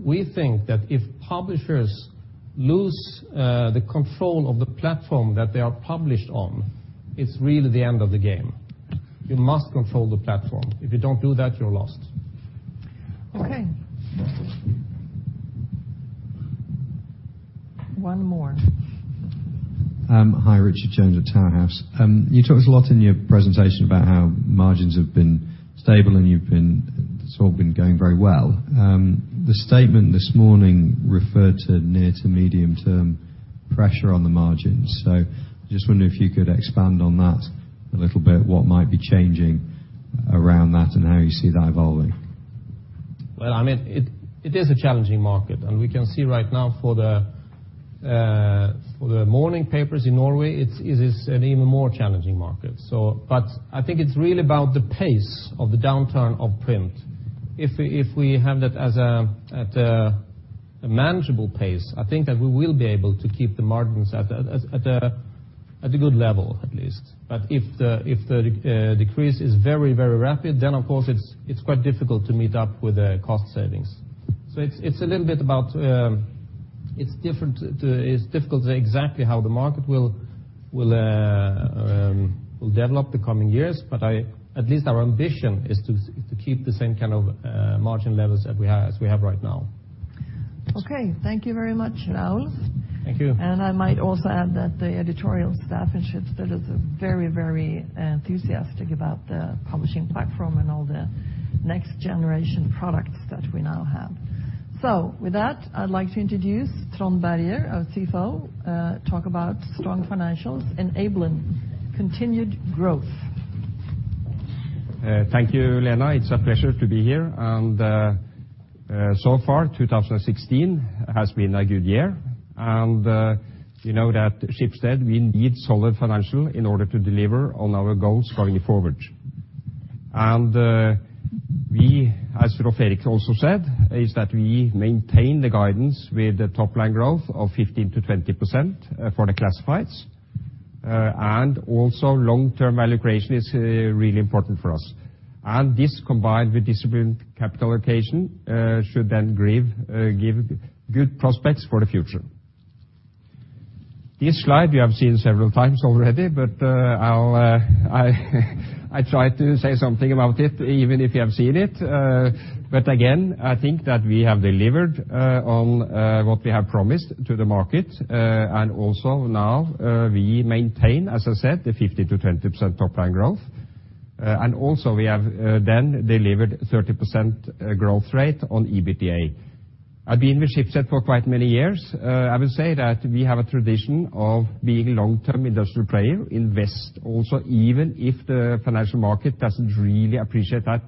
We think that if publishers lose the control of the platform that they are published on, it's really the end of the game. You must control the platform. If you don't do that, you're lost. Okay. One more. Hi, Richard James at Towerhouse. You talked a lot in your presentation about how margins have been stable, and it's all been going very well. The statement this morning referred to near to medium term pressure on the margins. Just wondering if you could expand on that a little bit, what might be changing around that and how you see that evolving? I mean, it is a challenging market. We can see right now for the morning papers in Norway, it is an even more challenging market. I think it's really about the pace of the downturn of print. If we have that as a manageable pace, I think that we will be able to keep the margins at a good level, at least. If the decrease is very, very rapid, of course it's quite difficult to meet up with the cost savings. It's a little bit about, it's difficult to say exactly how the market will develop the coming years. I, at least our ambition is to keep the same kind of margin levels that we have right now. Okay. Thank you very much, Raul. Thank you. I might also add that the editorial staff in Schibsted is very enthusiastic about the publishing platform and all the next generation products that we now have. With that, I'd like to introduce Trond Berger, our CFO, talk about strong financials enabling continued growth. Thank you, Lena. It's a pleasure to be here. So far, 2016 has been a good year. You know that Schibsted, we need solid financial in order to deliver on our goals going forward. We, as Rolf Erik also said, is that we maintain the guidance with the top-line growth of 15%-20% for the classifieds. Also long-term allocation is really important for us. This combined with disciplined capital allocation should then give good prospects for the future. This slide you have seen several times already, I'll try to say something about it even if you have seen it. Again, I think that we have delivered on what we have promised to the market. Now, we maintain, as I said, the 15%-20% top-line growth. We have delivered 30% growth rate on EBITDA. I've been with Schibsted for quite many years. I would say that we have a tradition of being long-term industrial player, invest also even if the financial market doesn't really appreciate that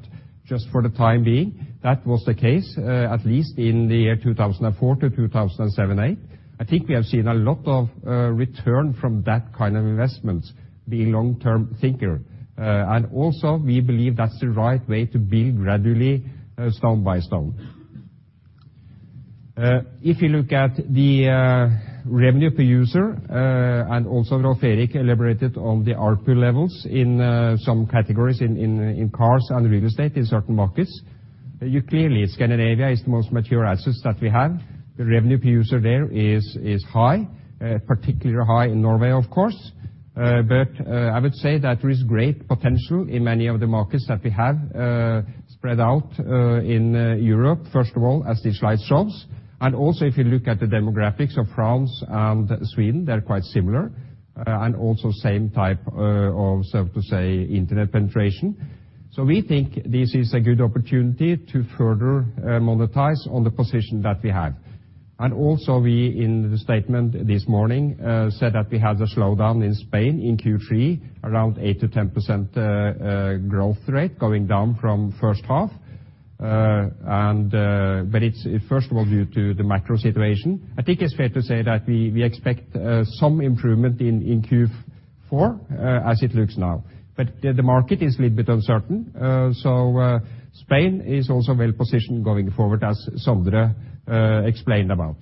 just for the time being. That was the case, at least in the year 2004-2008. I think we have seen a lot of return from that kind of investments, being long-term thinker. We believe that's the right way to build gradually, stone by stone. If you look at the revenue per user, Rolv Erik elaborated on the ARPU levels in some categories in cars and real estate in certain markets. You clearly, Scandinavia is the most mature assets that we have. The revenue per user there is high, particularly high in Norway, of course. I would say that there is great potential in many of the markets that we have, spread out in Europe, first of all, as the slide shows. If you look at the demographics of France and Sweden, they're quite similar, and also same type of so to say, internet penetration. We think this is a good opportunity to further monetize on the position that we have. We, in the statement this morning, said that we had a slowdown in Spain in Q3, around 8%-10% growth rate going down from first half. It's first of all due to the macro situation. I think it's fair to say that we expect some improvement in Q4 as it looks now. The market is a little bit uncertain. Spain is also well positioned going forward, as Sondre explained about.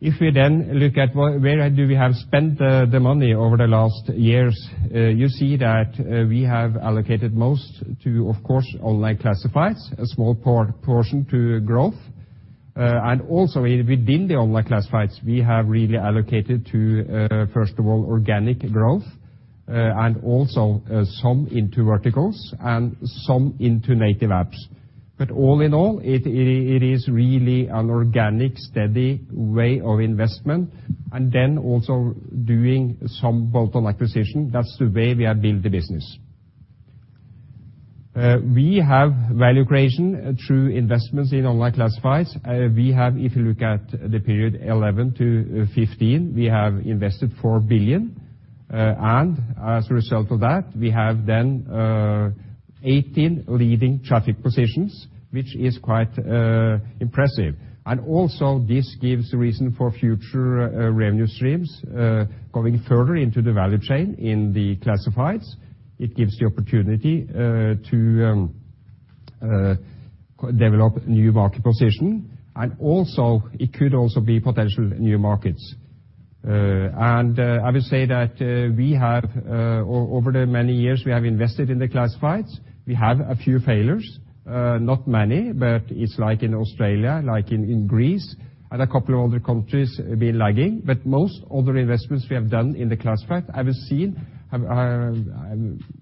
If we look at where do we have spent the money over the last years, you see that we have allocated most to, of course, online classifieds, a small portion to growth. Also within the online classifieds, we have really allocated to first of all, organic growth, and also some into verticals and some into native apps. All in all, it is really an organic, steady way of investment, also doing some bolt-on acquisition. That's the way we have built the business. We have value creation through investments in online classifieds. We have, if you look at the period 2011-2015, we have invested 4 billion. As a result of that, we have then 18 leading traffic positions, which is quite impressive. Also this gives reason for future revenue streams, going further into the value chain in the classifieds. It gives the opportunity to develop new market position, it could also be potential new markets. I would say that we have over the many years we have invested in the classifieds, we have a few failures, not many, but it's like in Australia, like in Greece, and a couple of other countries have been lagging. Most other investments we have done in the classified I have seen have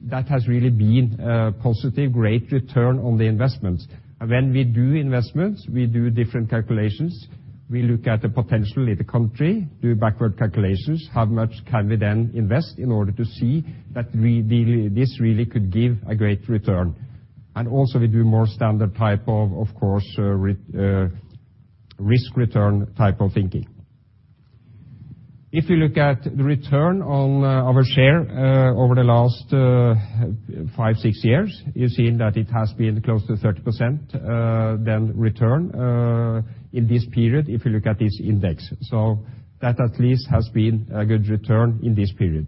that has really been a positive, great return on the investments. When we do investments, we do different calculations. We look at the potential in the country, do backward calculations, how much can we then invest in order to see that we really, this really could give a great return. Also we do more standard type of course, risk return type of thinking. If you look at the return on our share, over the last 5, 6 years, you've seen that it has been close to 30%, then return in this period, if you look at this index. That at least has been a good return in this period.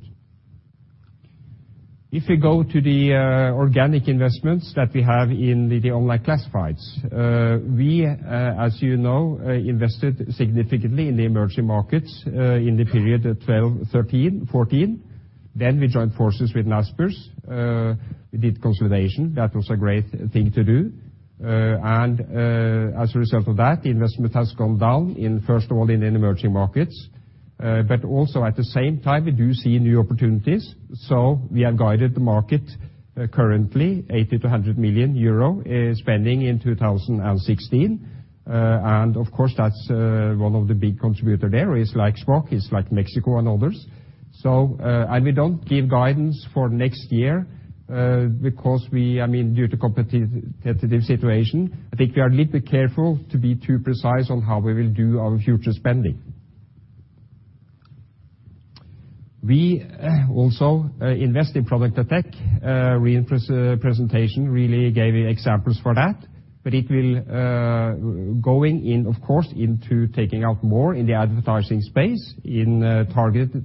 If you go to the organic investments that we have in the online classifieds, we, as you know, invested significantly in the emerging markets in the period 12, 13, 14. We joined forces with Naspers, we did consolidation. That was a great thing to do. As a result of that, investment has gone down in, first of all, in emerging markets. Also at the same time, we do see new opportunities. We have guided the market currently 80 million-100 million euro spending in 2016. Of course that's one of the big contributor there is like Shpock, is like Mexico and others. We don't give guidance for next year because we, I mean, due to competitive situation, I think we are a little bit careful to be too precise on how we will do our future spending. We also invest in product and tech. Rian's presentation really gave examples for that, but it will going in, of course, into taking out more in the advertising space, in targeted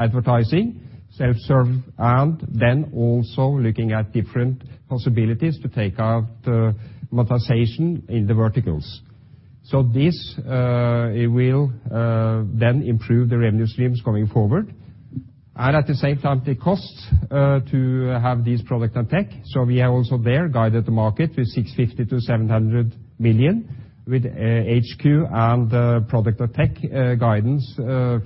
advertising, self-serve, and then also looking at different possibilities to take out monetization in the verticals. This will then improve the revenue streams going forward. At the same time, the costs to have these product and tech. We have also there guided the market with 650 million-700 million with HQ and product and tech guidance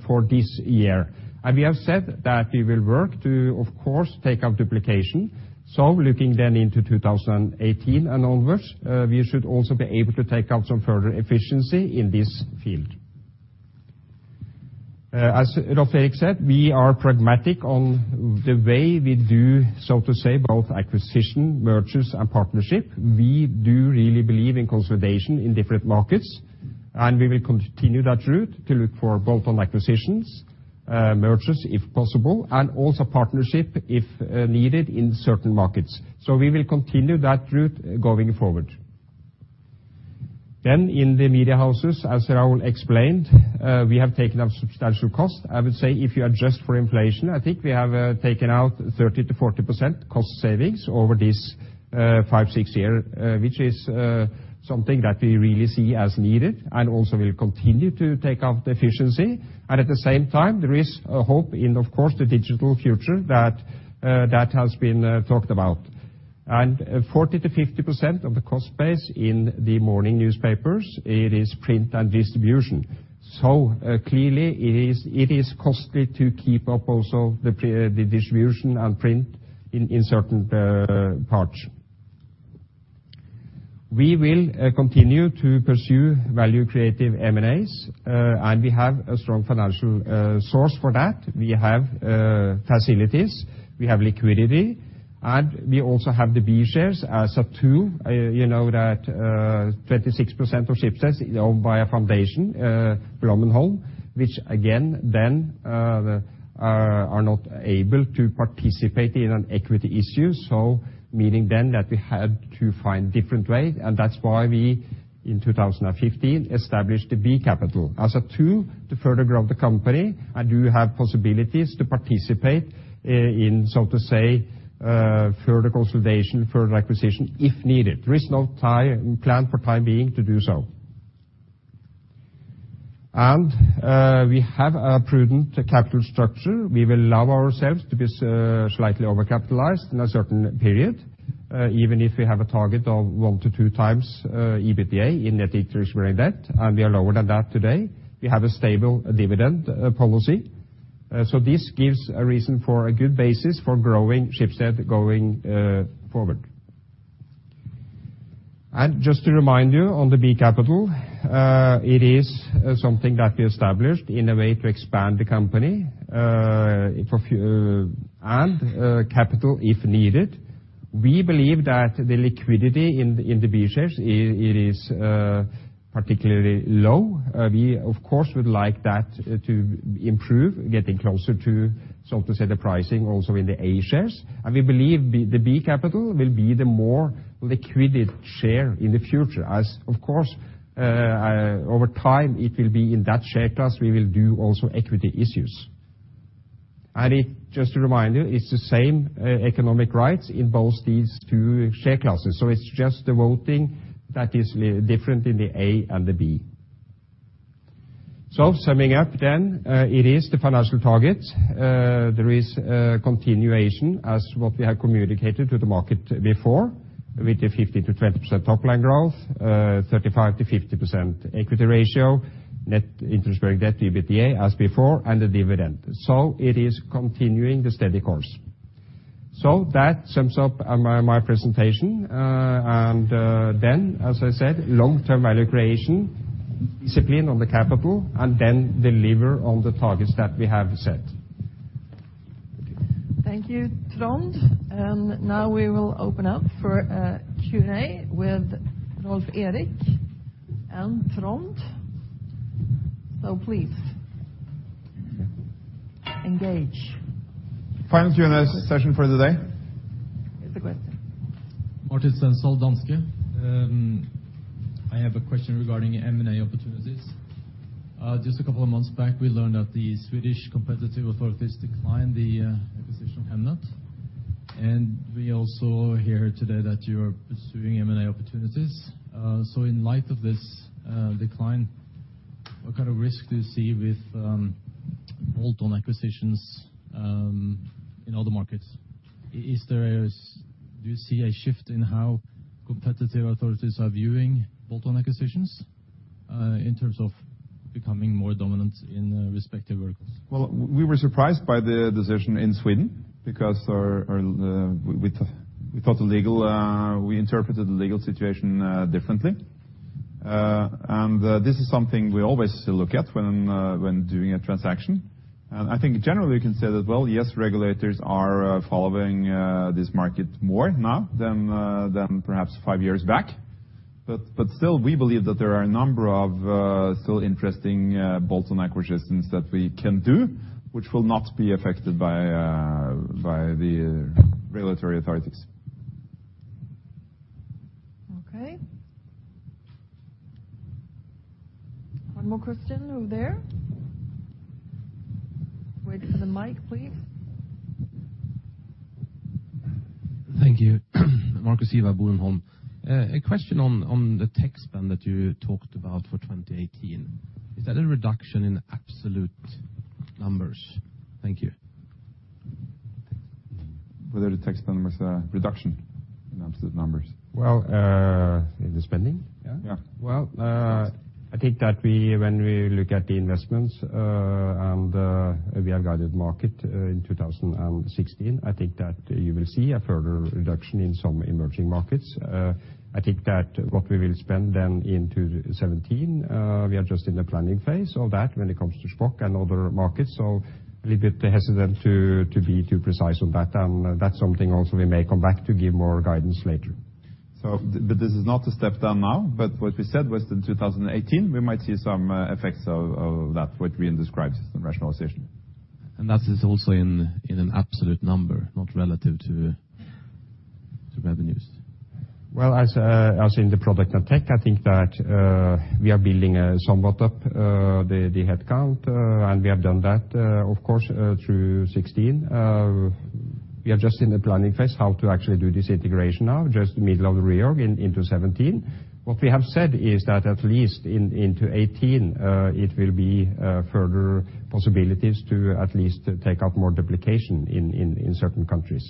for this year. We have said that we will work to, of course, take out duplication. Looking then into 2018 and onwards, we should also be able to take out some further efficiency in this field. As Rolv Erik said, we are pragmatic on the way we do, so to say, both acquisition, mergers and partnership. We do really believe in consolidation in different markets, and we will continue that route to look for bolt-on acquisitions, mergers if possible, and also partnership if needed in certain markets. We will continue that route going forward. In the media houses, as Raul explained, we have taken out substantial cost. I would say if you adjust for inflation, I think we have taken out 30%-40% cost savings over this 5-6 year, which is something that we really see as needed and also will continue to take out the efficiency. At the same time, there is a hope in, of course, the digital future that has been talked about. 40%-50% of the cost base in the morning newspapers, it is print and distribution. Clearly it is, it is costly to keep up also the distribution and print in certain parts. We will continue to pursue value-creative M&As, and we have a strong financial source for that. We have facilities, we have liquidity, and we also have the B shares as a tool. You know that 26% of Schibsted is owned by a foundation, Blommenholm Industrier, which again then are not able to participate in an equity issue. Meaning then that we had to find different way, and that's why we, in 2015, established the B capital as a tool to further grow the company and do have possibilities to participate in, so to say, further consolidation, further acquisition if needed. There is no time plan for time being to do so. We have a prudent capital structure. We will allow ourselves to be slightly overcapitalized in a certain period, even if we have a target of 1-2 times EBITDA in net interest-bearing debt, and we are lower than that today. We have a stable dividend policy. This gives a reason for a good basis for growing Schibsted going forward. Just to remind you on the B capital, it is something that we established in a way to expand the company for and capital if needed. We believe that the liquidity in the B shares it is particularly low. We of course, would like that to improve, getting closer to, so to say, the pricing also in the A shares. We believe the B capital will be the more liquided share in the future. As of course, over time it will be in that share class we will do also equity issues. It, just to remind you, it's the same, economic rights in both these two share classes, so it's just the voting that is different in the A and the B. Summing up then, it is the financial target. There is a continuation as what we have communicated to the market before with the 50%-20% top line growth, 35%-50% equity ratio, net interest-bearing debt to EBITDA as before, and the dividend. It is continuing the steady course. That sums up, my presentation. Then, as I said, long-term value creation, discipline on the capital, and then deliver on the targets that we have set. Thank you, Trond. Now we will open up for a Q&A with Rolf Erik and Trond. Please engage. Final Q&A session for the day. Here's the question. Martin Stenseth Danske. I have a question regarding M&A opportunities. Just a couple of months back, we learned that the Swedish competitive authorities declined the acquisition of Hemnet. We also hear today that you are pursuing M&A opportunities. So in light of this decline, what kind of risk do you see with bolt-on acquisitions in other markets? Do you see a shift in how competitive authorities are viewing bolt-on acquisitions in terms of becoming more dominant in respective markets? Well, we were surprised by the decision in Sweden because we interpreted the legal situation differently. This is something we always look at when doing a transaction. I think generally we can say that, well, yes, regulators are following this market more now than perhaps five years back. Still, we believe that there are a number of still interesting bolt-on acquisitions that we can do, which will not be affected by the regulatory authorities. One more question over there. Wait for the mic, please. Thank you. Marcus Ivar, Boholm. A question on the tech spend that you talked about for 2018. Is that a reduction in absolute numbers? Thank you. Whether the tax ban was a reduction? Absolute numbers. Well, in the spending? Yeah. I think that we when we look at the investments, and we have guided market in 2016, I think that you will see a further reduction in some emerging markets. I think that what we will spend then in 2017, we are just in the planning phase of that when it comes to Shpock and other markets. A little bit hesitant to be too precise on that. That's something also we may come back to give more guidance later. This is not a step down now, but what we said was in 2018, we might see some effects of that, what we have described as the rationalization. That is also in an absolute number, not relative to revenues. Well, as in the product and tech, I think that we are building somewhat up the headcount. We have done that, of course, through 2016. We are just in the planning phase how to actually do this integration now, just middle of the reorg into 2017. What we have said is that at least into 2018, it will be further possibilities to at least take out more duplication in certain countries.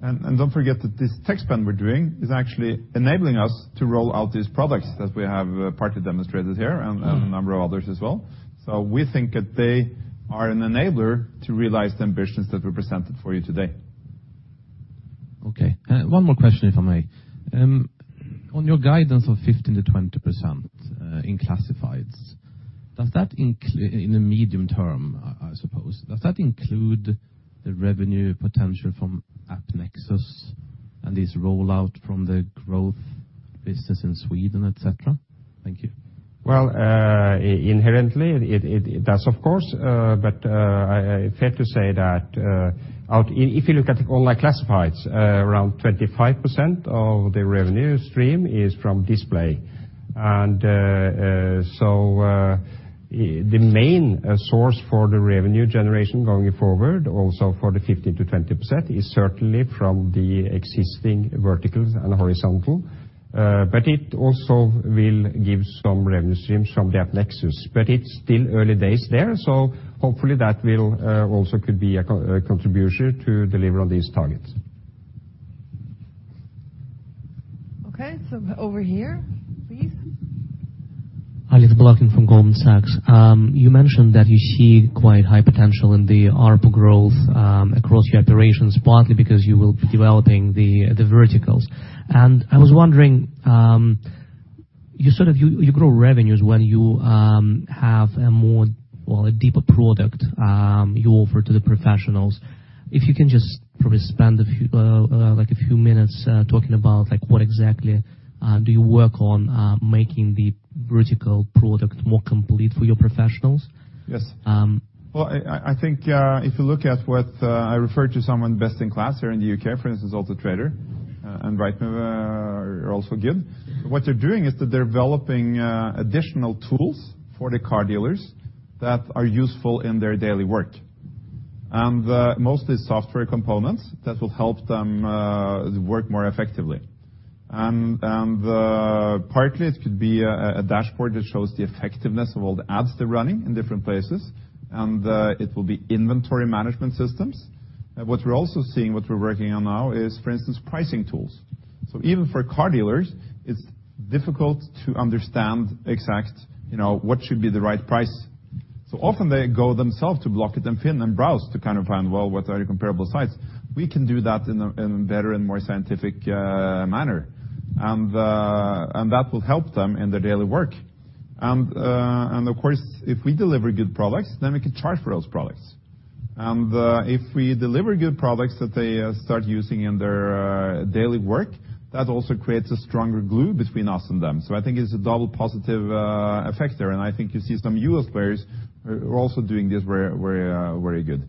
Don't forget that this tech spend we're doing is actually enabling us to roll out these products as we have partly demonstrated here. Mm. A number of others as well. We think that they are an enabler to realize the ambitions that we presented for you today. Okay. One more question, if I may. On your guidance of 15% to 20% in classifieds, does that include in the medium term, I suppose? Does that include the revenue potential from AppNexus and this rollout from the growth business in Sweden, et cetera? Thank you. Well, inherently it does, of course. Fair to say that, if you look at online classifieds, around 25% of the revenue stream is from display. The main source for the revenue generation going forward, also for the 15%-20%, is certainly from the existing verticals and horizontal. It also will give some revenue streams from the AppNexus. It's still early days there, so hopefully that will also could be a contribution to deliver on these targets. Okay, over here, please. Ali Al-Abedi from Goldman Sachs. You mentioned that you see quite high potential in the ARPU growth across your operations, partly because you will be developing the verticals. I was wondering, you sort of, you grow revenues when you have a more, well, a deeper product you offer to the professionals. If you can just probably spend a few like a few minutes talking about, like, what exactly do you work on making the vertical product more complete for your professionals? Yes. Um. Well, I think if you look at what I referred to some of the best in class here in the UK, for instance, Autotrader and Rightmove are also good. What they're doing is that they're developing additional tools for the car dealers that are useful in their daily work. Mostly software components that will help them work more effectively. Partly it could be a dashboard that shows the effectiveness of all the ads they're running in different places. It will be inventory management systems. What we're also seeing, what we're working on now is, for instance, pricing tools. Even for car dealers, it's difficult to understand exact, you know, what should be the right price. Often they go themselves to Blocket and FINN.no and browse to find, well, what are your comparable sites. We can do that in a better and more scientific manner. That will help them in their daily work. Of course, if we deliver good products, then we can charge for those products. If we deliver good products that they start using in their daily work, that also creates a stronger glue between us and them. I think it's a double positive effect there. I think you see some US players are also doing this very, very, very good.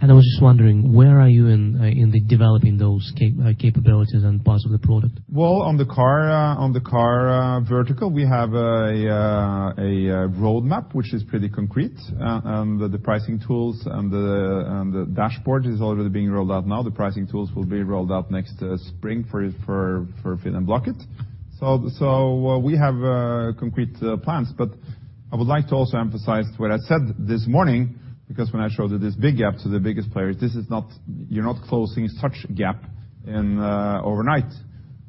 I was just wondering, where are you in the developing those capabilities and parts of the product? Well, on the car vertical, we have a roadmap which is pretty concrete, and the pricing tools and the dashboard is already being rolled out now. The pricing tools will be rolled out next spring for FINN.no and Blocket. We have concrete plans. I would like to also emphasize what I said this morning, because when I showed you this big gap to the biggest players, this is not, you're not closing such gap in overnight.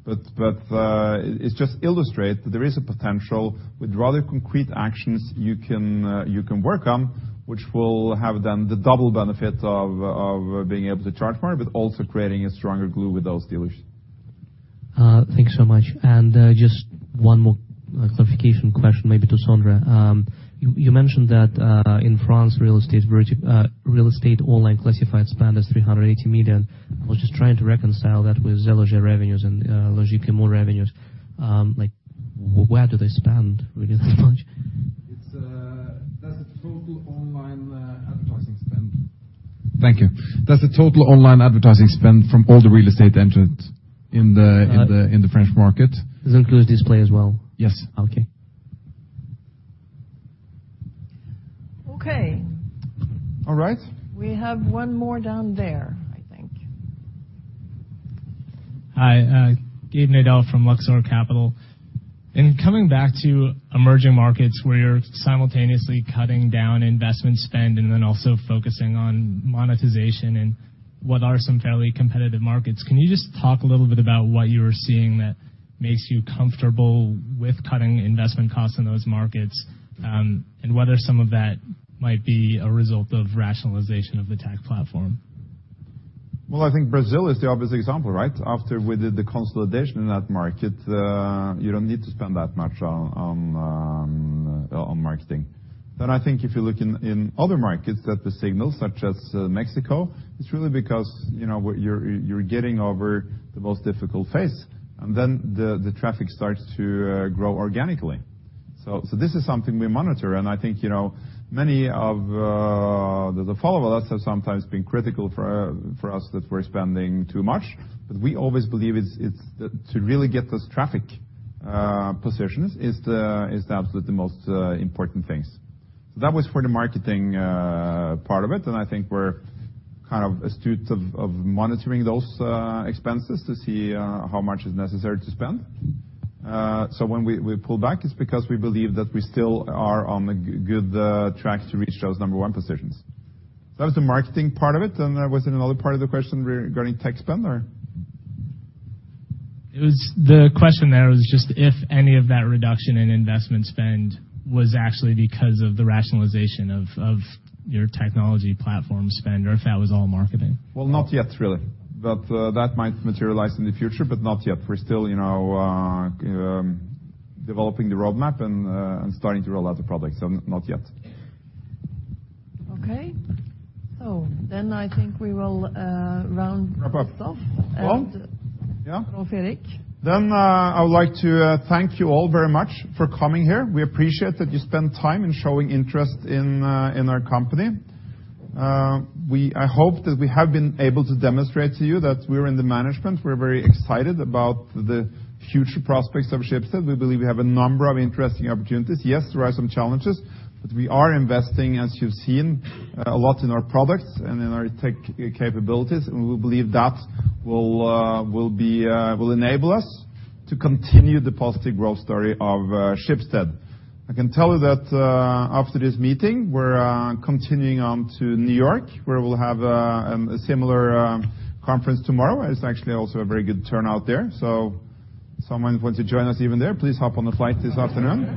It just illustrate that there is a potential with rather concrete actions you can work on, which will have then the double benefit of being able to charge more, but also creating a stronger glue with those dealers. Thanks so much. Just one more clarification question maybe to Sondre. You mentioned that in France, real estate online classified spend is 380 million. I was just trying to reconcile that with SeLoger revenues and Logic-Immo revenues. Like, where do they spend really that much? It's that's the total online advertising spend. Thank you. That's the total online advertising spend from all the real estate entrants in the French market. Does it include display as well? Yes. Okay. Okay. All right. We have one more down there, I think. Hi, Gabe Nabavi from Luxor Capital. Coming back to emerging markets where you're simultaneously cutting down investment spend and then also focusing on monetization and what are some fairly competitive markets, can you just talk a little bit about what you're seeing that makes you comfortable with cutting investment costs in those markets, and whether some of that might be a result of rationalization of the tech platform? I think Brazil is the obvious example, right? After we did the consolidation in that market, you don't need to spend that much on marketing. I think if you look in other markets that we signal, such as Mexico, it's really because, you know, what you're getting over the most difficult phase, and then the traffic starts to grow organically. This is something we monitor, and I think, you know, many of the followers have sometimes been critical for us that we're spending too much, but we always believe it's to really get this traffic positions is the absolute most important things. That was for the marketing part of it. I think we're kind of astute of monitoring those expenses to see how much is necessary to spend. When we pull back, it's because we believe that we still are on a good track to reach those number one positions. That was the marketing part of it. There was another part of the question regarding tech spend, or? It was the question there was just if any of that reduction in investment spend was actually because of the rationalization of your technology platform spend or if that was all marketing? Well, not yet, really. That might materialize in the future, but not yet. We're still, you know, developing the roadmap and starting to roll out the products. Not yet. Okay. I think we will. Wrap up. this off. Well. And- Yeah. Go Fredrick. I would like to thank you all very much for coming here. We appreciate that you spend time in showing interest in our company. I hope that we have been able to demonstrate to you that we're in the management. We're very excited about the future prospects of Schibsted. We believe we have a number of interesting opportunities. Yes, there are some challenges, but we are investing, as you've seen, a lot in our products and in our tech capabilities, and we believe that will enable us to continue the positive growth story of Schibsted. I can tell you that after this meeting, we're continuing on to New York, where we'll have a similar conference tomorrow. It's actually also a very good turnout there. If someone wants to join us even there, please hop on the flight this afternoon.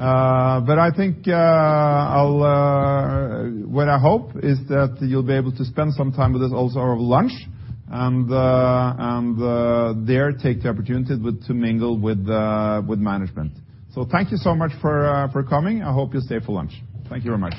I think, I'll, what I hope is that you'll be able to spend some time with us also over lunch and, there take the opportunity with to mingle with management. Thank you so much for coming. I hope you stay for lunch. Thank you very much.